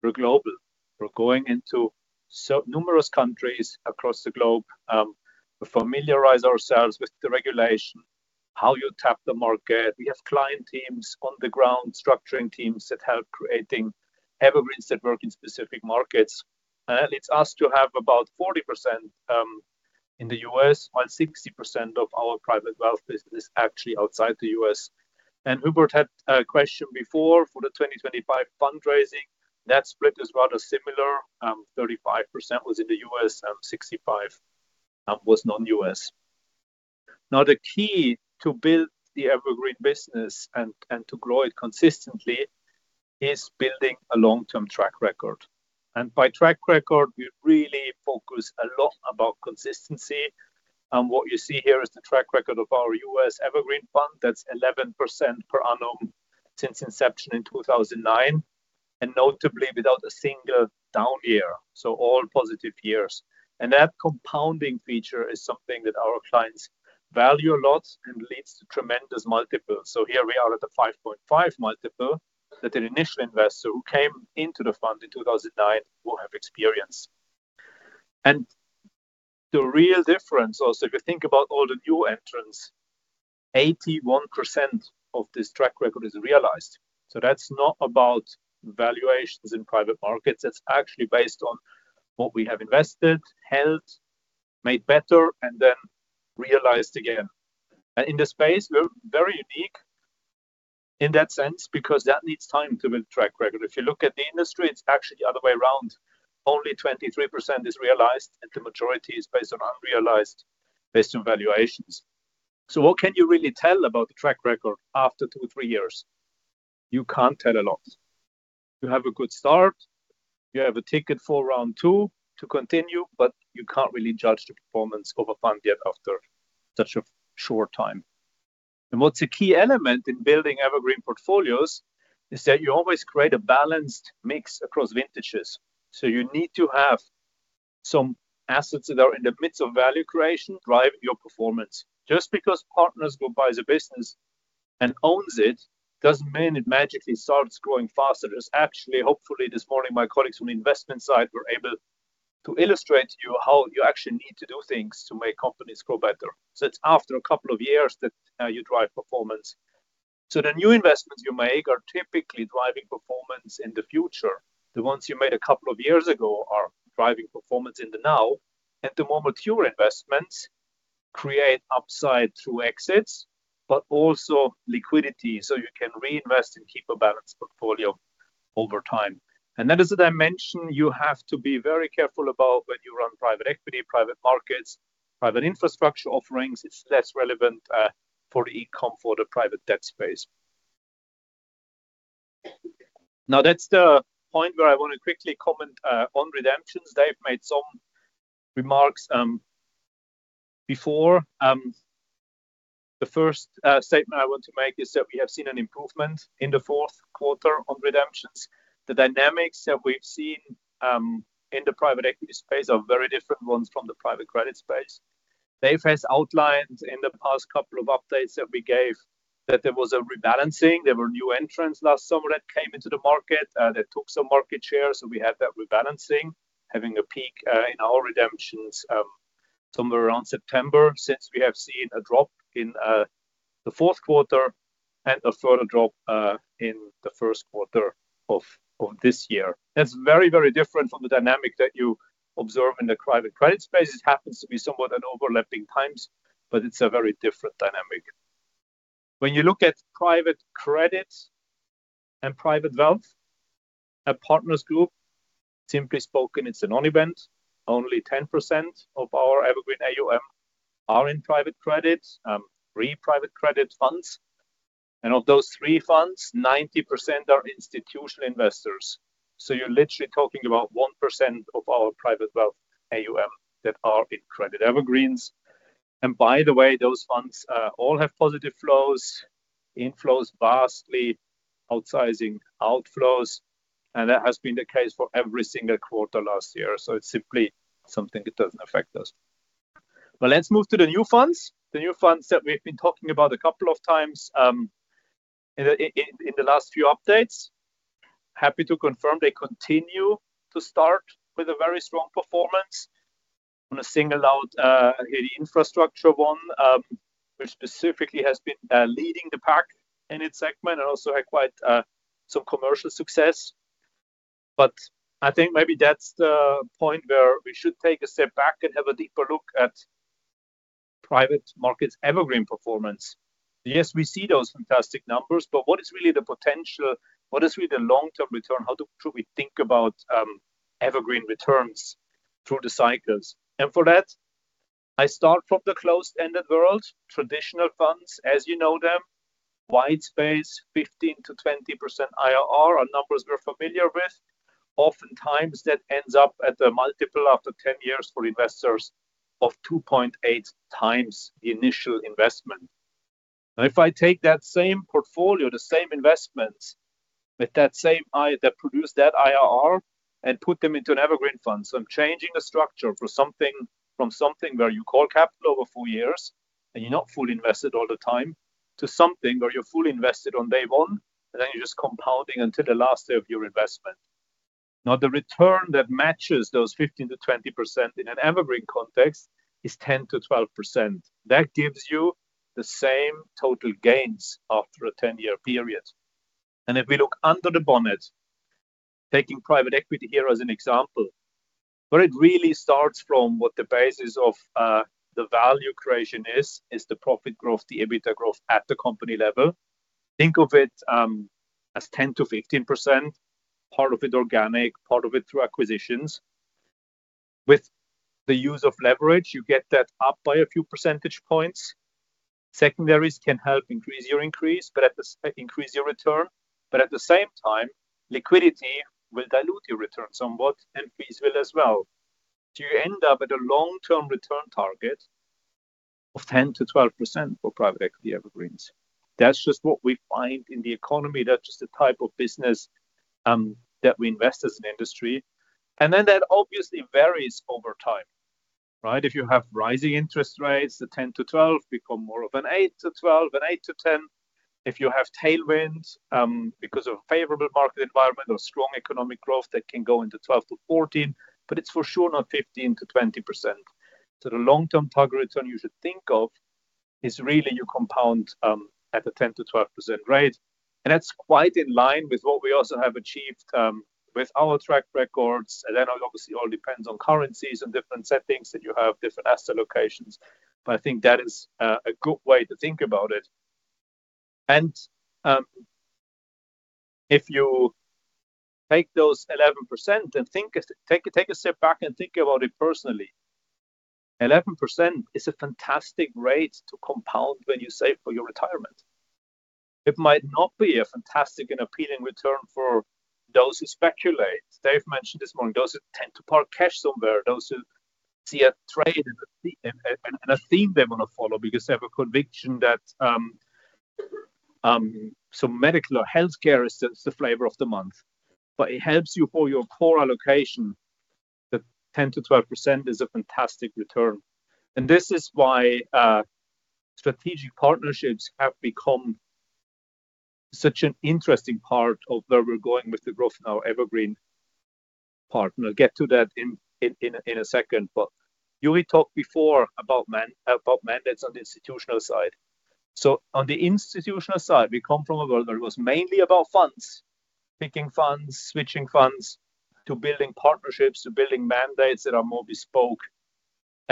We're global. We're going into numerous countries across the globe, to familiarize ourselves with the regulation, how you tap the market. We have client teams on the ground, structuring teams that help creating evergreens that work in specific markets. We have about 40% in the U.S., while 60% of our private wealth business is actually outside the U.S. Hubert had a question before for the 2025 fundraising. That split is rather similar. 35% was in the U.S., and 65% was non-U.S. Now, the key to build the evergreen business and to grow it consistently is building a long-term track record. By track record, we really focus a lot about consistency. What you see here is the track record of our U.S. Evergreen Fund. That's 11% per annum since inception in 2009, and notably without a single down year, so all positive years. That compounding feature is something that our clients value a lot and leads to tremendous multiples. Here we are at the 5.5x that an initial investor who came into the fund in 2009 will have experienced. The real difference also, if you think about all the new entrants, 81% of this track record is realized. That's not about valuations in private markets. That's actually based on what we have invested, held, made better, and then realized again. In this space, we're very unique in that sense because that needs time to build track record. If you look at the industry, it's actually the other way around. Only 23% is realized, and the majority is based on unrealized, based on valuations. What can you really tell about the track record after two, three years? You can't tell a lot. You have a good start. You have a ticket for round two to continue, but you can't really judge the performance of a fund yet after such a short time. What's a key element in building evergreen portfolios is that you always create a balanced mix across vintages. You need to have some assets that are in the midst of value creation drive your performance. Just because Partners Group buys a business and owns it, doesn't mean it magically starts growing faster. It's actually, hopefully this morning, my colleagues from the investment side were able to illustrate to you how you actually need to do things to make companies grow better. It's after a couple of years that you drive performance. The new investments you make are typically driving performance in the future. The ones you made a couple of years ago are driving performance in the now. The more mature investments create upside through exits, but also liquidity, so you can reinvest and keep a balanced portfolio over time. That is a dimension you have to be very careful about when you run private equity, private markets, private infrastructure offerings. It's less relevant for the e-com, for the private debt space. Now, that's the point where I wanna quickly comment on redemptions. Dave made some remarks before. The first statement I want to make is that we have seen an improvement in the fourth quarter on redemptions. The dynamics that we've seen in the private equity space are very different ones from the private credit space. Dave has outlined in the past couple of updates that we gave that there was a rebalancing. There were new entrants last summer that came into the market that took some market share, so we had that rebalancing, having a peak in our redemptions somewhere around September. Since we have seen a drop in the fourth quarter and a further drop in the first quarter of this year. That's very, very different from the dynamic that you observe in the private credit space. It happens to be somewhat an overlapping times, but it's a very different dynamic. When you look at private credit and private wealth at Partners Group, simply spoken, it's a non-event. Only 10% of our evergreen AUM are in private credit, three private credit funds. Of those three funds, 90% are institutional investors. So you're literally talking about 1% of our private wealth AUM that are in credit evergreens. By the way, those funds all have positive flows, inflows vastly outsizing outflows, and that has been the case for every single quarter last year. It's simply something that doesn't affect us. Let's move to the new funds. The new funds that we've been talking about a couple of times, in the last few updates. Happy to confirm they continue to start with a very strong performance. I wanna single out the infrastructure one, which specifically has been leading the pack in its segment and also had quite some commercial success. I think maybe that's the point where we should take a step back and have a deeper look at private markets evergreen performance. Yes, we see those fantastic numbers, but what is really the potential? What is really the long-term return? How should we think about evergreen returns through the cycles? For that, I start from the closed-ended world, traditional funds as you know them. White space, 15%-20% IRR are numbers we're familiar with. Oftentimes that ends up at a multiple after 10 years for investors of 2.8x the initial investment. If I take that same portfolio, the same investments with that same that produce that IRR and put them into an evergreen fund. I'm changing the structure from something where you call capital over four years and you're not fully invested all the time to something where you're fully invested on day one, and then you're just compounding until the last day of your investment. The return that matches those 15%-20% in an evergreen context is 10%-12%. That gives you the same total gains after a 10-year period. If we look under the bonnet, taking private equity here as an example, where it really starts from what the basis of the value creation is the profit growth, the EBITDA growth at the company level. Think of it as 10%-15%, part of it organic, part of it through acquisitions. With the use of leverage, you get that up by a few percentage points. Secondaries can help increase your return. But at the same time, liquidity will dilute your returns somewhat, and fees will as well. You end up at a long-term return target of 10%-12% for private equity evergreens. That's just what we find in the economy. That's just the type of business that we invest as an industry. Then that obviously varies over time, right? If you have rising interest rates, the 10%-12% become more of an 8%-12%, an 8%-10%. If you have tailwinds, because of favorable market environment or strong economic growth, that can go into 12%-14%, but it's for sure not 15%-20%. The long-term target return you should think of is really you compound at a 10%-12% rate. That's quite in line with what we also have achieved with our track records. Then obviously all depends on currencies and different settings that you have, different asset locations. I think that is a good way to think about it. If you take those 11% and take a step back and think about it personally. 11% is a fantastic rate to compound when you save for your retirement. It might not be a fantastic and appealing return for those who speculate. Dave mentioned this morning, those who tend to park cash somewhere, those who see a trade and a theme they wanna follow because they have a conviction that so medical or healthcare is the flavor of the month. It helps you for your core allocation, 10%-12% is a fantastic return. This is why strategic partnerships have become such an interesting part of where we're going with the growth in our evergreen part, and I'll get to that in a second. Juri talked before about mandates on the institutional side. On the institutional side, we come from a world where it was mainly about funds, picking funds, switching funds, to building partnerships, to building mandates that are more bespoke.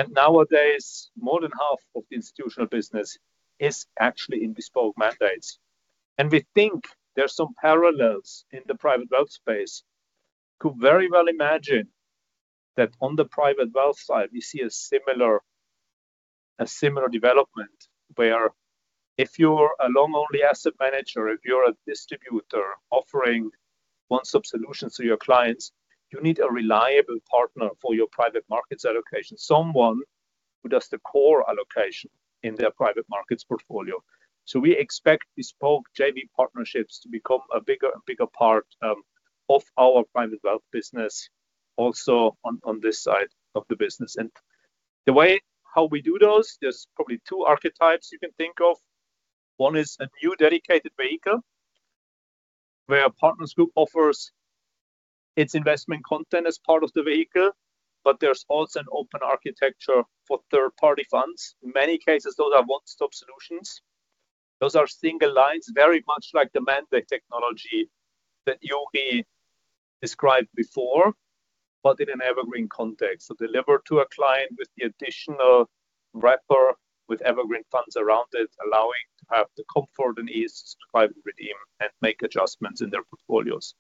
Nowadays, more than half of the institutional business is actually in bespoke mandates. We think there are some parallels in the private wealth space. Could very well imagine that on the private wealth side, we see a similar development, where if you're a long-only asset manager, if you're a distributor offering one-stop solutions to your clients, you need a reliable partner for your private markets allocation, someone who does the core allocation in their private markets portfolio. We expect bespoke JV partnerships to become a bigger and bigger part of our private wealth business also on this side of the business. The way how we do those, there's probably two archetypes you can think of. One is a new dedicated vehicle, where Partners Group offers its investment content as part of the vehicle, but there's also an open architecture for third-party funds. In many cases, those are one-stop solutions. Those are single lines, very much like the mandate technology that Yuri described before, but in an evergreen context. Deliver to a client with the additional wrapper with evergreen funds around it, allowing to have the comfort and ease to subscribe and redeem and make adjustments in their portfolios.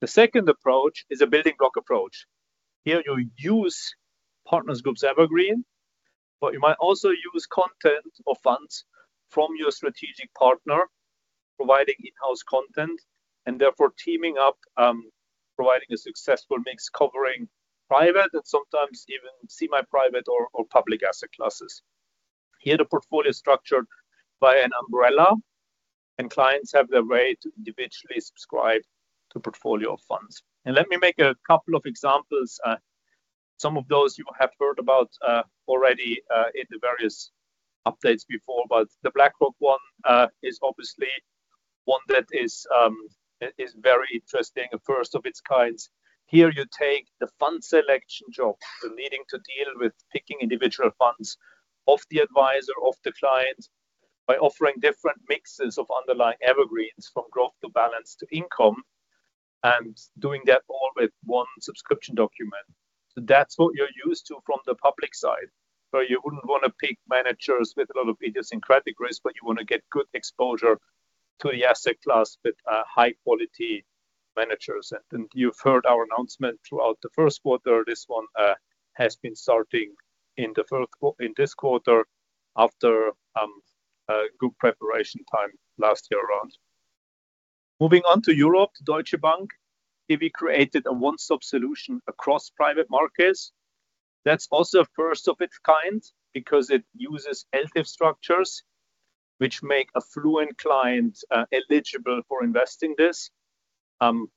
The second approach is a building block approach. Here you use Partners Group's evergreen, but you might also use content or funds from your strategic partner, providing in-house content, and therefore teaming up, providing a successful mix covering private and sometimes even semi-private or public asset classes. The portfolio is structured by an umbrella, and clients have their way to individually subscribe to portfolio funds. Let me make a couple of examples. Some of those you have heard about already in the various updates before. The BlackRock one is obviously one that is very interesting, a first of its kind. Here you take the fund selection job, the needing to deal with picking individual funds of the advisor, of the client, by offering different mixes of underlying evergreens from growth to balance to income, and doing that all with one subscription document. That's what you're used to from the public side, where you wouldn't wanna pick managers with a lot of idiosyncratic risk, but you wanna get good exposure to the asset class with a high quality managers. You've heard our announcement throughout the first quarter. This one has been starting in this quarter after a good preparation time last year around. Moving on to Europe, Deutsche Bank, here we created a one-stop solution across private markets. That's also a first of its kind because it uses LTIF structures which make affluent clients eligible for investing this.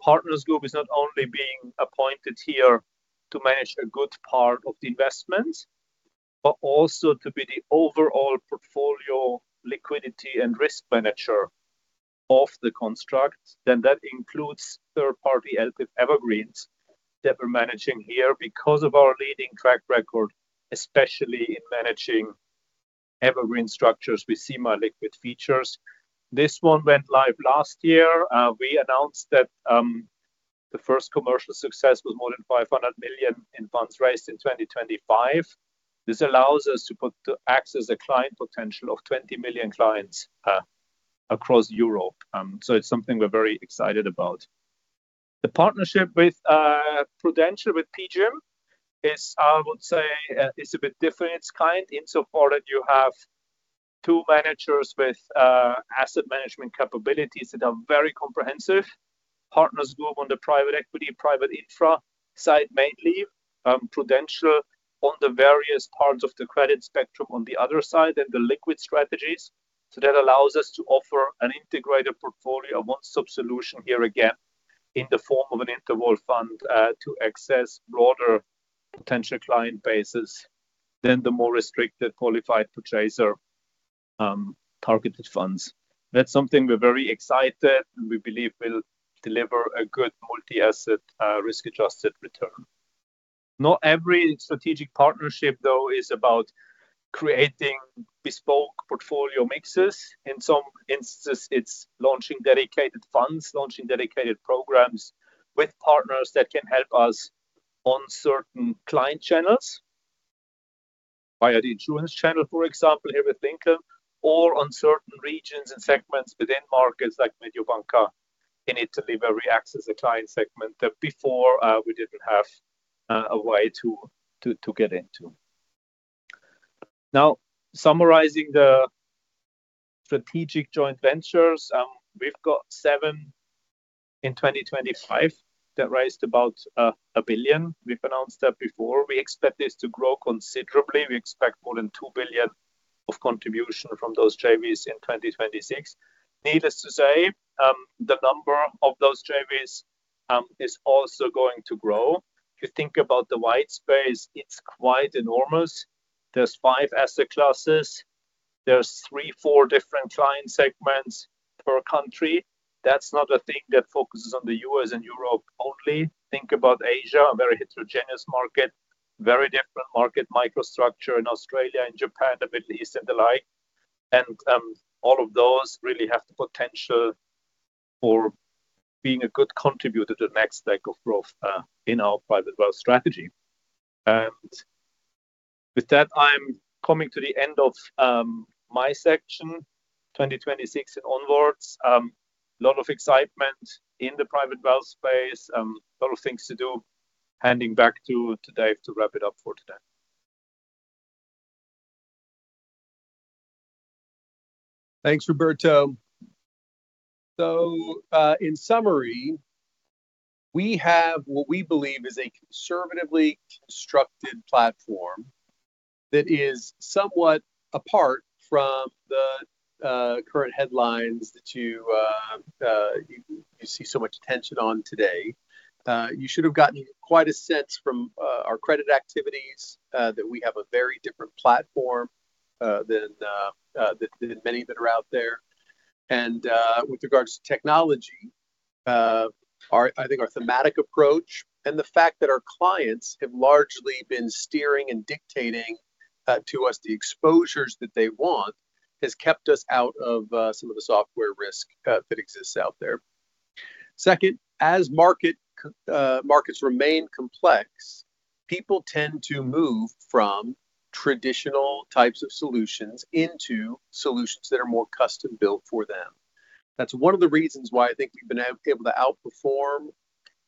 Partners Group is not only being appointed here to manage a good part of the investment, but also to be the overall portfolio liquidity and risk manager of the construct, and that includes third-party LTIF evergreens that we're managing here because of our leading track record, especially in managing evergreen structures with semi-liquid features. This one went live last year. We announced that the first commercial success was more than 500 million in funds raised in 2025. This allows us to access a client potential of 20 million clients across Europe. It's something we're very excited about. The partnership with Prudential, with PGIM is, I would say, a bit different. It's kind insofar that you have two managers with asset management capabilities that are very comprehensive. Partners Group on the private equity, private infra side mainly, Prudential on the various parts of the credit spectrum on the other side and the liquid strategies. That allows us to offer an integrated portfolio, one-stop solution here again, in the form of an interval fund to access broader potential client bases than the more restricted qualified purchaser targeted funds. That's something we're very excited, and we believe will deliver a good multi-asset risk-adjusted return. Not every strategic partnership, though, is about creating bespoke portfolio mixes. In some instances, it's launching dedicated funds, launching dedicated programs with partners that can help us on certain client channels. Via the insurance channel, for example, here with Lincoln, or on certain regions and segments within markets like Mediobanca in Italy, where we access a client segment that before, we didn't have, a way to get into. Now, summarizing the strategic joint ventures, we've got seven in 2025 that raised about $1 billion. We've announced that before. We expect this to grow considerably. We expect more than $2 billion of contribution from those JVs in 2026. Needless to say, the number of those JVs is also going to grow. If you think about the white space, it's quite enormous. There's five asset classes. There's three, four different client segments per country. That's not a thing that focuses on the U.S. and Europe only. Think about Asia, a very heterogeneous market, very different market microstructure in Australia and Japan, the Middle East and the like. All of those really have the potential for being a good contributor to the next leg of growth in our private wealth strategy. With that, I'm coming to the end of my section. 2026 onwards, a lot of excitement in the private wealth space, a lot of things to do. Handing back to Dave to wrap it up for today. Thanks, Roberto. In summary, we have what we believe is a conservatively constructed platform that is somewhat apart from the current headlines that you see so much attention on today. You should have gotten quite a sense from our credit activities that we have a very different platform than many that are out there. With regards to technology, our thematic approach and the fact that our clients have largely been steering and dictating to us the exposures that they want has kept us out of some of the software risk that exists out there. Second, markets remain complex, people tend to move from traditional types of solutions into solutions that are more custom-built for them. That's one of the reasons why I think we've been able to outperform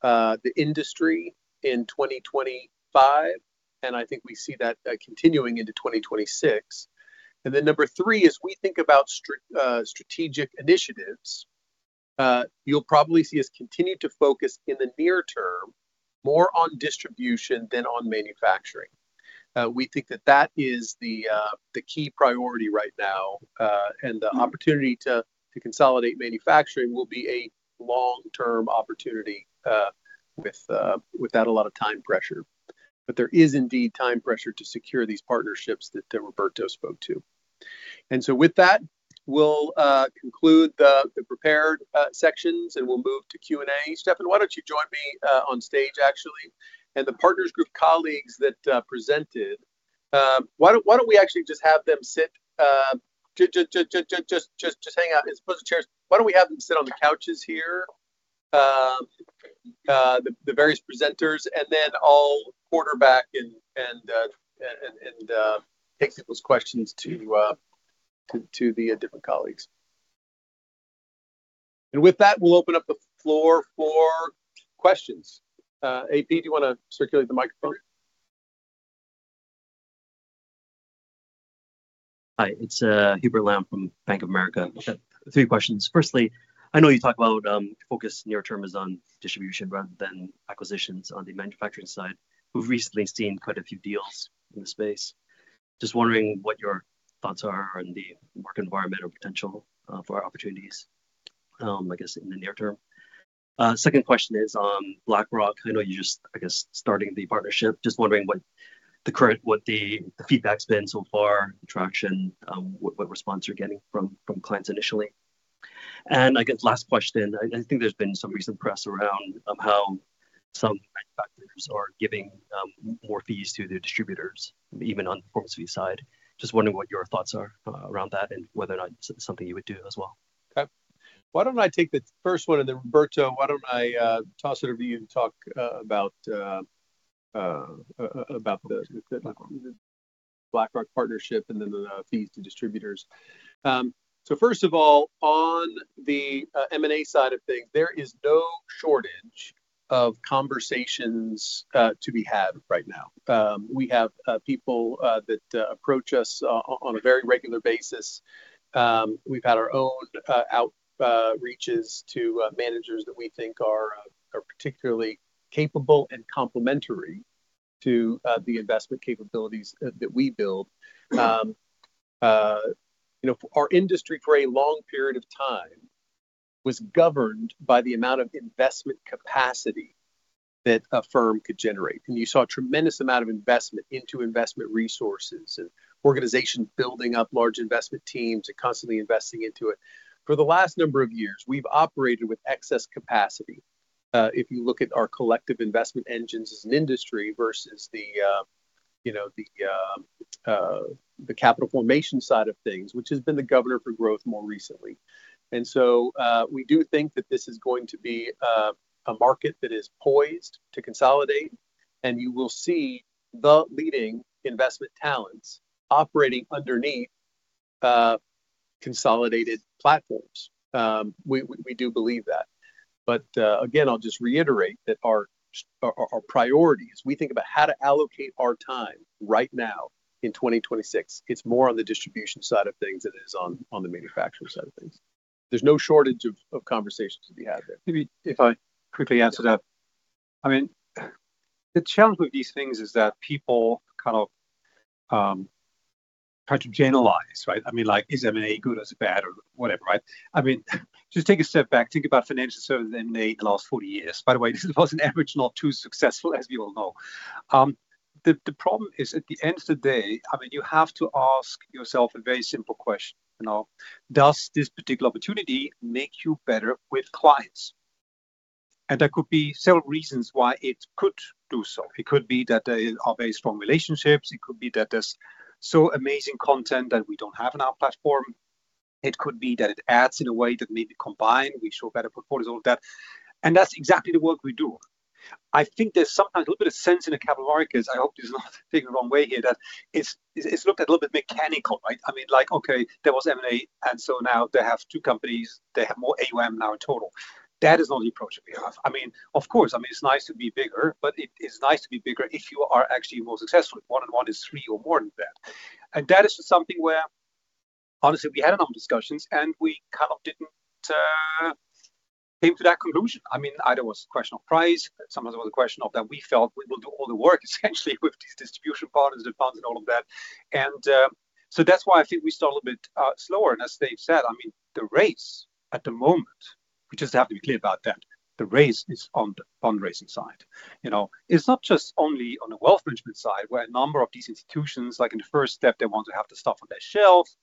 the industry in 2025, and I think we see that continuing into 2026. Number three, as we think about strategic initiatives, you'll probably see us continue to focus in the near term more on distribution than on manufacturing. We think that is the key priority right now. The opportunity to consolidate manufacturing will be a long-term opportunity with without a lot of time pressure. There is indeed time pressure to secure these partnerships that Roberto spoke to. With that, we'll conclude the prepared sections, and we'll move to Q&A. Steffen, why don't you join me on stage actually, and the Partners Group colleagues that presented. Why don't we actually just have them sit, just hang out. Let's pull the chairs. Why don't we have them sit on the couches here? The various presenters and then I'll quarterback and take those questions to the different colleagues. With that, we'll open up the floor for questions. AP, do you wanna circulate the microphone? Hi, it's Hubert Lam from Bank of America. I've got three questions. Firstly, I know you talk about focus near term is on distribution rather than acquisitions on the manufacturing side. We've recently seen quite a few deals in the space. Just wondering what your thoughts are on the market environment or potential for opportunities, I guess, in the near term. Second question is on BlackRock. I know you're just, I guess, starting the partnership. Just wondering what the feedback's been so far, traction, what response you're getting from clients initially. I guess last question, I think there's been some recent press around how some manufacturers are giving more fees to the distributors, even on the performance fee side. Just wondering what your thoughts are, around that and whether or not it's something you would do as well. Okay. Why don't I take the first one, and then Roberto, why don't I toss it over to you to talk about the BlackRock partnership and then the fees to distributors? First of all, on the M&A side of things, there is no shortage of conversations to be had right now. We have people that approach us on a very regular basis. We've had our own outreaches to managers that we think are particularly capable and complementary to the investment capabilities that we build. You know, our industry for a long period of time was governed by the amount of investment capacity that a firm could generate. You saw a tremendous amount of investment into investment resources and organizations building up large investment teams and constantly investing into it. For the last number of years, we've operated with excess capacity. If you look at our collective investment engines as an industry versus the, you know, the capital formation side of things, which has been the governor for growth more recently. We do think that this is going to be a market that is poised to consolidate, and you will see the leading investment talents operating underneath consolidated platforms. We do believe that. Again, I'll just reiterate that our priority as we think about how to allocate our time right now in 2026, it's more on the distribution side of things than it is on the manufacturing side of things. There's no shortage of conversations to be had there. Maybe if I quickly answer that. I mean, the challenge with these things is that people kind of try to generalize, right? I mean, like, is M&A good or is it bad or whatever, right? I mean, just take a step back. Think about financial services M&A in the last 40 years. By the way, this was on average not too successful, as we all know. The problem is, at the end of the day, I mean, you have to ask yourself a very simple question. You know, does this particular opportunity make you better with clients? There could be several reasons why it could do so. It could be that there are very strong relationships. It could be that there's so amazing content that we don't have on our platform. It could be that it adds in a way that maybe combined we show better performance, all of that. That's exactly the work we do. I think there's sometimes a little bit of sense in the capital markets. I hope this is not taken the wrong way here, that it's looked at a little bit mechanical, right? I mean, like, okay, there was M&A, and so now they have two companies. They have more AUM now in total. That is not the approach that we have. I mean, of course, it's nice to be bigger, but it is nice to be bigger if you are actually more successful. One and one is three or more than that. That is just something where honestly, we had a number of discussions, and we kind of did come to that conclusion. I mean, either it was a question of price. Sometimes it was a question of that we felt we will do all the work essentially with these distribution partners and funds and all of that. So that's why I think we start a little bit slower. As Dave said, I mean, the race at the moment, we just have to be clear about that. The race is on the fundraising side. You know, it's not just only on the wealth management side, where a number of these institutions, like in the first step, they want to have the stuff on their shelves.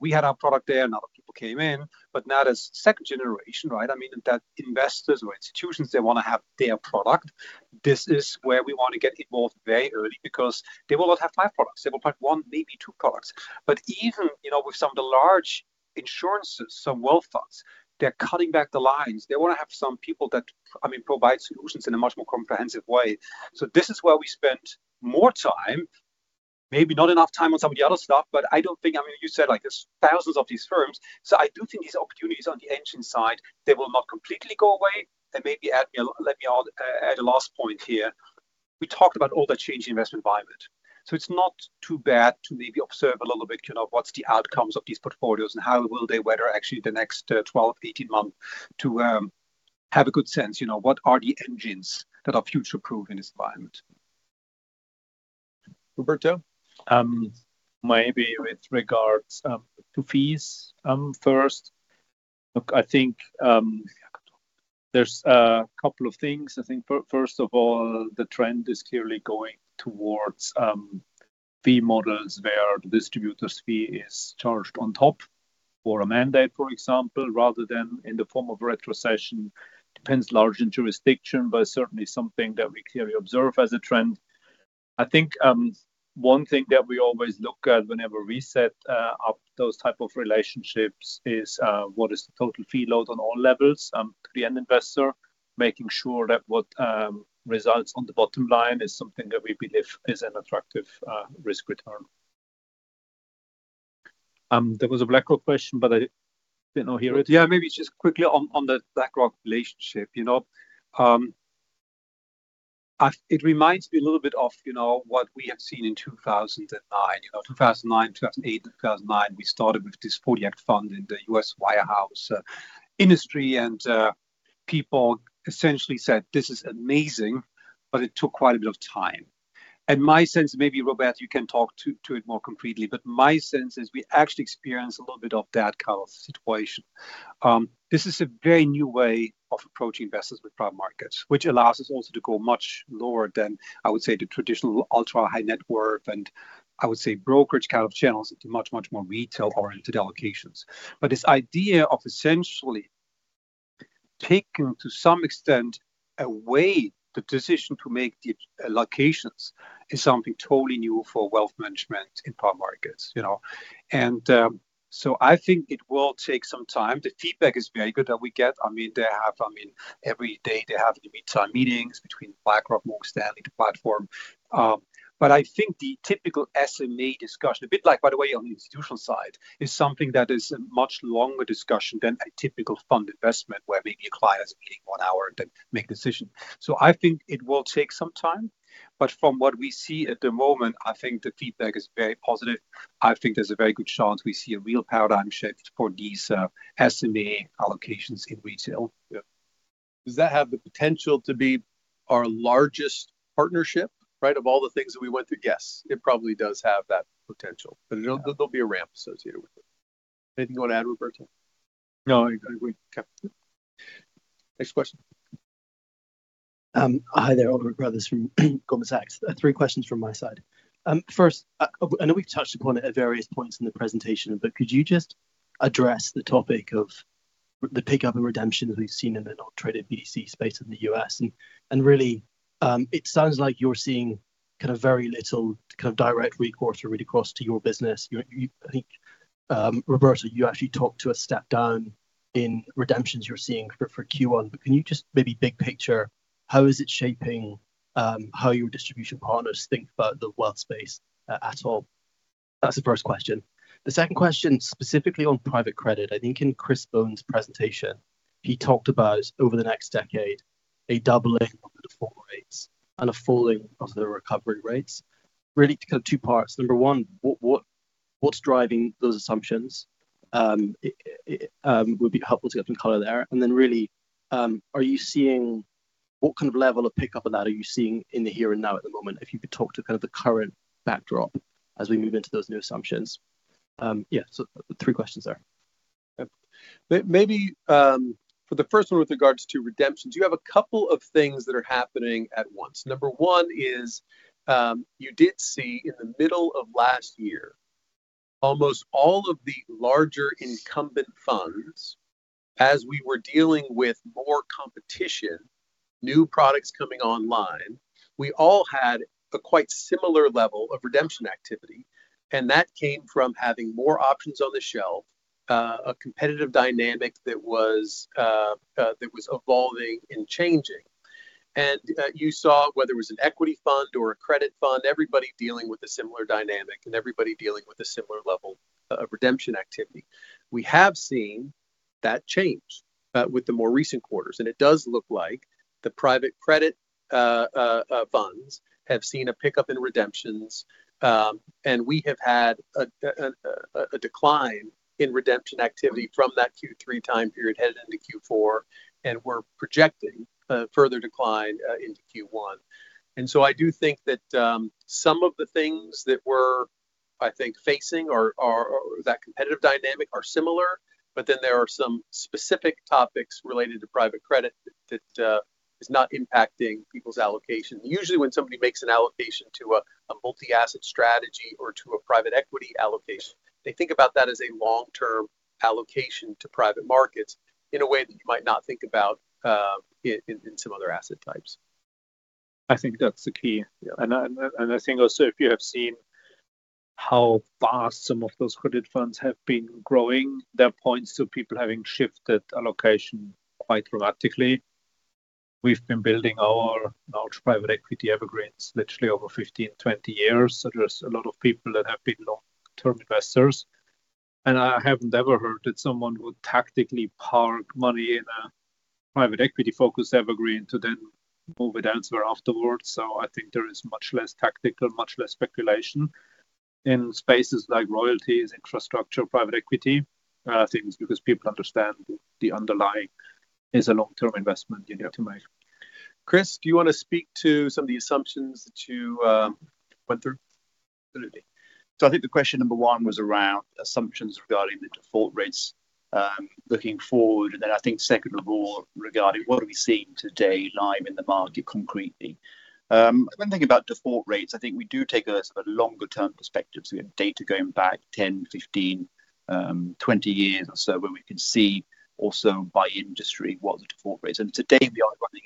We had our product there, and other people came in. But now there's second generation, right? I mean, those investors or institutions, they wanna have their product. This is where we want to get involved very early because they will not have five products. They will have one, maybe two products. Even, you know, with some of the large insurances, some wealth funds, they're cutting back the lines. They wanna have some people that, I mean, provide solutions in a much more comprehensive way. This is where we spent more time, maybe not enough time on some of the other stuff, but I don't think. I mean, you said, like, there's thousands of these firms. I do think these opportunities on the engine side, they will not completely go away. Let me add a last point here. We talked about all the changing investment environment. It's not too bad to maybe observe a little bit, you know, what's the outcomes of these portfolios and how will they weather actually the next 12-18 months to have a good sense, you know, what are the engines that are future-proof in this environment. Roberto? Maybe with regards to fees first. Look, I think there's a couple of things. I think first of all, the trend is clearly going towards fee models where the distributor's fee is charged on top for a mandate, for example, rather than in the form of retrocession. Depends largely on jurisdiction, but certainly something that we clearly observe as a trend. I think one thing that we always look at whenever we set up those type of relationships is what is the total fee load on all levels to the end investor, making sure that what results on the bottom line is something that we believe is an attractive risk return. There was a BlackRock question, but I did not hear it. Yeah, maybe just quickly on the BlackRock relationship. You know, it reminds me a little bit of, you know, what we have seen in 2009. You know, 2008 and 2009, we started with this 1940 Act fund in the U.S. wirehouse industry. People essentially said, "This is amazing," but it took quite a bit of time. My sense, maybe, Roberto, you can talk to it more concretely, but my sense is we actually experience a little bit of that kind of situation. This is a very new way of approaching investors with private markets, which allows us also to go much lower than, I would say, the traditional ultra-high net worth and, I would say, brokerage kind of channels into much, much more retail-oriented allocations. This idea of essentially taking to some extent away the decision to make the allocations is something totally new for wealth management in private markets, you know? I think it will take some time. The feedback is very good that we get. I mean, every day they have in the meantime meetings between BlackRock, Morgan Stanley, the platform. I think the typical SMA discussion, a bit like, by the way, on the institutional side, is something that is a much longer discussion than a typical fund investment, where maybe a client has a meeting one hour, then make decision. I think it will take some time, but from what we see at the moment, I think the feedback is very positive. I think there's a very good chance we see a real paradigm shift for these, SMA allocations in retail. Yeah. Does that have the potential to be our largest partnership, right? Of all the things that we went through, yes, it probably does have that potential, but it'll, there'll be a ramp associated with it. Anything you wanna add, Roberto? No, I agree. Okay. Next question. Hi there. Oliver Carruthers from Goldman Sachs. Three questions from my side. First, I know we've touched upon it at various points in the presentation, but could you just address the topic of the pickup and redemption that we've seen in the non-traded BDC space in the U.S.? Really, it sounds like you're seeing kind of very little kind of direct recourse or read across to your business. I think, Roberto, you actually talked to a step down in redemptions you're seeing for Q1. But can you just maybe big picture, how is it shaping how your distribution partners think about the whole space at all? That's the first question. The second question, specifically on private credit. I think in Chris Bone's presentation, he talked about over the next decade, a doubling of the default rates and a falling of the recovery rates. Really kind of two parts. Number one, what's driving those assumptions? It would be helpful to get some color there. Really, are you seeing what kind of level of pickup on that are you seeing in the here and now at the moment, if you could talk to kind of the current backdrop as we move into those new assumptions? Three questions there. Maybe, for the first one with regards to redemptions, you have a couple of things that are happening at once. Number one is, you did see in the middle of last year, almost all of the larger incumbent funds, as we were dealing with more competition, new products coming online, we all had a quite similar level of redemption activity, and that came from having more options on the shelf, a competitive dynamic that was evolving and changing. You saw whether it was an equity fund or a credit fund, everybody dealing with a similar dynamic and everybody dealing with a similar level of redemption activity. We have seen that change with the more recent quarters, and it does look like the private credit funds have seen a pickup in redemptions. We have had a decline in redemption activity from that Q3 time period heading into Q4, and we're projecting a further decline into Q1. I do think that some of the things that we're facing or that competitive dynamic are similar. There are some specific topics related to private credit that is not impacting people's allocation. Usually, when somebody makes an allocation to a multi-asset strategy or to a private equity allocation, they think about that as a long-term allocation to private markets in a way that you might not think about in some other asset types. I think that's the key. Yeah. I think also if you have seen how fast some of those credit funds have been growing, it points to people having shifted allocation quite dramatically. We've been building our large private equity evergreens literally over 15, 20 years. There's a lot of people that have been long-term investors. I have never heard that someone would tactically park money in a private equity-focused evergreen to then move it elsewhere afterwards. I think there is much less tactical, much less speculation in spaces like royalties, infrastructure, private equity, things because people understand the underlying is a long-term investment you need to make. Chris, do you wanna speak to some of the assumptions that you went through? Absolutely. I think the question number one was around assumptions regarding the default rates, looking forward. I think second of all, regarding what are we seeing today live in the market concretely. When thinking about default rates, I think we do take a longer-term perspective. We have data going back 10, 15, 20 years or so, where we can see also by industry what are the default rates. Today we are running-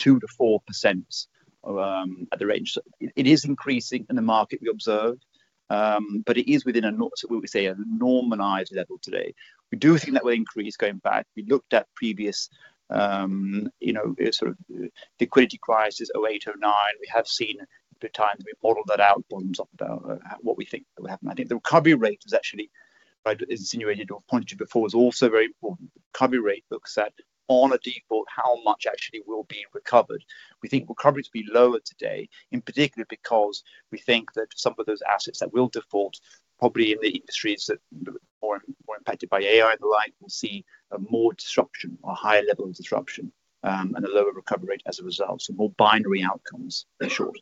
2%-4% in the range. It is increasing in the market we observed, but it is within what we say a normalized level today. We do think that will increase going back. We looked at previous, you know, sort of liquidity crisis 2008, 2009. We have seen the times we modeled that out bottoms up about what we think will happen. I think the recovery rate is actually, as I insinuated or pointed to before, is also very important. Recovery rate looks at on a default, how much actually will be recovered. We think recovery to be lower today, in particular because we think that some of those assets that will default probably in the industries that more impacted by AI and the like will see more disruption or higher level of disruption, and a lower recovery rate as a result. More binary outcomes for sure.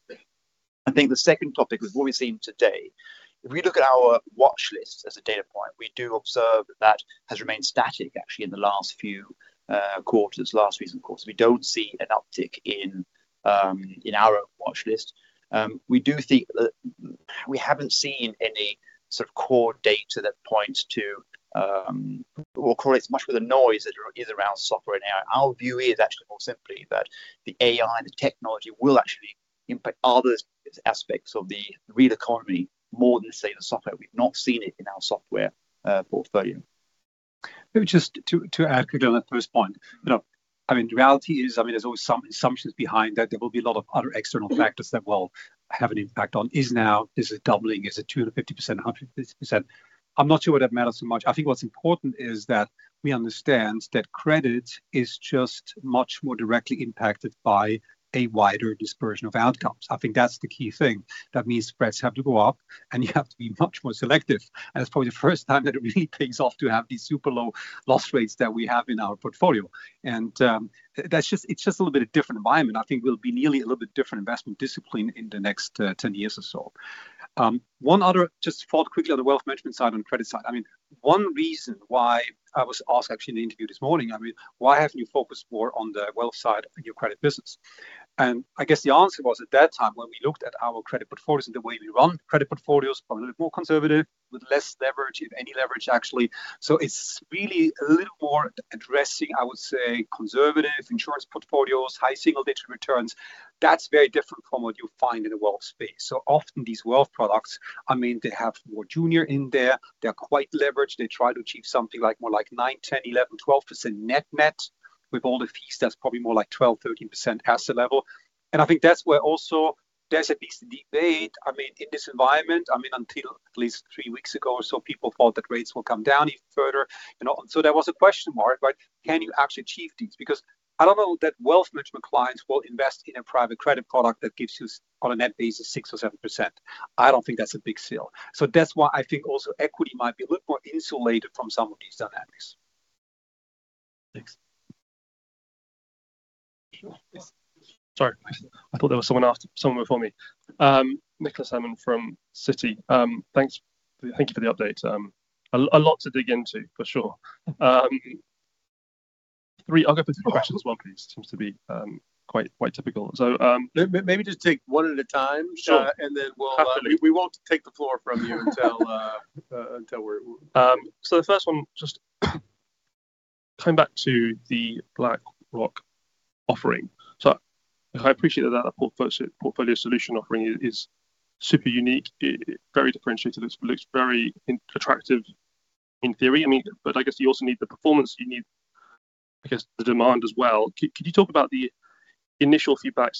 I think the second topic with what we're seeing today, if we look at our watch list as a data point, we do observe that has remained static actually in the last few recent quarters. We don't see an uptick in our watch list. We do think we haven't seen any sort of core data that points to or correlates much with the noise that is around software and AI. Our view is actually more simply that the AI and the technology will actually impact other aspects of the real economy more than, say, the software. We've not seen it in our software portfolio. Maybe just to add quickly on that first point. You know, I mean, the reality is, I mean, there's always some assumptions behind that. There will be a lot of other external factors that will have an impact on, is now, is it doubling, is it 250%, 150%? I'm not sure whether it matters so much. I think what's important is that we understand that credit is just much more directly impacted by a wider dispersion of outcomes. I think that's the key thing. That means spreads have to go up, and you have to be much more selective. It's probably the first time that it really pays off to have these super low loss rates that we have in our portfolio. It's just a little bit of different environment. I think we'll be needing a little bit different investment discipline in the next 10 years or so. One other just thought quickly on the wealth management side, on credit side. I mean, one reason why I was asked actually in the interview this morning, I mean, why haven't you focused more on the wealth side of your credit business? I guess the answer was, at that time, when we looked at our credit portfolios and the way we run credit portfolios, probably a little more conservative with less leverage, if any leverage, actually. It's really a little more addressing, I would say, conservative insurance portfolios, high single-digit returns. That's very different from what you find in the wealth space. Often these wealth products, I mean, they have more junior in there. They're quite leveraged. They try to achieve something like more like 9%, 10%, 11%, 12% net net. With all the fees, that's probably more like 12%, 13% asset level. I think that's where also there's at least a debate. I mean, in this environment, I mean, until at least three weeks ago or so, people thought that rates will come down even further. You know, so there was a question mark, but can you actually achieve these? Because I don't know that wealth management clients will invest in a private credit product that gives you, on a net basis, 6% or 7%. I don't think that's a big sell. That's why I think also equity might be a little more insulated from some of these dynamics. Thanks. Sorry, I thought there was someone before me. Nicholas Herman from Citi. Thanks. Thank you for the update. A lot to dig into, for sure. I'll go for three questions, one please. Seems to be quite typical. Maybe just take one at a time. Sure. We'll. Absolutely. We won't take the floor from you until we're. The first one, just coming back to the BlackRock offering. I appreciate that portfolio solution offering is super unique, very differentiated. It looks very attractive in theory. I mean, but I guess you also need the performance. You need, I guess, the demand as well. Can you talk about the initial feedback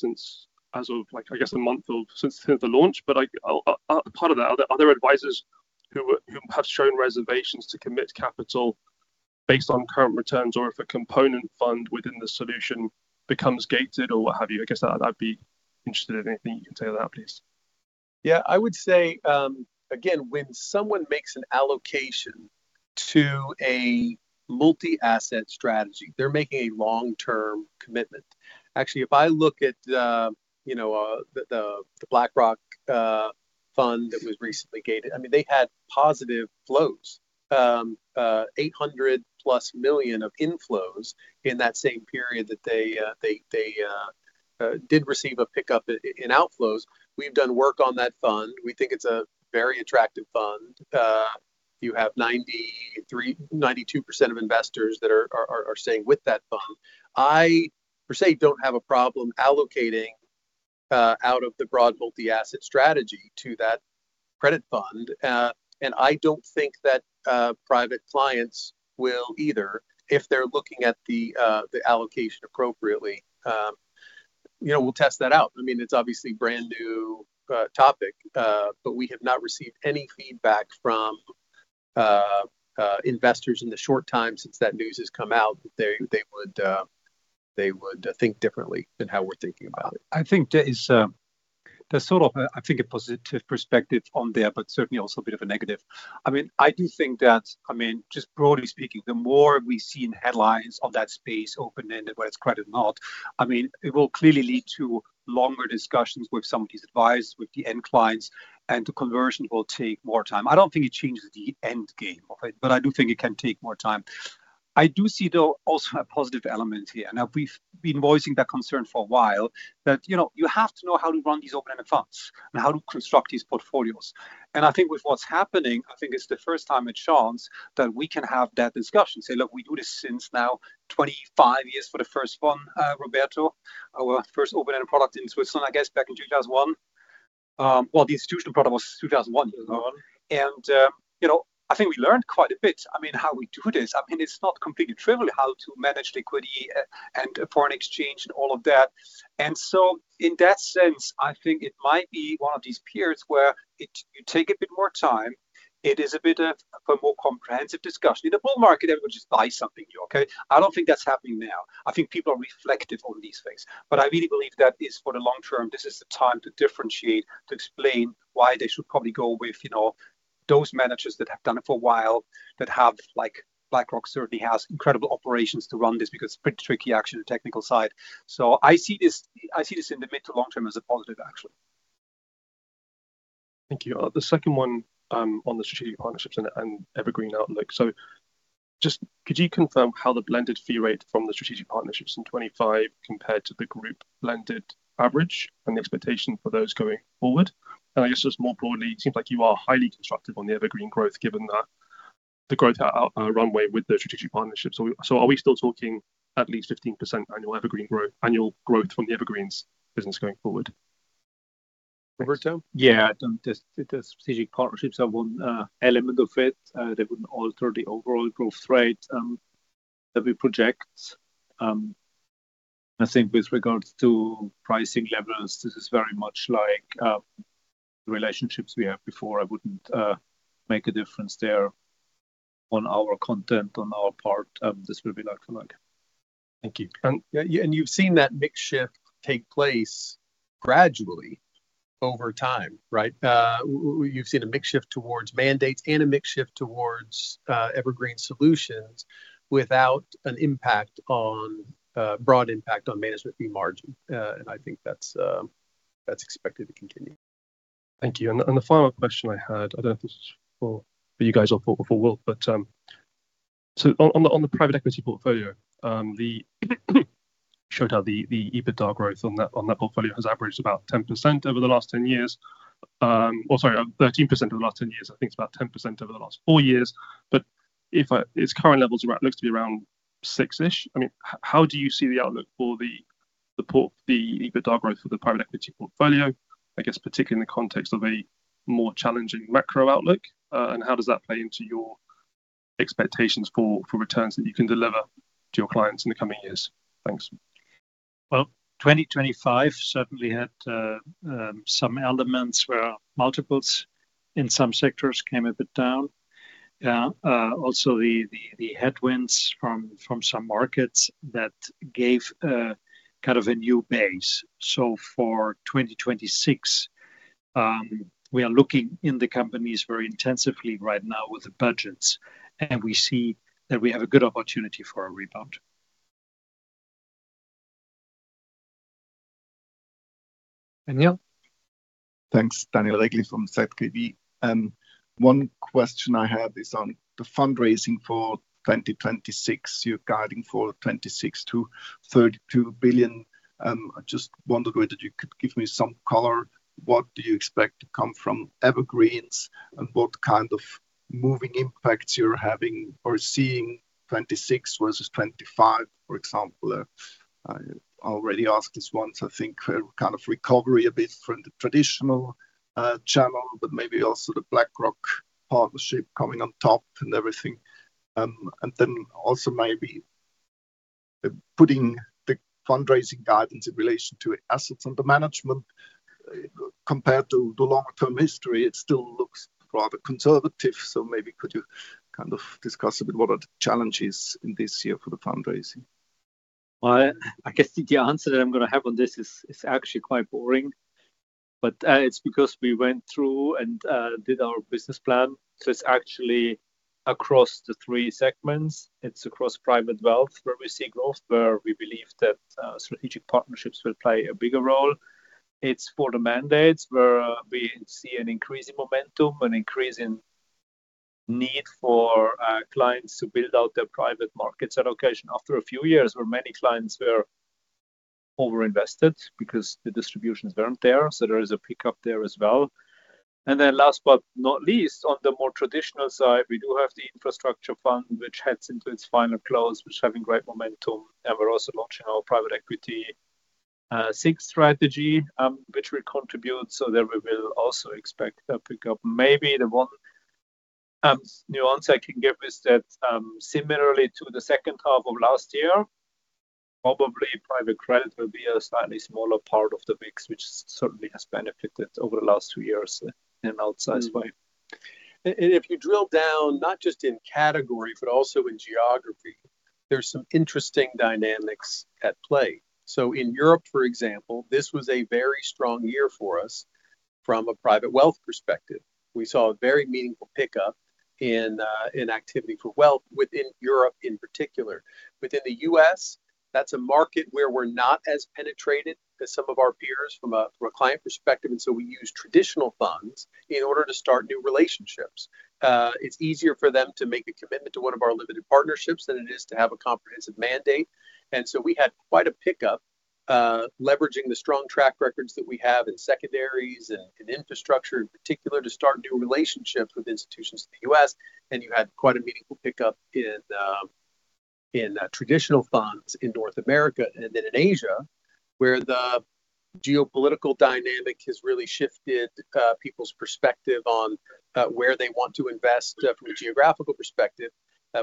as of, like, a month or since the launch? Part of that, are there advisors who have shown reservations to commit capital based on current returns or if a component fund within the solution becomes gated or what have you? I guess I'd be interested in anything you can say on that, please. Yeah. I would say, again, when someone makes an allocation to a multi-asset strategy, they're making a long-term commitment. Actually, if I look at, you know, the BlackRock fund that was recently gated, I mean, they had positive flows. $800+ million of inflows in that same period that they did receive a pickup in outflows. We've done work on that fund. We think it's a very attractive fund. You have 92% of investors that are staying with that fund. I per se don't have a problem allocating out of the broad multi-asset strategy to that credit fund. I don't think that private clients will either if they're looking at the allocation appropriately. You know, we'll test that out. I mean, it's obviously brand-new topic, but we have not received any feedback from investors in the short time since that news has come out that they would think differently than how we're thinking about it. I think there is, there's sort of, I think a positive perspective on there, but certainly also a bit of a negative. I mean, I do think that, I mean, just broadly speaking, the more we see in headlines of that space, open-ended, whether it's credit or not, I mean, it will clearly lead to longer discussions with some of these advisors, with the end clients, and the conversion will take more time. I don't think it changes the end game of it, but I do think it can take more time. I do see, though, also a positive element here. Now, we've been voicing that concern for a while, that, you know, you have to know how to run these open-ended funds and how to construct these portfolios. I think with what's happening, I think it's the first time at Schanz that we can have that discussion. Say, look, we do this since now 25 years for the first one, Roberto, our first open-ended product in Switzerland, I guess back in 2001. Well, the institutional product was 2001. You know, I think we learned quite a bit. I mean, how we do this, I mean, it's not completely trivial how to manage liquidity and foreign exchange and all of that. In that sense, I think it might be one of these periods where you take a bit more time. It is a bit of a more comprehensive discussion. In a bull market, everyone just buys something new, okay? I don't think that's happening now. I think people are reflective on these things, but I really believe that is for the long term, this is the time to differentiate, to explain why they should probably go with, you know, those managers that have done it for a while, that have like BlackRock certainly has incredible operations to run this because it's pretty tricky actually, the technical side. I see this in the mid to long term as a positive, actually. Thank you. The second one, on the strategic partnerships and evergreen outlook. Just could you confirm how the blended fee rate from the strategic partnerships in 2025 compared to the group blended average and the expectation for those going forward? I guess just more broadly, it seems like you are highly constructive on the evergreen growth, given that the growth runway with the strategic partnerships. Are we still talking at least 15% annual evergreen growth, annual growth from the evergreens business going forward? Roberto? Yeah. The strategic partnerships are one element of it. They wouldn't alter the overall growth rate that we project. I think with regards to pricing levels, this is very much like the relationships we had before. I wouldn't make a difference there on our content on our part. This will be like for like. Thank you. You've seen that mix shift take place gradually over time, right? You've seen a mix shift towards mandates and a mix shift towards evergreen solutions without a broad impact on management fee margin. I think that's expected to continue. Thank you. The final question I had, I don't know if this is for you guys or for Will, but so on the private equity portfolio, showed how the EBITDA growth on that portfolio has averaged about 10% over the last 10 years. Or sorry, 13% over the last 10 years. I think it's about 10% over the last four years. If its current levels are at, looks to be around 6%, I mean, how do you see the outlook for the EBITDA growth of the private equity portfolio, I guess, particularly in the context of a more challenging macro outlook? And how does that play into your expectations for returns that you can deliver to your clients in the coming years? Thanks. Well, 2025 certainly had some elements where multiples in some sectors came a bit down. Also, the headwinds from some markets that gave kind of a new base. For 2026, we are looking in the companies very intensively right now with the budgets, and we see that we have a good opportunity for a rebound. Daniel? Thanks. Daniel Regli from ZKB. One question I have is on the fundraising for 2026. You're guiding for $26 billion-$32 billion. I just wondered whether you could give me some color. What do you expect to come from evergreens and what kind of macro impacts you're having or seeing 2026 versus 2025, for example? I've already asked this once, I think, kind of recovery a bit from the traditional channel, but maybe also the BlackRock partnership coming on top and everything. And then also maybe putting the fundraising guidance in relation to assets under management compared to the long-term history, it still looks rather conservative. Maybe could you kind of discuss a bit what are the challenges in this year for the fundraising? Well, I guess the answer that I'm gonna have on this is actually quite boring, but it's because we went through and did our business plan. It's actually across the three segments. It's across private wealth, where we see growth, where we believe that strategic partnerships will play a bigger role. It's for the mandates where we see an increase in momentum, an increase in need for our clients to build out their private markets allocation after a few years where many clients were overinvested because the distributions weren't there. There is a pickup there as well. Then last but not least, on the more traditional side, we do have the infrastructure fund, which heads into its final close, which is having great momentum. We're also launching our private equity sixth strategy, which will contribute, so there we will also expect a pickup. Maybe the one nuance I can give is that, similarly to the second half of last year, probably private credit will be a slightly smaller part of the mix, which certainly has benefited over the last two years in an outsized way. If you drill down, not just in category, but also in geography, there's some interesting dynamics at play. In Europe, for example, this was a very strong year for us from a private wealth perspective. We saw a very meaningful pickup in activity for wealth within Europe in particular. Within the U.S., that's a market where we're not as penetrated as some of our peers from a client perspective, and we use traditional funds in order to start new relationships. It's easier for them to make a commitment to one of our limited partnerships than it is to have a comprehensive mandate. We had quite a pickup, leveraging the strong track records that we have in secondaries and infrastructure in particular, to start new relationships with institutions in the U.S. You had quite a meaningful pickup in traditional funds in North America and then in Asia, where the geopolitical dynamic has really shifted people's perspective on where they want to invest from a geographical perspective.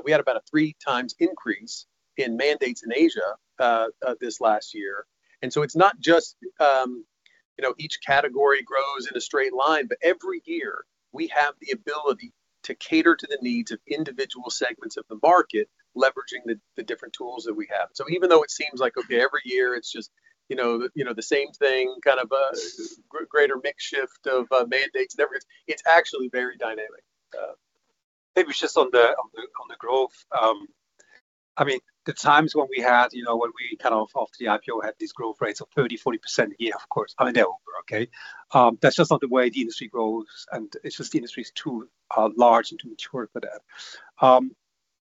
We had about a 3x increase in mandates in Asia this last year. It's not just you know, each category grows in a straight line, but every year we have the ability to cater to the needs of individual segments of the market, leveraging the different tools that we have. Even though it seems like, okay, every year it's just you know the same thing, kind of a greater mix shift of mandates and everything, it's actually very dynamic. Maybe it's just on the growth. I mean, the times when we had, you know, when we kind of after the IPO had these growth rates of 30, 40% a year, of course, I mean, they're over, okay? That's just not the way the industry grows, and it's just the industry is too large and too mature for that.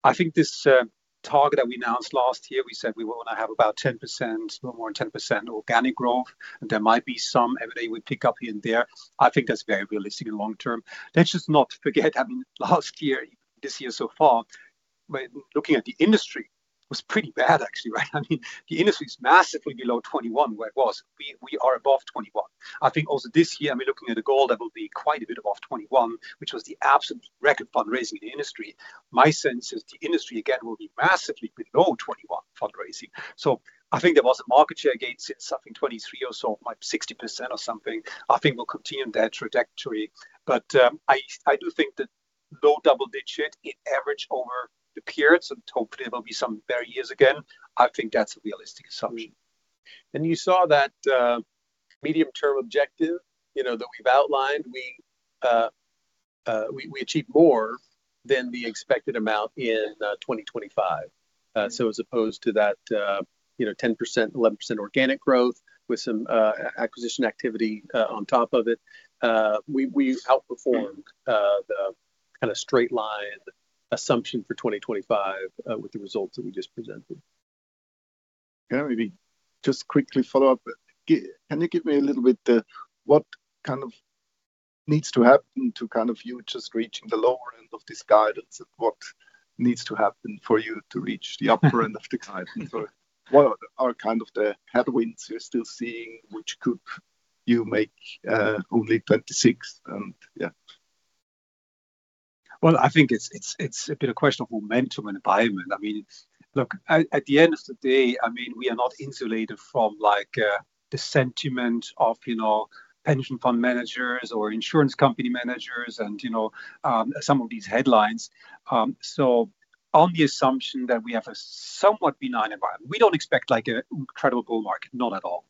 I think this target that we announced last year, we said we wanna have about 10%, no more than 10% organic growth, and there might be some M&A we pick up here and there. I think that's very realistic in the long term. Let's just not forget, I mean, last year, this year so far, when looking at the industry was pretty bad actually, right? I mean, the industry is massively below 2021 where it was. We are above 2021. I think also this year, I mean, looking at a goal that will be quite a bit above 2021, which was the absolute record fundraising in the industry. My sense is the industry again will be massively below 2021 fundraising. I think there was a market share gain since I think 2023 or so, like 60% or something. I think we'll continue in that trajectory. I do think that low double digit in average over the periods, and hopefully there will be some better years again. I think that's a realistic assumption. You saw that medium-term objective, you know, that we've outlined. We achieved more than the expected amount in 2025. As opposed to that, you know, 10%, 11% organic growth with some acquisition activity on top of it, we outperformed the kinda straight line assumption for 2025 with the results that we just presented. Can I maybe just quickly follow up? Can you give me a little bit what kind of needs to happen to kind of you just reaching the lower end of this guidance? What needs to happen for you to reach the upper end of the guidance? What are kind of the headwinds you're still seeing, which could make you only 26 and yeah. Well, I think it's a bit of a question of momentum and environment. I mean, look, at the end of the day, I mean, we are not insulated from like the sentiment of, you know, pension fund managers or insurance company managers and, you know, some of these headlines. So on the assumption that we have a somewhat benign environment, we don't expect like an incredible bull market, not at all.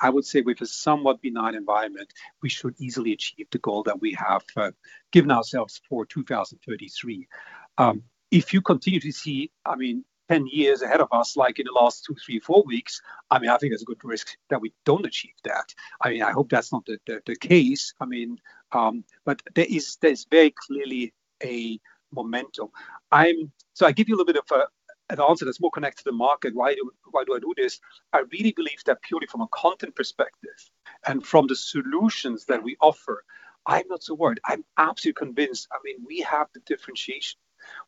I would say with a somewhat benign environment, we should easily achieve the goal that we have given ourselves for 2033. If you continue to see, I mean, 10 years ahead of us, like in the last two, three, four weeks, I mean, I think there's a good risk that we don't achieve that. I mean, I hope that's not the case. I mean, there is very clearly a momentum. I give you a little bit of an answer that's more connected to market. Why do I do this? I really believe that purely from a content perspective and from the solutions that we offer, I'm not so worried. I'm absolutely convinced. I mean, we have the differentiation.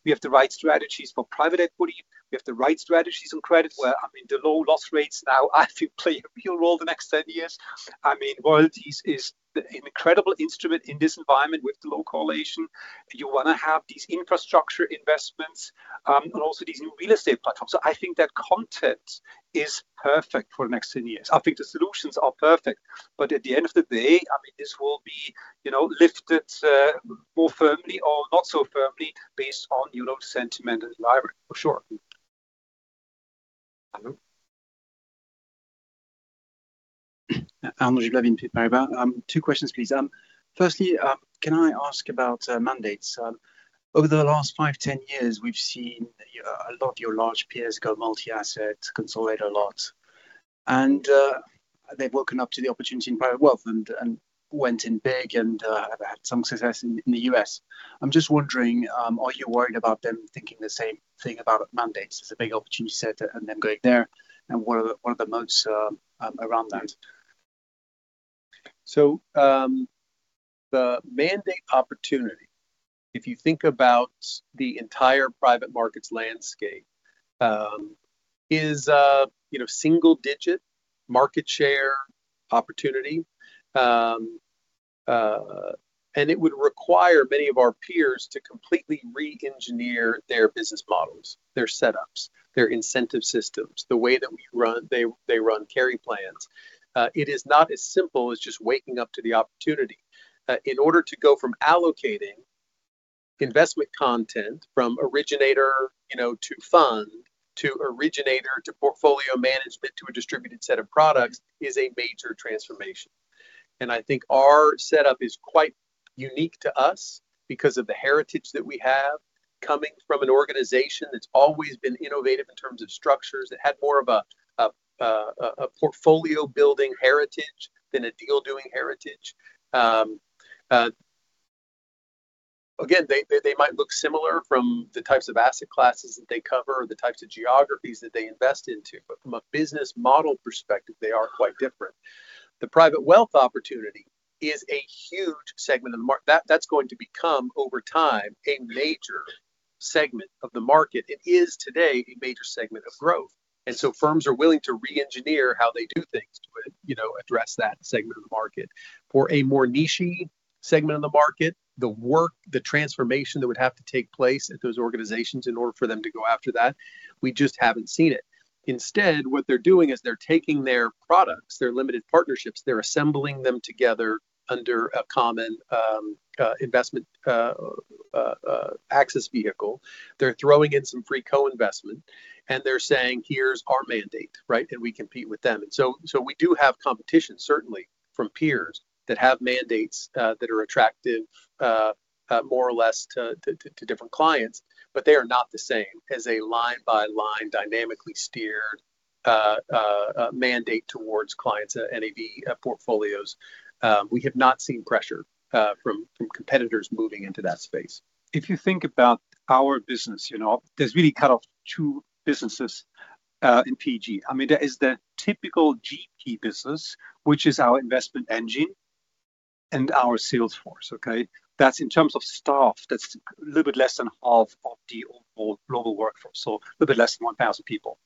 We have the right strategies for private equity. We have the right strategies on credit, where, I mean, the low loss rates now I think play a real role the next 10 years. I mean, world is an incredible instrument in this environment with the low correlation. You wanna have these infrastructure investments, and also these new real estate platforms. I think that content is perfect for the next 10 years. I think the solutions are perfect. At the end of the day, I mean, this will be, you know, lifted more firmly or not so firmly based on, you know, sentiment and environment. For sure. Arnaud? Arnaud Giblat, Exane. Two questions, please. Firstly, can I ask about mandates? Over the last five, 10 years, we've seen a lot of your large peers go multi-asset, consolidate a lot, and they've woken up to the opportunity in private wealth and went in big and have had some success in the U.S. I'm just wondering, are you worried about them thinking the same thing about mandates as a big opportunity set and them going there? What are the moats around that? The mandate opportunity, if you think about the entire private markets landscape, is, you know, single-digit market share opportunity. It would require many of our peers to completely re-engineer their business models, their setups, their incentive systems, the way they run carry plans. It is not as simple as just waking up to the opportunity. In order to go from allocating investment content from originator, you know, to fund to originator to portfolio management to a distributed set of products is a major transformation. I think our setup is quite unique to us because of the heritage that we have coming from an organization that's always been innovative in terms of structures. It had more of a portfolio building heritage than a deal doing heritage. Again, they might look similar from the types of asset classes that they cover or the types of geographies that they invest into, but from a business model perspective, they are quite different. The private wealth opportunity is a huge segment of the market that's going to become over time, a major segment of the market. It is today a major segment of growth. Firms are willing to re-engineer how they do things to, you know, address that segment of the market. For a more niche-y segment of the market, the work, the transformation that would have to take place at those organizations in order for them to go after that, we just haven't seen it. Instead, what they're doing is they're taking their products, their limited partnerships, they're assembling them together under a common investment access vehicle. They're throwing in some free co-investment, and they're saying, "Here's our mandate," right? "And we compete with them." We do have competition, certainly from peers that have mandates that are attractive, more or less to different clients. They are not the same as a line-by-line dynamically steered mandate towards clients, NAV portfolios. We have not seen pressure from competitors moving into that space. If you think about our business, you know, there's really kind of two businesses in PG. I mean, there is the typical GP business, which is our investment engine and our sales force, okay? That's in terms of staff, that's a little bit less than half of the overall global workforce, so a little bit less than 1,000 people.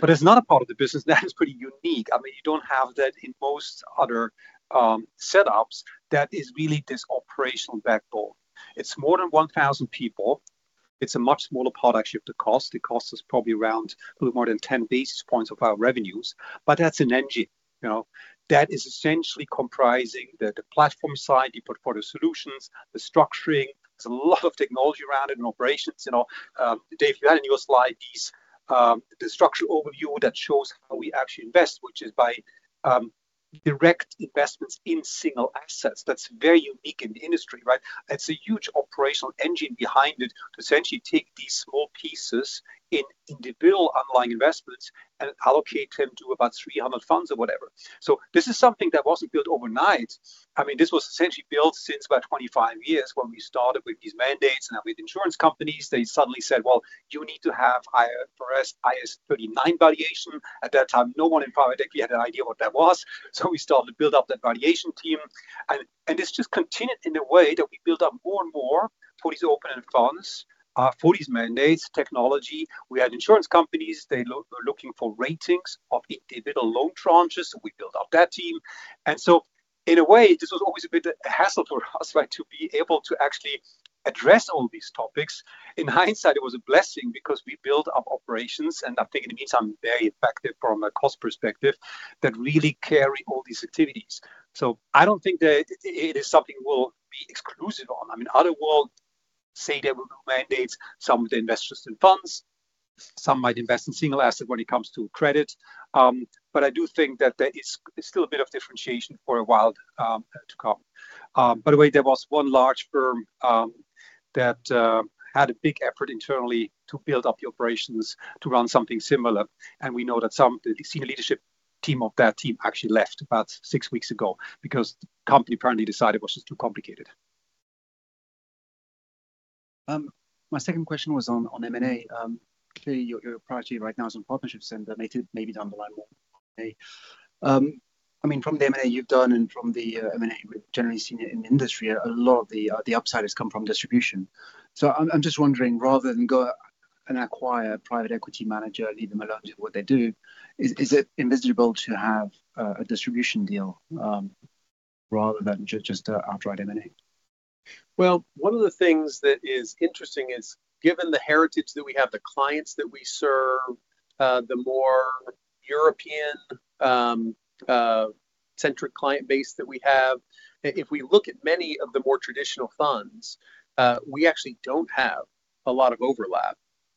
There's another part of the business that is pretty unique. I mean, you don't have that in most other setups that is really this operational backbone. It's more than 1,000 people. It's a much smaller product ship to cost. It costs us probably around a little more than 10 basis points of our revenues. That's an engine, you know. That is essentially comprising the platform side, the portfolio solutions, the structuring. There's a lot of technology around it and operations, you know. Dave, you had in your slide these, the structure overview that shows how we actually invest, which is by direct investments in single assets. That's very unique in the industry, right? That's a huge operational engine behind it to essentially take these small pieces in individual underlying investments and allocate them to about 300 funds or whatever. This is something that wasn't built overnight. I mean, this was essentially built since about 25 years when we started with these mandates and with insurance companies, they suddenly said, "Well, you need to have IAS 39 valuation." At that time, no one in private equity had an idea what that was. We started to build up that valuation team. This just continued in the way that we built up more and more for these open-end funds, for these mandates, technology. We had insurance companies, they were looking for ratings of individual loan tranches, and we built up that team. In a way, this was always a bit of a hassle for us, right, to be able to actually address all these topics. In hindsight, it was a blessing because we built up operations, and I think in some ways very effective from a cost perspective that really carry all these activities. I don't think that it is something we'll be exclusive on. I mean, others would say there will be mandates, some of the investors in funds, some might invest in single asset when it comes to credit. But I do think that there is still a bit of differentiation for a while to come. By the way, there was one large firm that had a big effort internally to build up the operations to run something similar. We know that the senior leadership team of that team actually left about six weeks ago because the company apparently decided it was just too complicated. My second question was on M&A. Clearly your priority right now is on partnerships and that may be down the line more M&A. I mean, from the M&A you've done and from the M&A we've generally seen in the industry, a lot of the upside has come from distribution. I'm just wondering, rather than go and acquire a private equity manager and leave them alone to do what they do, is it advisable to have a distribution deal rather than just outright M&A? Well, one of the things that is interesting is given the heritage that we have, the clients that we serve, the more European centric client base that we have. If we look at many of the more traditional funds, we actually don't have a lot of overlap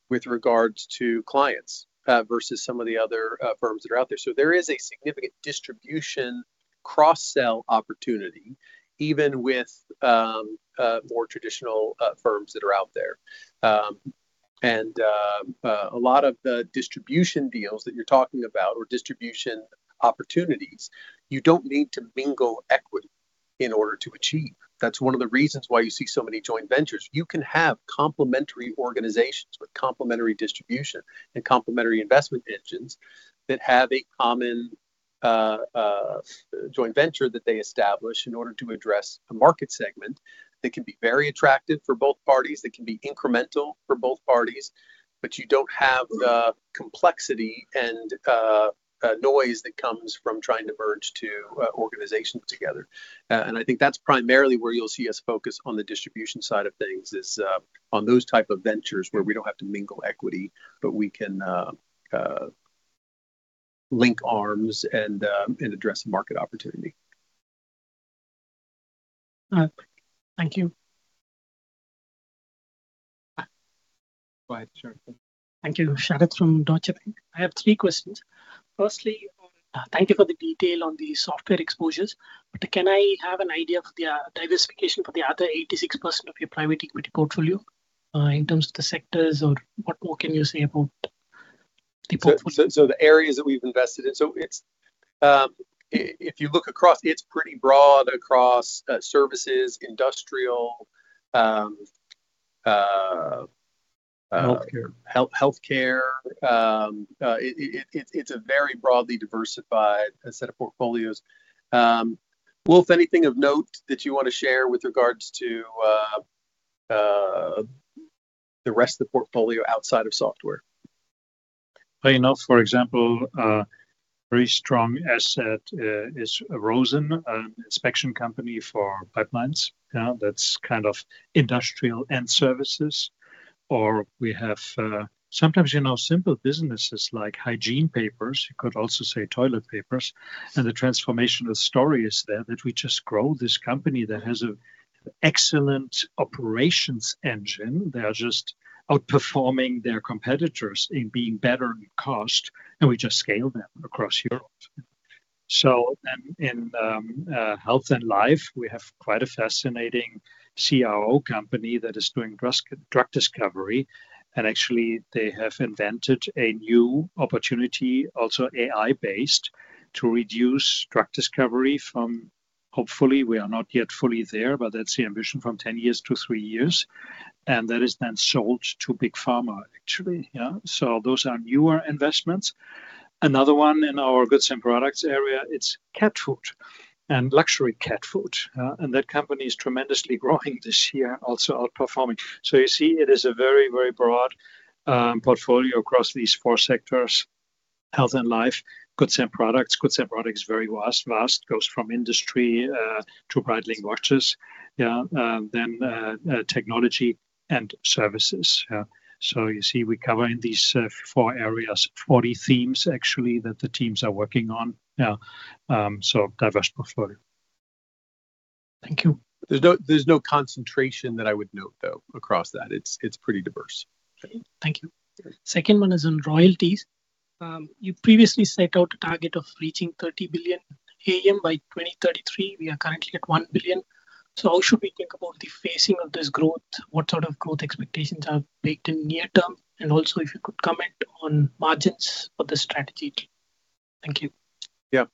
with regards to clients versus some of the other firms that are out there. There is a significant distribution cross-sell opportunity, even with more traditional firms that are out there. A lot of the distribution deals that you're talking about or distribution opportunities, you don't need to mingle equity in order to achieve. That's one of the reasons why you see so many joint ventures. You can have complementary organizations with complementary distribution and complementary investment engines that have a common joint venture that they establish in order to address a market segment that can be very attractive for both parties, that can be incremental for both parties. You don't have the complexity and noise that comes from trying to merge two organizations together. I think that's primarily where you'll see us focus on the distribution side of things is on those type of ventures where we don't have to mingle equity, but we can link arms and address the market opportunity. Thank you. Go ahead, Sharath. Thank you. Sharath from Deutsche Bank. I have three questions. Firstly, thank you for the detail on the software exposures. Can I have an idea for the diversification for the other 86% of your private equity portfolio in terms of the sectors or what more can you say about the portfolio? The areas that we've invested in. If you look across, it's pretty broad across services, industrial, healthcare. It's a very broadly diversified set of portfolios. Wolf, anything of note that you wanna share with regards to the rest of the portfolio outside of software? Well, you know, for example, very strong asset is ROSEN, an inspection company for pipelines. Yeah, that's kind of industrial and services. Or we have, sometimes, you know, simple businesses like hygiene papers, you could also say toilet papers. The transformational story is there, that we just grow this company that has an excellent operations engine. They are just outperforming their competitors in being better in cost, and we just scale them across Europe. In health and life, we have quite a fascinating CRO company that is doing drug discovery, and actually they have invented a new opportunity, also AI-based, to reduce drug discovery from hopefully, we are not yet fully there, but that's the ambition from 10 years to three years, and that is then sold to Big Pharma, actually. Yeah, those are newer investments. Another one in our goods and products area, it's cat food and luxury cat food. That company is tremendously growing this year, also outperforming. You see it is a very, very broad portfolio across these four sectors: health and life, goods and products. Goods and products, very vast. Goes from industry to Bridon-Bekaert. Then, technology and services. You see we cover in these four areas, 40 themes actually that the teams are working on. Diverse portfolio. Thank you. There's no concentration that I would note though, across that. It's pretty diverse. Thank you. Second one is on royalties. You previously set out a target of reaching $30 billion AUM by 2033. We are currently at $1 billion. How should we think about the phasing of this growth? What sort of growth expectations are baked in near term? Also if you could comment on margins for the strategy team. Thank you. Yeah.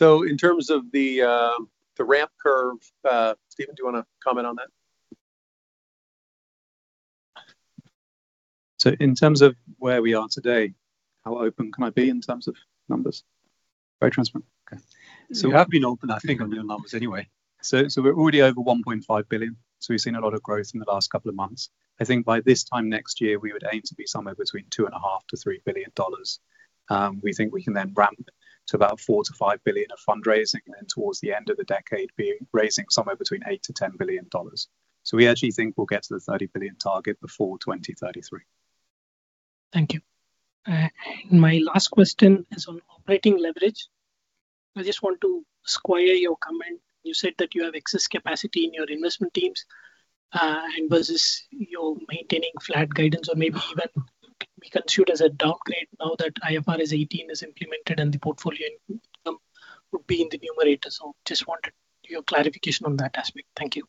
In terms of the ramp curve, Stephen, do you wanna comment on that? In terms of where we are today, how open can I be in terms of numbers? Very transparent. Okay. You have been open, I think, on real numbers anyway. We're already over $1.5 billion, so we've seen a lot of growth in the last couple of months. I think by this time next year, we would aim to be somewhere between $2.5 billion-$3 billion. We think we can then ramp to about $4 billion-$5 billion of fundraising, and towards the end of the decade, be raising somewhere between $8 billion-$10 billion. We actually think we'll get to the $30 billion target before 2033. Thank you. My last question is on operating leverage. I just want to square your comment. You said that you have excess capacity in your investment teams, and versus you maintaining flat guidance or maybe even can be considered as a downgrade now that IFRS 18 is implemented and the portfolio income would be in the numerator. Just wanted your clarification on that aspect. Thank you.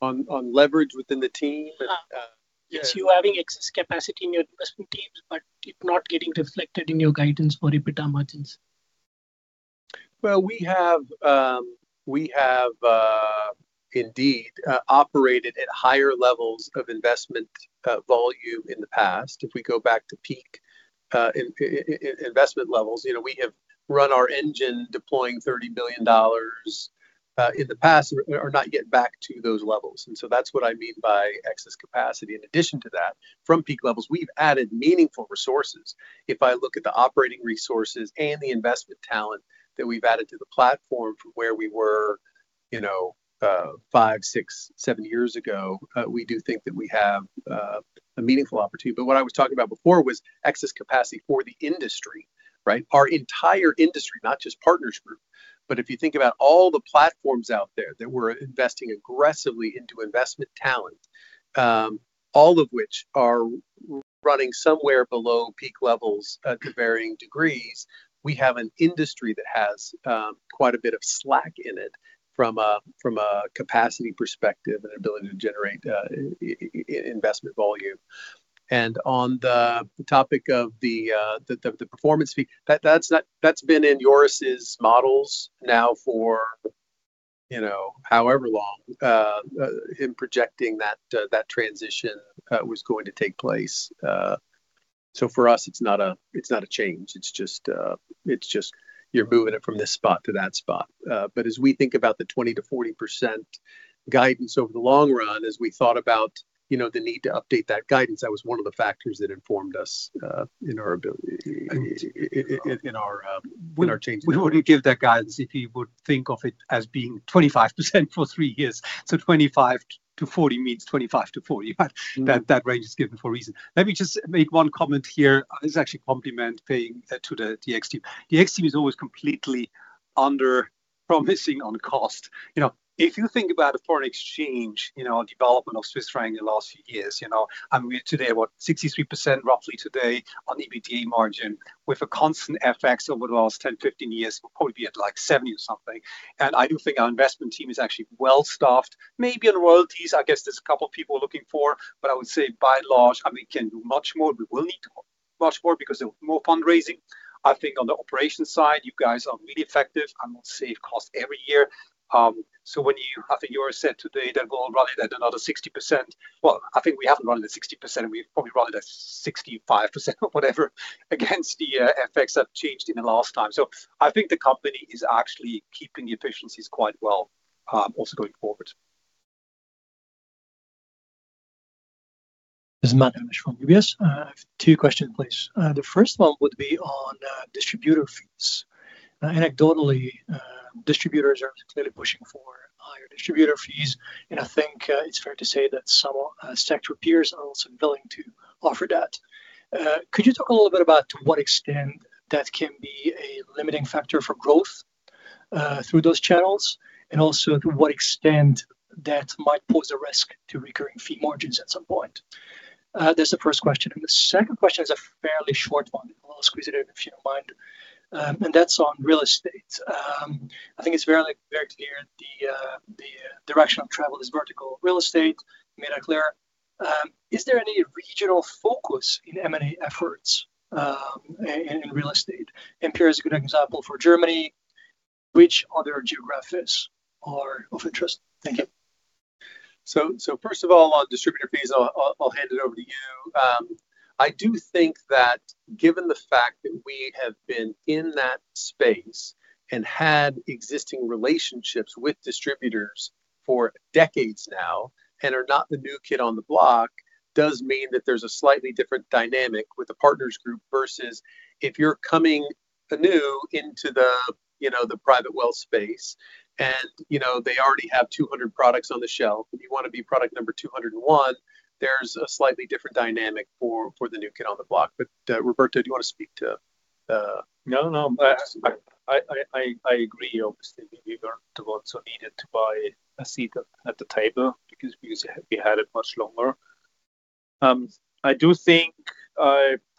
On leverage within the team? Yeah. Yes. You having excess capacity in your investment teams, but it not getting reflected in your guidance for EBITDA margins. Well, we have indeed operated at higher levels of investment volume in the past. If we go back to peak investment levels, you know, we have run our engine deploying $30 billion in the past. We're not yet back to those levels, and so that's what I mean by excess capacity. In addition to that, from peak levels, we've added meaningful resources. If I look at the operating resources and the investment talent that we've added to the platform from where we were, you know, five, six, seven years ago, we do think that we have a meaningful opportunity. What I was talking about before was excess capacity for the industry, right? Our entire industry, not just Partners Group. If you think about all the platforms out there that we're investing aggressively into investment talent, all of which are running somewhere below peak levels, to varying degrees. We have an industry that has quite a bit of slack in it from a capacity perspective and ability to generate investment volume. On the topic of the performance fee, that's been in Joris's models now for you know however long him projecting that that transition was going to take place. For us, it's not a change, it's just you're moving it from this spot to that spot. as we think about the 20%-40% guidance over the long run, as we thought about, you know, the need to update that guidance, that was one of the factors that informed us in our ability in our changing- We wouldn't give that guidance if you would think of it as being 25% for three years. 25%-40% means 25%-40%. That range is given for a reason. Let me just make one comment here. This is actually a compliment to the DX team. The EX team is always completely underpromising on cost. You know, if you think about a foreign exchange, you know, development of Swiss franc in the last few years, you know, and we're today, what, 63% roughly today on the EBITDA margin with a constant FX over the last 10, 15 years, we'll probably be at like 70 or something. I do think our investment team is actually well staffed. Maybe in royalties, I guess there's a couple of people we're looking for, but I would say by and large, I mean, we can do much more. We will need to. Much more because of more fundraising. I think on the operations side, you guys are really effective and will save costs every year. I think you said today the goal run it at another 60%. Well, I think we haven't run it at 60%. We've probably run it at 65% or whatever against the effects that changed in the last time. I think the company is actually keeping the efficiencies quite well, also going forward. This is Matthew Mish from UBS. I have two questions, please. The first one would be on distributor fees. Anecdotally, distributors are clearly pushing for higher distributor fees, and I think it's fair to say that some sector peers are also willing to offer that. Could you talk a little bit about to what extent that can be a limiting factor for growth through those channels? And also to what extent that might pose a risk to recurring fee margins at some point? That's the first question, and the second question is a fairly short one, a little inquisitive, if you don't mind. And that's on real estate. I think it's fairly very clear the direction of travel is vertical real estate. You made that clear. Is there any regional focus in M&A efforts in real estate? Here is a good example for Germany. Which other geographies are of interest? Thank you. First of all, on distributor fees, I'll hand it over to you. I do think that given the fact that we have been in that space and had existing relationships with distributors for decades now and are not the new kid on the block, does mean that there's a slightly different dynamic with the Partners Group versus if you're coming anew into the, you know, the private wealth space. You know, they already have 200 products on the shelf, and you wanna be product number 201, there's a slightly different dynamic for the new kid on the block. Roberto, do you wanna speak to No, no. I agree. Obviously, we weren't the ones who needed to buy a seat at the table because we used to have it much longer. I do think,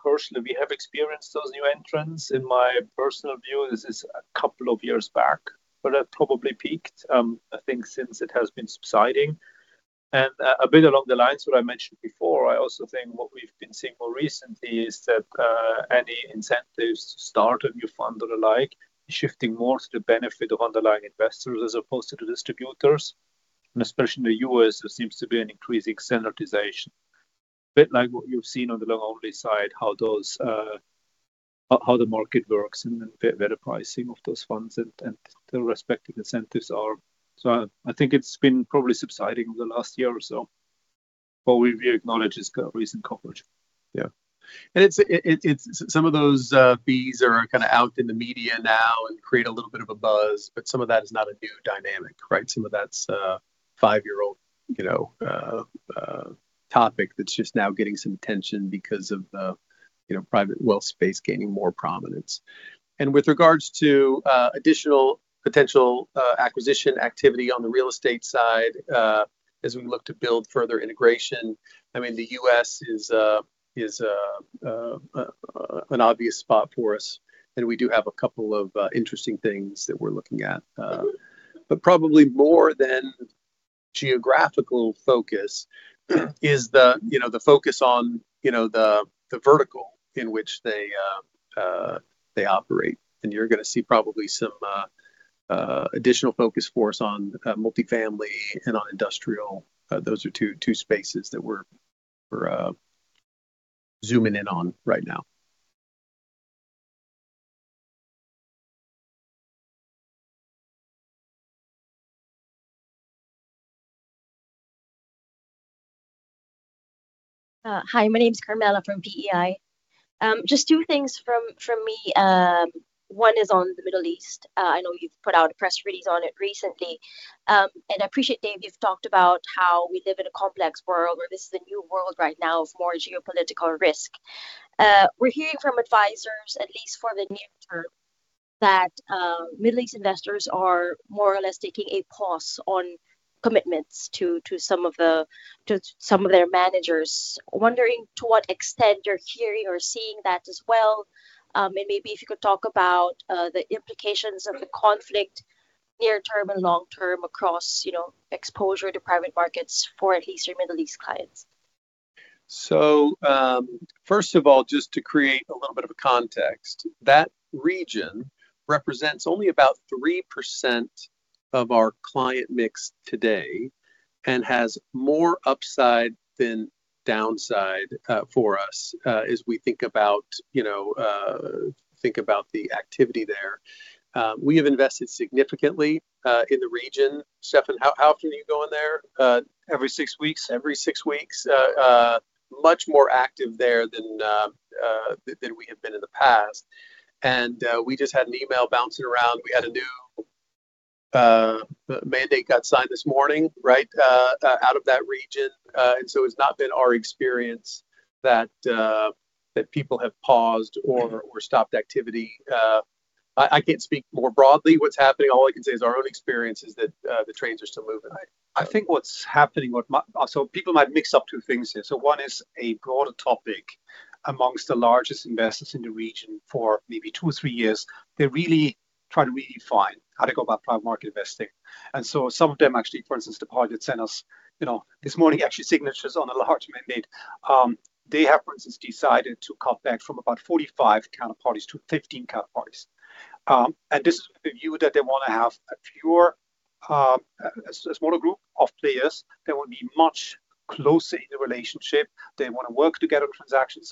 personally, we have experienced those new entrants. In my personal view, this is a couple of years back, but that probably peaked. I think since it has been subsiding. A bit along the lines of what I mentioned before, I also think what we've been seeing more recently is that, any incentives to start a new fund or the like shifting more to the benefit of underlying investors as opposed to the distributors. Especially in the U.S., there seems to be an increasing standardization. A bit like what you've seen on the long-only side, how the market works and the pricing of those funds and the respective incentives are. I think it's been probably subsiding over the last year or so. We acknowledge it's got recent coverage. It's some of those fees are kinda out in the media now and create a little bit of a buzz, but some of that is not a new dynamic, right? Some of that's a five-year-old, you know, topic that's just now getting some attention because of the, you know, private wealth space gaining more prominence. With regards to additional potential acquisition activity on the real estate side, as we look to build further integration, I mean, the U.S. is an obvious spot for us, and we do have a couple of interesting things that we're looking at. But probably more than geographical focus is the, you know, the focus on, you know, the vertical in which they operate. You're gonna see probably some additional focus for us on multifamily and on industrial. Those are two spaces that we're zooming in on right now. Hi, my name's Carmela from PEI. Just two things from me. One is on the Middle East. I know you've put out a press release on it recently. I appreciate, Dave, you've talked about how we live in a complex world where this is the new world right now of more geopolitical risk. We're hearing from advisors, at least for the near term, that Middle East investors are more or less taking a pause on commitments to some of their managers. Wondering to what extent you're hearing or seeing that as well. Maybe if you could talk about the implications of the conflict near term and long term across, you know, exposure to private markets for at least your Middle East clients. First of all, just to create a little bit of a context, that region represents only about 3% of our client mix today and has more upside than downside for us as we think about, you know, the activity there. We have invested significantly in the region. Steffen, how often are you going there? Every six weeks. Every six weeks. Much more active there than we have been in the past. We just had an email bouncing around. We had a new mandate got signed this morning, right, out of that region. It's not been our experience that people have paused or stopped activity. I can't speak more broadly what's happening. All I can say is our own experience is that the trains are still moving. I think what's happening, so people might mix up two things here. One is a broader topic amongst the largest investors in the region for maybe two, three years. They're really Try to redefine how to go about private market investing. Some of them actually, for instance, the Partners sent us, you know, this morning, actually signatures on a large mandate. They have, for instance, decided to cut back from about 45 counterparties to 15 counterparties. This is the view that they wanna have a fewer, a smaller group of players that will be much closer in the relationship. They wanna work together on transactions.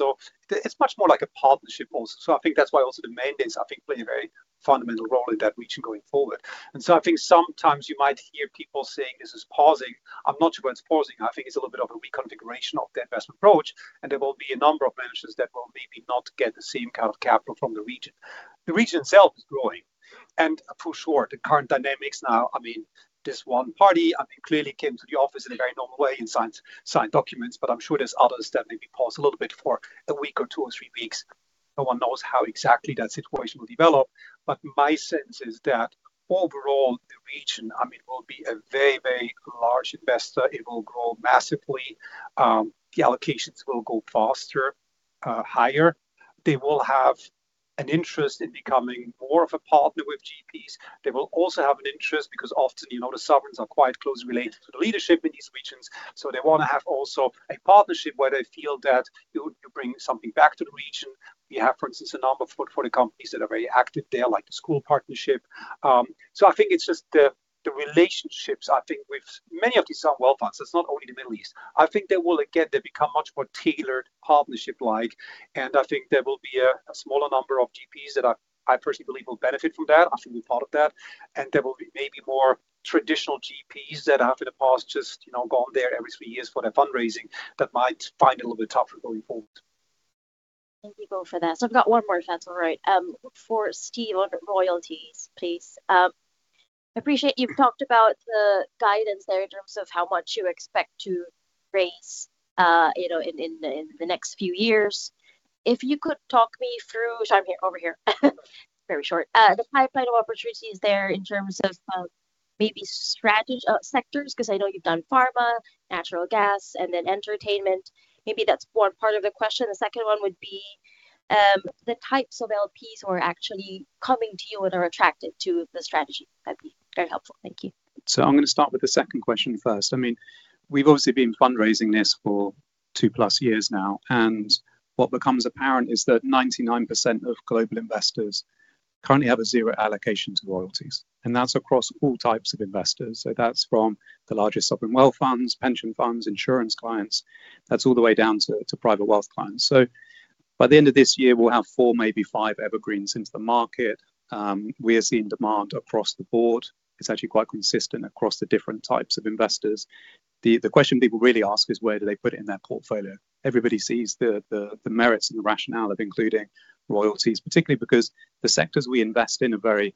It's much more like a partnership also. I think that's why also the mandates, I think, play a very fundamental role in that region going forward. I think sometimes you might hear people saying this is pausing. I'm not sure where it's pausing. I think it's a little bit of a reconfiguration of their investment approach, and there will be a number of managers that will maybe not get the same kind of capital from the region. The region itself is growing. For sure, the current dynamics now, I mean, this one party, I mean, clearly came to the office in a very normal way and signed documents, but I'm sure there's others that maybe paused a little bit for a week or two or three weeks. No one knows how exactly that situation will develop. My sense is that overall, the region, I mean, will be a very, very large investor. It will grow massively. The allocations will go faster, higher. They will have an interest in becoming more of a partner with GPs. They will also have an interest because often, you know, the sovereigns are quite closely related to the leadership in these regions, so they wanna have also a partnership where they feel that you bring something back to the region. We have, for instance, a number of portfolio companies that are very active there, like the International Schools Partnership. So I think it's just the relationships, I think, with many of these sovereign wealth funds, it's not only the Middle East. I think they will again become much more tailored, partnership-like. I think there will be a smaller number of GPs that I personally believe will benefit from that. I think we've thought of that. There will be maybe more traditional GPs that have in the past just, you know, gone there every three years for their fundraising that might find it a little bit tougher going forward. Thank you both for that. I've got one more if that's all right. For Steve on royalties, please. Appreciate you've talked about the guidance there in terms of how much you expect to raise, you know, in the next few years. If you could talk me through. Sorry, I'm here. Over here. It's very short. The pipeline of opportunities there in terms of, maybe sectors, 'cause I know you've done pharma, natural gas, and then entertainment. Maybe that's one part of the question. The second one would be, the types of LPs who are actually coming to you and are attracted to the strategy. That'd be very helpful. Thank you. I'm gonna start with the second question first. I mean, we've obviously been fundraising this for 2+ years now, and what becomes apparent is that 99% of global investors currently have a zero allocation to royalties, and that's across all types of investors. That's from the largest sovereign wealth funds, pension funds, insurance clients. That's all the way down to private wealth clients. By the end of this year, we'll have four, maybe five evergreens into the market. We are seeing demand across the board. It's actually quite consistent across the different types of investors. The question people really ask is. Where do they put it in their portfolio? Everybody sees the merits and the rationale of including royalties, particularly because the sectors we invest in are very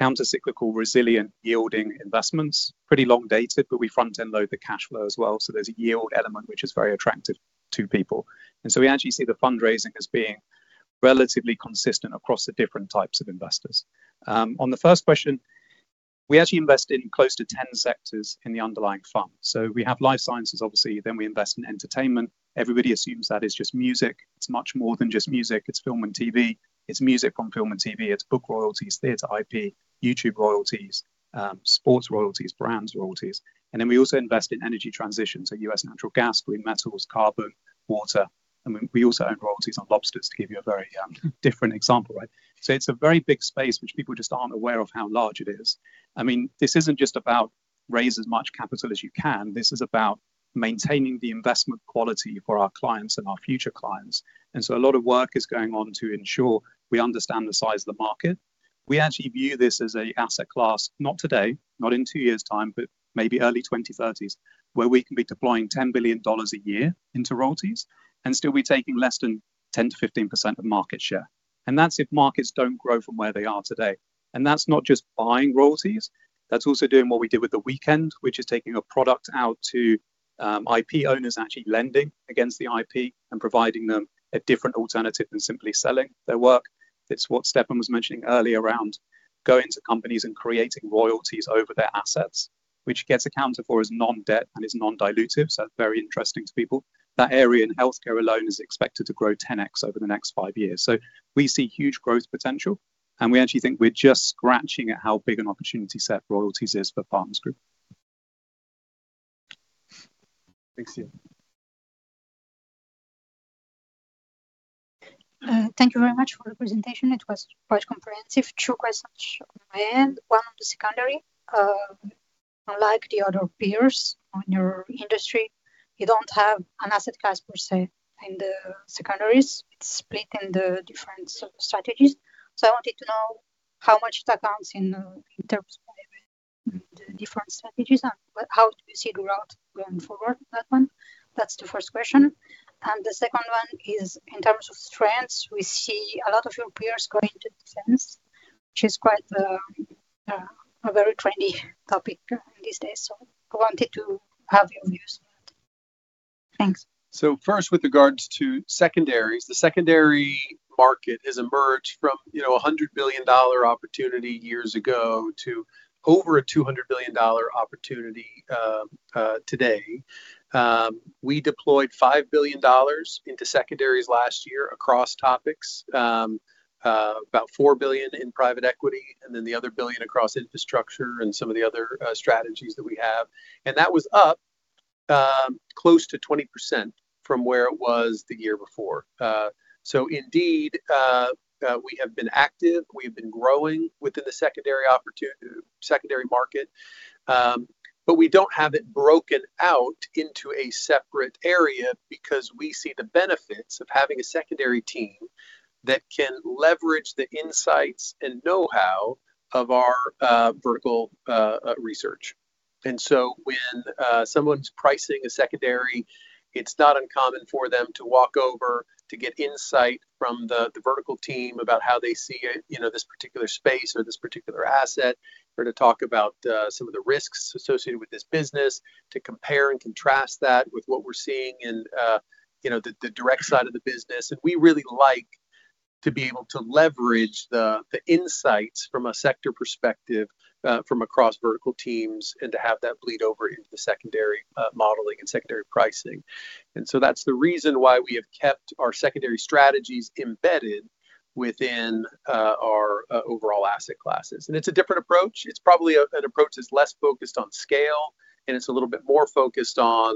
countercyclical, resilient, yielding investments. Pretty long dated, but we front-end load the cash flow as well, so there's a yield element which is very attractive to people. We actually see the fundraising as being relatively consistent across the different types of investors. On the first question, we actually invest in close to 10 sectors in the underlying fund. We have life sciences, obviously, then we invest in entertainment. Everybody assumes that it's just music. It's much more than just music. It's film and TV. It's music on film and TV. It's book royalties, theater IP, YouTube royalties, sports royalties, brands royalties. We also invest in energy transition, so U.S. natural gas, green metals, carbon, water. I mean, we also own royalties on lobsters to give you a very different example, right? It's a very big space which people just aren't aware of how large it is. I mean, this isn't just about raise as much capital as you can. This is about maintaining the investment quality for our clients and our future clients. A lot of work is going on to ensure we understand the size of the market. We actually view this as an asset class, not today, not in two years' time, but maybe early 2030s, where we can be deploying $10 billion a year into royalties and still be taking less than 10%-15% of market share. That's if markets don't grow from where they are today. That's not just buying royalties. That's also doing what we did with The Weeknd, which is taking a product out to IP owners, actually lending against the IP and providing them a different alternative than simply selling their work. It's what Steffen was mentioning earlier around going to companies and creating royalties over their assets, which gets accounted for as non-debt and is non-dilutive, so very interesting to people. That area in healthcare alone is expected to grow 10X over the next five years. We see huge growth potential, and we actually think we're just scratching at how big an opportunity set royalties is for Partners Group. Thank you. Thank you very much for the presentation. It was quite comprehensive. Two questions on my end. One on the secondary. Unlike the other peers on your industry, you don't have an asset class per se in the secondaries. It's split in the different strategies. I wanted to know how much it accounts in terms of the different strategies and how do you see growth going forward on that one? That's the first question. The second one is in terms of trends. We see a lot of your peers going to defense, which is quite a very trendy topic these days. I wanted to have your views. Thanks. First, with regards to secondaries, the secondary market has emerged from, you know, a $100 billion opportunity years ago to over a $200 billion opportunity today. We deployed $5 billion into secondaries last year across topics, about $4 billion in private equity, and then the other $1 billion across infrastructure and some of the other strategies that we have. That was up close to 20% from where it was the year before. Indeed, we have been active, we've been growing within the secondary market, but we don't have it broken out into a separate area because we see the benefits of having a secondary team that can leverage the insights and know-how of our vertical research. When someone's pricing a secondary, it's not uncommon for them to walk over to get insight from the vertical team about how they see, you know, this particular space or this particular asset, or to talk about some of the risks associated with this business to compare and contrast that with what we're seeing in, you know, the direct side of the business. We really like to be able to leverage the insights from a sector perspective from across vertical teams and to have that bleed over into the secondary modeling and secondary pricing. That's the reason why we have kept our secondary strategies embedded within our overall asset classes. It's a different approach. It's probably an approach that's less focused on scale, and it's a little bit more focused on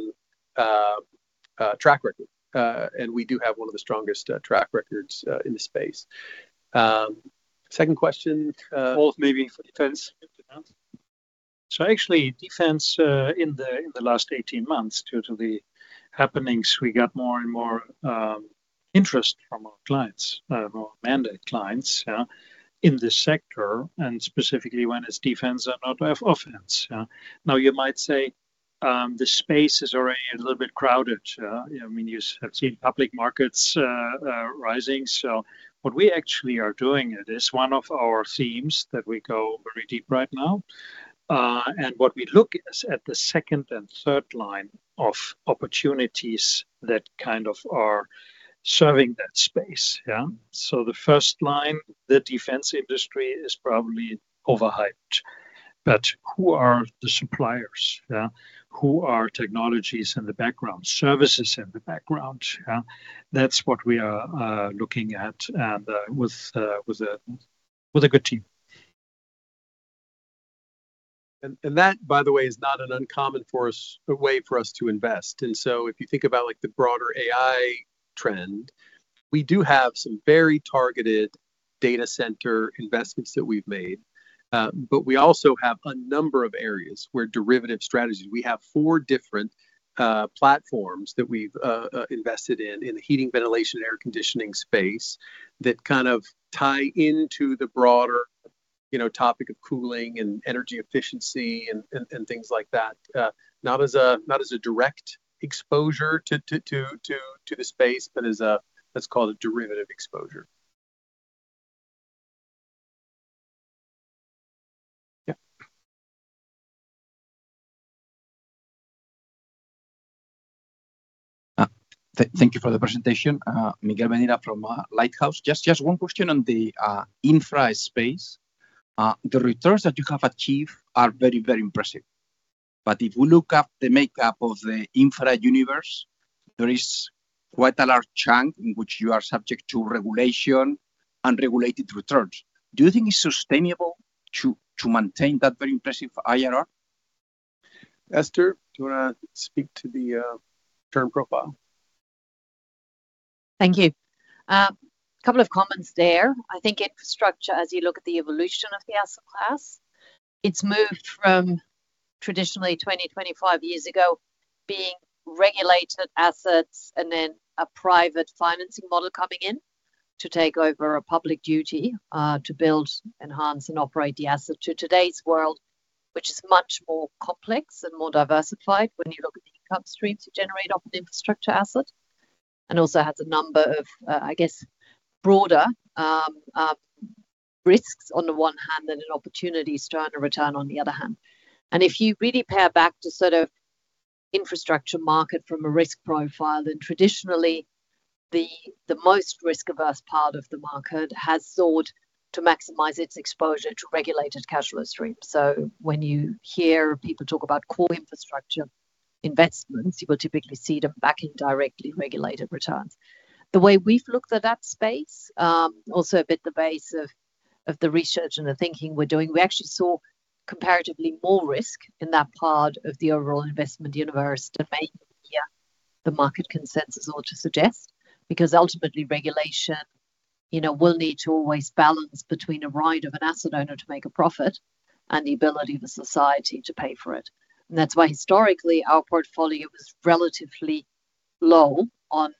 track record. We do have one of the strongest track records in the space. Second question. Maybe for defense. Actually defense in the last 18 months, due to the happenings, we got more and more interest from our clients, more mandate clients, in this sector, and specifically when it's defense and not offense. Now, you might say, the space is already a little bit crowded. I mean, you have seen public markets rising. What we actually are doing, it is one of our themes that we go very deep right now. What we look is at the second and third line of opportunities that kind of are serving that space. The first line, the defense industry, is probably overhyped. Who are the suppliers? Who are technologies in the background, services in the background? That's what we are looking at. with a good team. that, by the way, is not an uncommon way for us to invest. If you think about like the broader AI trend, we do have some very targeted data center investments that we've made. But we also have a number of areas where derivative strategies. We have four different platforms that we've invested in the heating, ventilation, air conditioning space that kind of tie into the broader, you know, topic of cooling and energy efficiency and things like that, not as a direct exposure to the space, but as a, that's called a derivative exposure. Yeah. Thank you for the presentation. Miguel Nabeiro from Lighthouse. Just one question on the infra space. The returns that you have achieved are very, very impressive. If you look at the makeup of the infra universe, there is quite a large chunk in which you are subject to regulation and regulated returns. Do you think it's sustainable to maintain that very impressive IRR? Esther, do you wanna speak to the, term profile? Thank you. Couple of comments there. I think infrastructure, as you look at the evolution of the asset class, it's moved from traditionally 20, 25 years ago being regulated assets and then a private financing model coming in to take over a public duty to build, enhance and operate the asset to today's world, which is much more complex and more diversified when you look at the income streams you generate off an infrastructure asset, and also has a number of, I guess, broader risks on the one hand and opportunities to earn a return on the other hand. If you really pare back to sort of infrastructure market from a risk profile, then traditionally the most risk-averse part of the market has sought to maximize its exposure to regulated cash flow stream. When you hear people talk about core infrastructure investments, you will typically see them backing directly regulated returns. The way we've looked at that space, also at the base of the research and the thinking we're doing, we actually saw comparatively more risk in that part of the overall investment universe than maybe the market consensus or it suggests, because ultimately regulation, you know, will need to always balance between a right of an asset owner to make a profit and the ability of a society to pay for it. That's why historically, our portfolio was relatively low on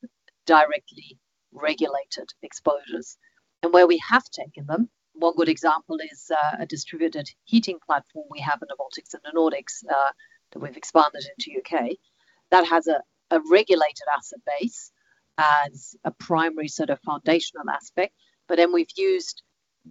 directly regulated exposures. Where we have taken them, one good example is a distributed heating platform we have in the Baltics and the Nordics that we've expanded into U.K., that has a regulated asset base as a primary sort of foundational aspect. We've used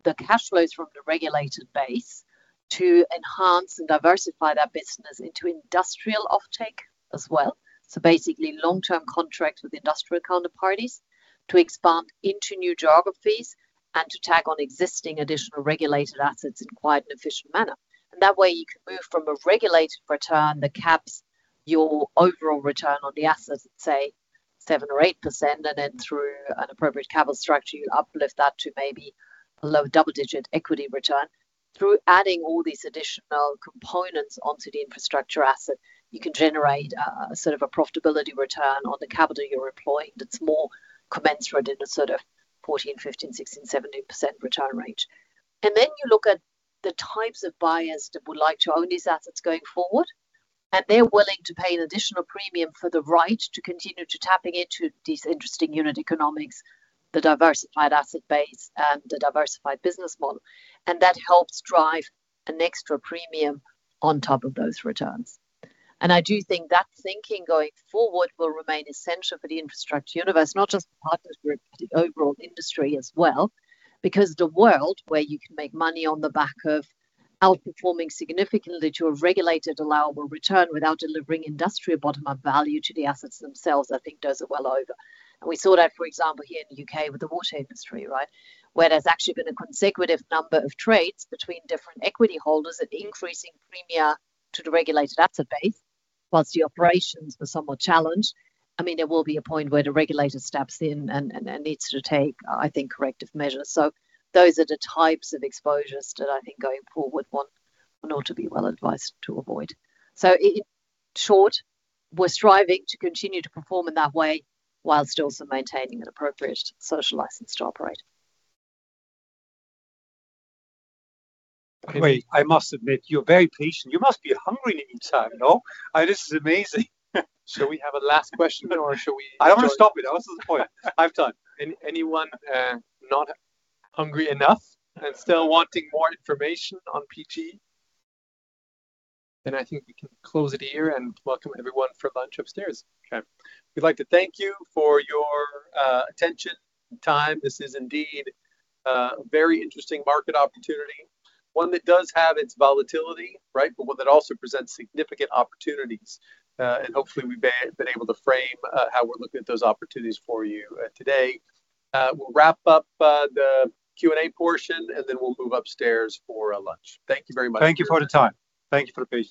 the cash flows from the regulated base to enhance and diversify that business into industrial offtake as well. Basically, long-term contracts with industrial counterparties to expand into new geographies and to tag on existing additional regulated assets in quite an efficient manner. That way, you can move from a regulated return that caps your overall return on the assets at, say, 7% or 8%, and then through an appropriate capital structure, you uplift that to maybe a low double-digit equity return. Through adding all these additional components onto the infrastructure asset, you can generate a, sort of a profitability return on the capital you're employing that's more commensurate in a sort of 14%-17% return range. Then you look at the types of buyers that would like to own these assets going forward, and they're willing to pay an additional premium for the right to continue to tapping into these interesting unit economics, the diversified asset base, and the diversified business model. That helps drive an extra premium on top of those returns. I do think that thinking going forward will remain essential for the infrastructure universe, not just Partners Group, but the overall industry as well, because the world where you can make money on the back of outperforming significantly to a regulated allowable return without delivering industrial bottom-up value to the assets themselves, I think, is well over. We saw that, for example, here in the U.K. with the water industry, right, where there's actually been a consecutive number of trades between different equity holders at increasing premia to the regulated asset base while the operations were somewhat challenged. I mean, there will be a point where the regulator steps in and needs to take, I think, corrective measures. Those are the types of exposures that I think going forward one ought to be well advised to avoid. In short, we're striving to continue to perform in that way while also maintaining an appropriate social license to operate. By the way, I must admit, you're very patient. You must be hungry meantime, no? This is amazing. Shall we have a last question or shall we adjourn? I want to stop it. What's the point? I'm done. Anyone not hungry enough and still wanting more information on PG? Then I think we can close it here and welcome everyone for lunch upstairs. Okay. We'd like to thank you for your attention and time. This is indeed a very interesting market opportunity, one that does have its volatility, right, but one that also presents significant opportunities. Hopefully we've been able to frame how we're looking at those opportunities for you today. We'll wrap up the Q&A portion, and then we'll move upstairs for lunch. Thank you very much. Thank you for the time. Thank you for the patience.